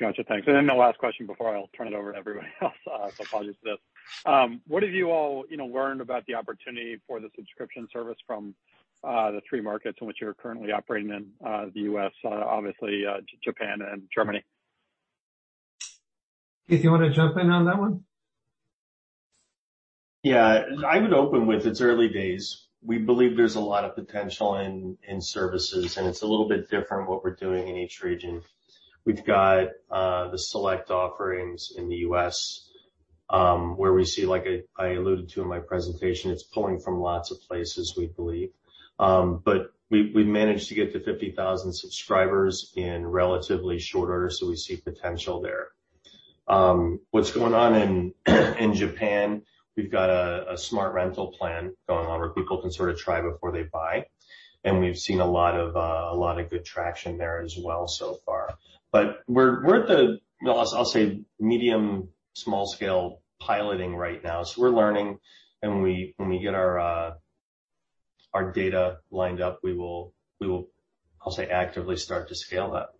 Gotcha. Thanks. The last question before I'll turn it over to everybody else, so apologies for this. What have you all learned about the opportunity for the subscription service from the three markets in which you're currently operating in the U.S., obviously, Japan and Germany? Keith, you wanna jump in on that one? Yeah. I would open with it's early days. We believe there's a lot of potential in services, and it's a little bit different what we're doing in each region. We've got the Select offerings in the U.S., where we see, like I alluded to in my presentation, it's pulling from lots of places we believe. But we managed to get to 50,000 subscribers in relatively short order, so we see potential there. What's going on in Japan, we've got a Robot Smart Plan going on where people can sort of try before they buy, and we've seen a lot of good traction there as well so far. But we're at the, I'll say medium-small scale piloting right now, so we're learning. When we get our data lined up, we will, I'll say, actively start to scale that.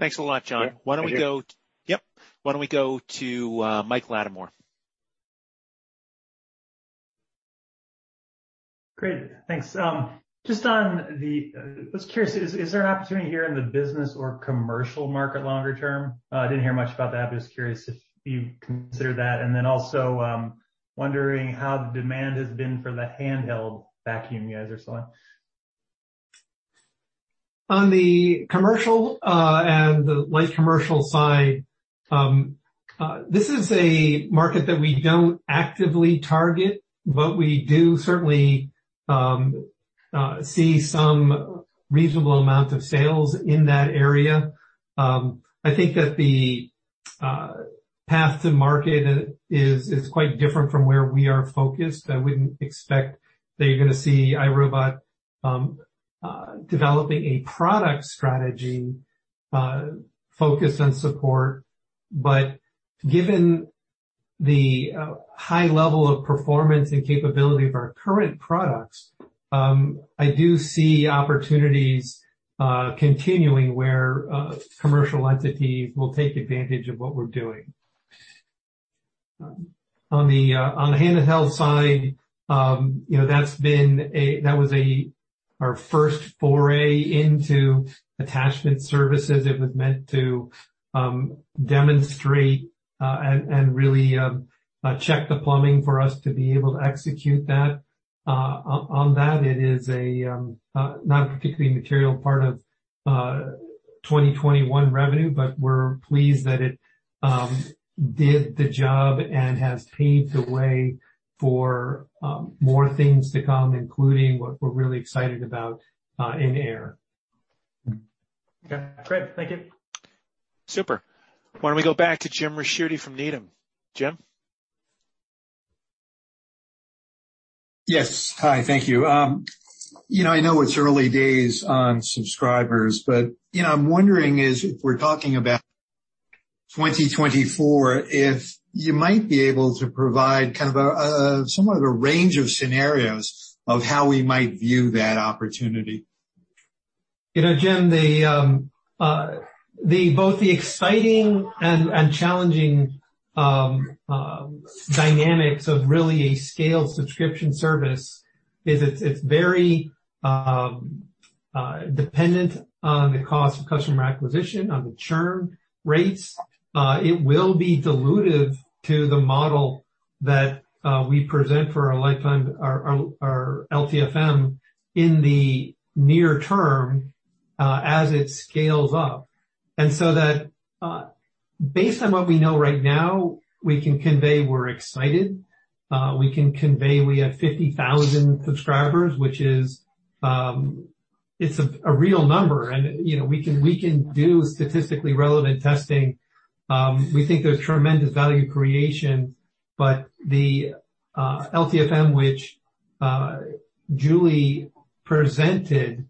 Thanks a lot, John. Why don't we go. Yeah. Thank you. Yep. Why don't we go to Mike Latimore? Great, thanks. Just on the, I was curious, is there an opportunity here in the business or commercial market longer term? I didn't hear much about that. I'm just curious if you considered that. Then also, wondering how the demand has been for the handheld vacuum you guys are selling. On the commercial and the light commercial side, this is a market that we don't actively target, but we do certainly see some reasonable amount of sales in that area. I think that the path to market is quite different from where we are focused. I wouldn't expect that you're gonna see iRobot developing a product strategy focused on support. Given the high level of performance and capability of our current products, I do see opportunities continuing where commercial entities will take advantage of what we're doing. On the handheld side, you know, that was our first foray into attachment services. It was meant to demonstrate and really check the plumbing for us to be able to execute that. On that, it is not particularly material part of 2021 revenue, but we're pleased that it did the job and has paved the way for more things to come, including what we're really excited about in air. Okay. Great. Thank you. Super. Why don't we go back to Jim Ricchiuti from Needham? Jim. Yes. Hi, thank you. You know, I know it's early days on subscribers, but you know, I'm wondering if we're talking about 2024, if you might be able to provide kind of a somewhat of a range of scenarios of how we might view that opportunity. You know, Jim, both the exciting and challenging dynamics of really a scaled subscription service is. It's very dependent on the cost of customer acquisition, on the churn rates. It will be dilutive to the model that we present for our lifetime, our LTFM in the near term as it scales up. That, based on what we know right now, we can convey we're excited. We can convey we have 50,000 subscribers, which is. It's a real number and, you know, we can do statistically relevant testing. We think there's tremendous value creation, but the LTFM, which Julie presented,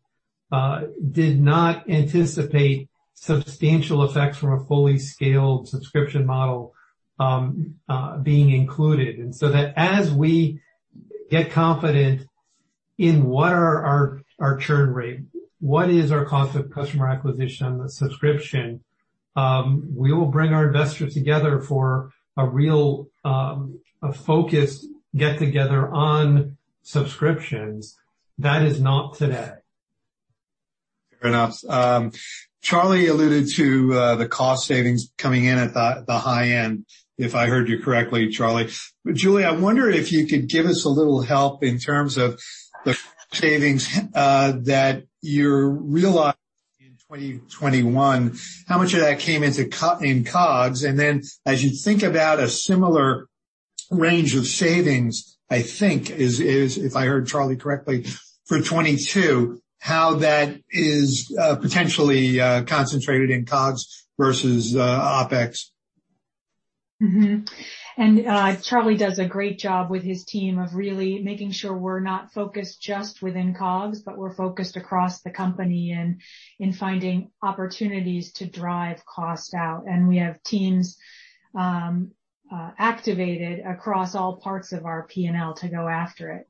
did not anticipate substantial effects from a fully scaled subscription model being included. As we get confident in what our churn rate, what is our cost of customer acquisition on the subscription, we will bring our investors together for a real, a focused get-together on subscriptions. That is not today. Fair enough. Charlie alluded to the cost savings coming in at the high end, if I heard you correctly, Charlie. But Julie, I wonder if you could give us a little help in terms of the savings that you're realizing in 2021, how much of that came into COGS. Then as you think about a similar range of savings, I think if I heard Charlie correctly for 2022, how that is potentially concentrated in COGS versus OpEx. Charlie does a great job with his team of really making sure we're not focused just within COGS, but we're focused across the company and in finding opportunities to drive costs out. We have teams activated across all parts of our P&L to go after it.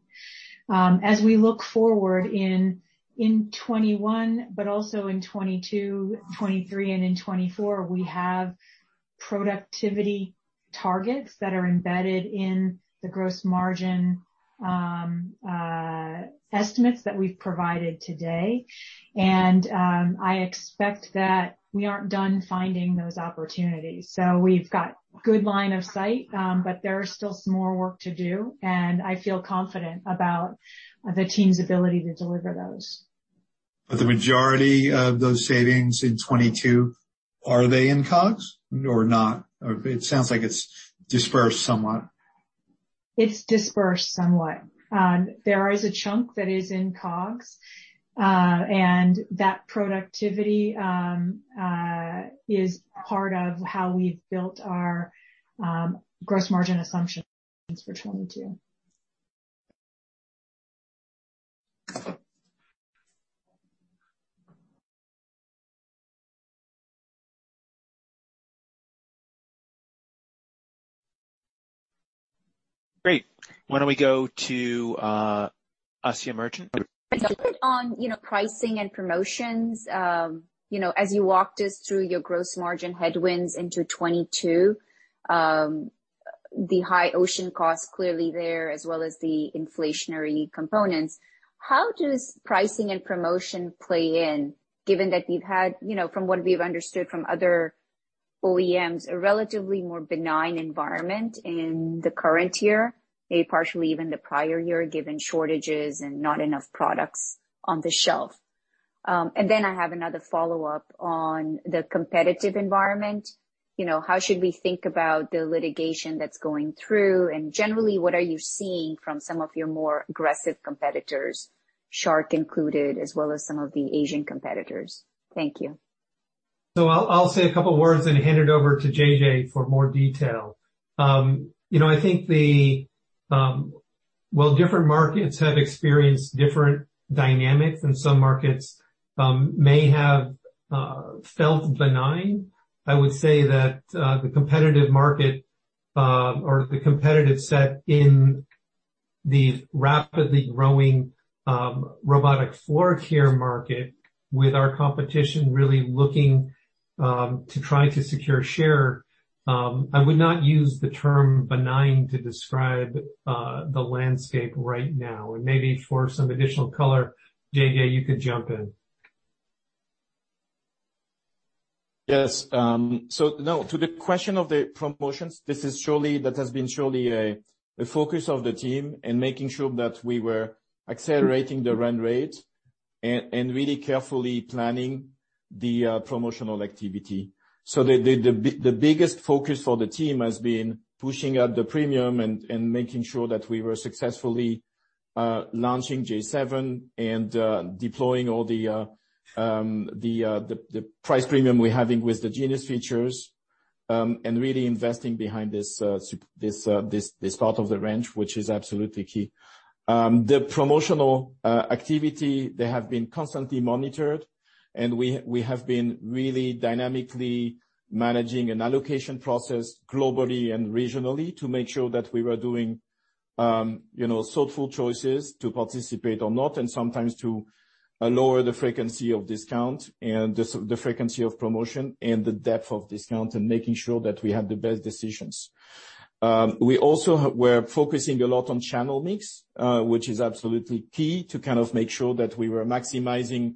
As we look forward in 2021, but also in 2022, 2023, and in 2024, we have productivity targets that are embedded in the gross margin estimates that we've provided today. I expect that we aren't done finding those opportunities. We've got good line of sight, but there is still some more work to do, and I feel confident about the team's ability to deliver those. The majority of those savings in 2022, are they in COGS or not? Or it sounds like it's dispersed somewhat. It's dispersed somewhat. There is a chunk that is in COGS, and that productivity is part of how we've built our gross margin assumptions for 2022. Great. Why don't we go to Asiya Merchant? On pricing and promotions, you know, as you walked us through your gross margin headwinds into 2022, the high ocean cost clearly there, as well as the inflationary components. How does pricing and promotion play in given that you've had, you know, from what we've understood from other OEMs, a relatively more benign environment in the current year, maybe partially even the prior year, given shortages and not enough products on the shelf? And then I have another follow-up on the competitive environment. You know, how should we think about the litigation that's going through? And generally, what are you seeing from some of your more aggressive competitors, Shark included, as well as some of the Asian competitors? Thank you. I'll say a couple of words and hand it over to JJ for more detail. You know, I think different markets have experienced different dynamics, and some markets may have felt benign. I would say that the competitive market or the competitive set in the rapidly growing robotic floor care market with our competition really looking to try to secure share. I would not use the term benign to describe the landscape right now. Maybe for some additional color, JJ, you could jump in. Yes. No, to the question of the promotions, that has been surely a focus of the team in making sure that we were accelerating the run rate and really carefully planning the promotional activity. The biggest focus for the team has been pushing out the premium and making sure that we were successfully launching J7 and deploying all the price premium we're having with the Genius features and really investing behind this part of the range, which is absolutely key. The promotional activity they have been constantly monitored, and we have been really dynamically managing an allocation process globally and regionally to make sure that we were doing, you know, thoughtful choices to participate or not, and sometimes to lower the frequency of discount and the frequency of promotion and the depth of discount, and making sure that we have the best decisions. We're focusing a lot on channel mix, which is absolutely key to kind of make sure that we were maximizing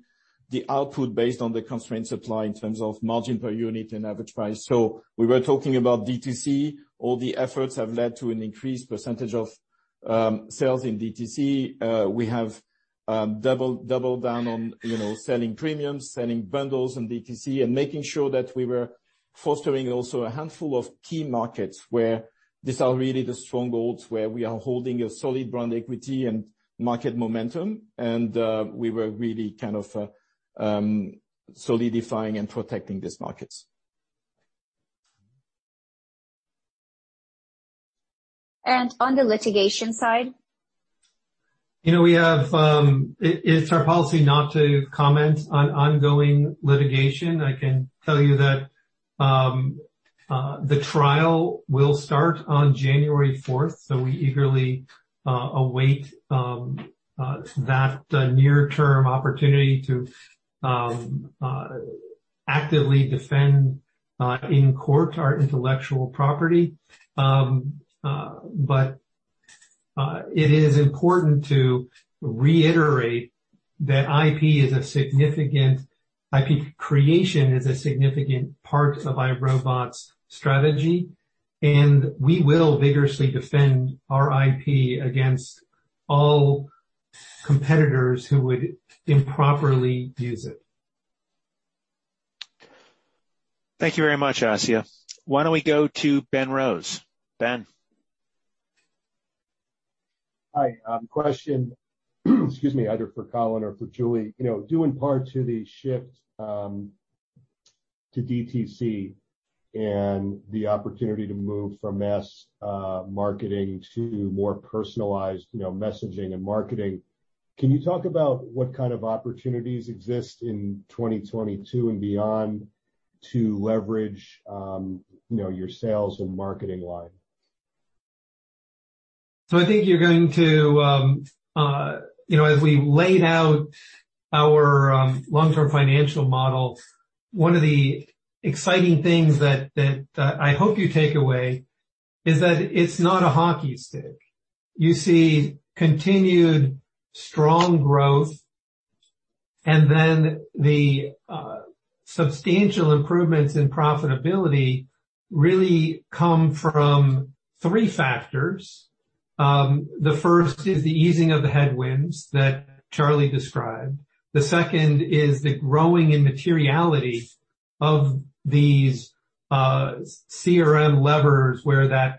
the output based on the constrained supply in terms of margin per unit and average price. We were talking about DTC. All the efforts have led to an increased percentage of sales in DTC. We have doubled down on, you know, selling premiums, selling bundles in DTC, and making sure that we were fostering also a handful of key markets where these are really the strongholds where we are holding a solid brand equity and market momentum. We were really kind of solidifying and protecting these markets. On the litigation side? You know, it's our policy not to comment on ongoing litigation. I can tell you that the trial will start on January 4th, so we eagerly await that near-term opportunity to actively defend in court our intellectual property. It is important to reiterate that IP creation is a significant part of iRobot's strategy, and we will vigorously defend our IP against all competitors who would improperly use it. Thank you very much, Asiya. Why don't we go to Ben Rose? Ben. Hi. Question, excuse me, either for Colin or for Julie. You know, due in part to the shift to DTC and the opportunity to move from mass marketing to more personalized, you know, messaging and marketing, can you talk about what kind of opportunities exist in 2022 and beyond to leverage, you know, your sales and marketing line? I think you're going to, you know, as we laid out our long-term financial model, one of the exciting things that I hope you take away is that it's not a hockey stick. You see continued strong growth, and then the substantial improvements in profitability really come from three factors. The first is the easing of the headwinds that Charlie described. The second is the growing immateriality of these CRM levers, where the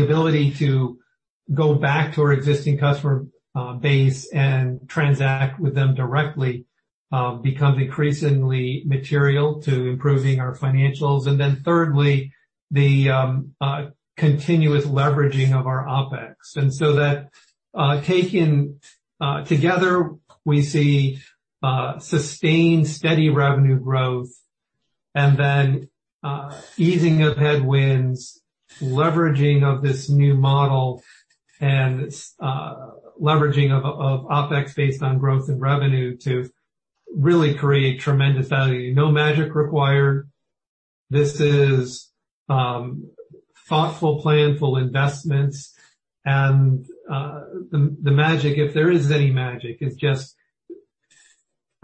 ability to go back to our existing customer base and transact with them directly becomes increasingly material to improving our financials. Thirdly, the continuous leveraging of our OpEx. That taken together we see sustained steady revenue growth and then easing of headwinds, leveraging of this new model and leveraging of OpEx based on growth in revenue to really create tremendous value. No magic required. This is thoughtful, planful investments. The magic, if there is any magic, is just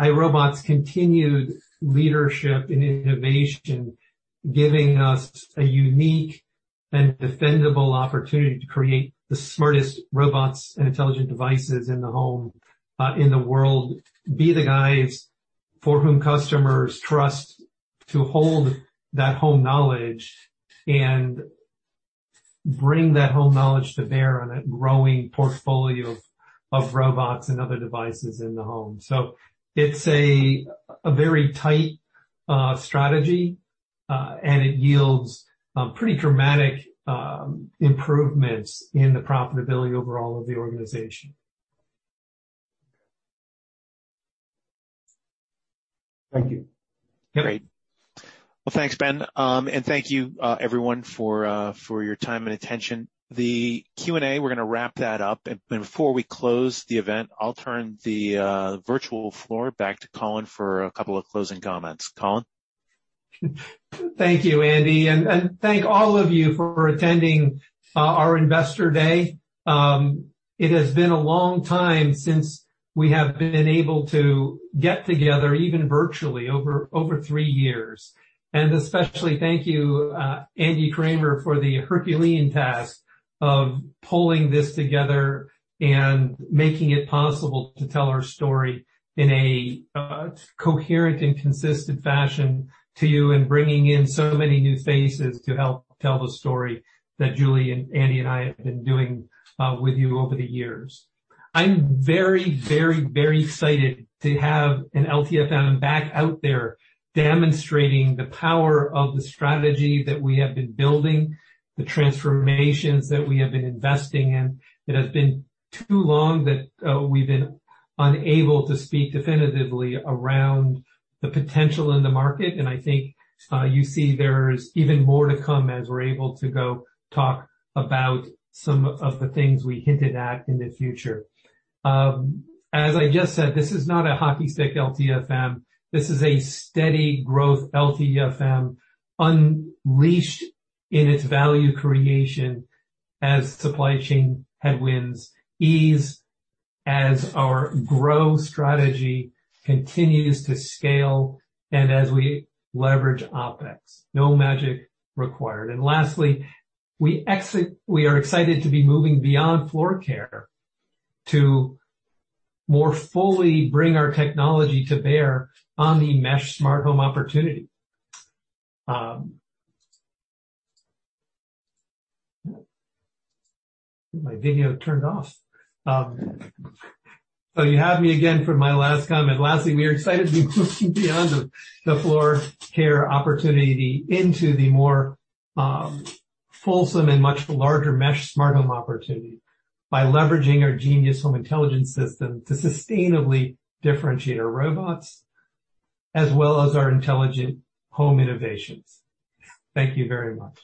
iRobot's continued leadership in innovation, giving us a unique and defendable opportunity to create the smartest robots and intelligent devices in the home, in the world. Be the guys for whom customers trust to hold that home knowledge and bring that home knowledge to bear on a growing portfolio of robots and other devices in the home. It's a very tight strategy. It yields pretty dramatic improvements in the profitability overall of the organization. Thank you. Great. Well, thanks, Ben. And thank you, everyone for your time and attention. The Q&A, we're gonna wrap that up. Before we close the event, I'll turn the virtual floor back to Colin for a couple of closing comments. Colin? Thank you, Andy. Thank all of you for attending our Investor Day. It has been a long time since we have been able to get together, even virtually, over three years. Especially thank you, Andy Kramer, for the Herculean task of pulling this together and making it possible to tell our story in a coherent and consistent fashion to you, and bringing in so many new faces to help tell the story that Julie and Andy and I have been doing with you over the years. I'm very excited to have an LTFM back out there demonstrating the power of the strategy that we have been building, the transformations that we have been investing in. It has been too long that we've been unable to speak definitively around the potential in the market, and I think you see there's even more to come as we're able to go talk about some of the things we hinted at in the future. As I just said, this is not a hockey stick LTFM. This is a steady growth LTFM unleashed in its value creation as supply chain headwinds ease, as our growth strategy continues to scale, and as we leverage OpEx. No magic required. Lastly, we are excited to be moving beyond floor care to more fully bring our technology to bear on the mesh smart home opportunity. My video turned off. So you have me again for my last comment. Lastly, we are excited to be moving beyond the floor care opportunity into the more, fulsome and much larger mesh smart home opportunity by leveraging our Genius Home Intelligence system to sustainably differentiate our robots as well as our intelligent home innovations. Thank you very much.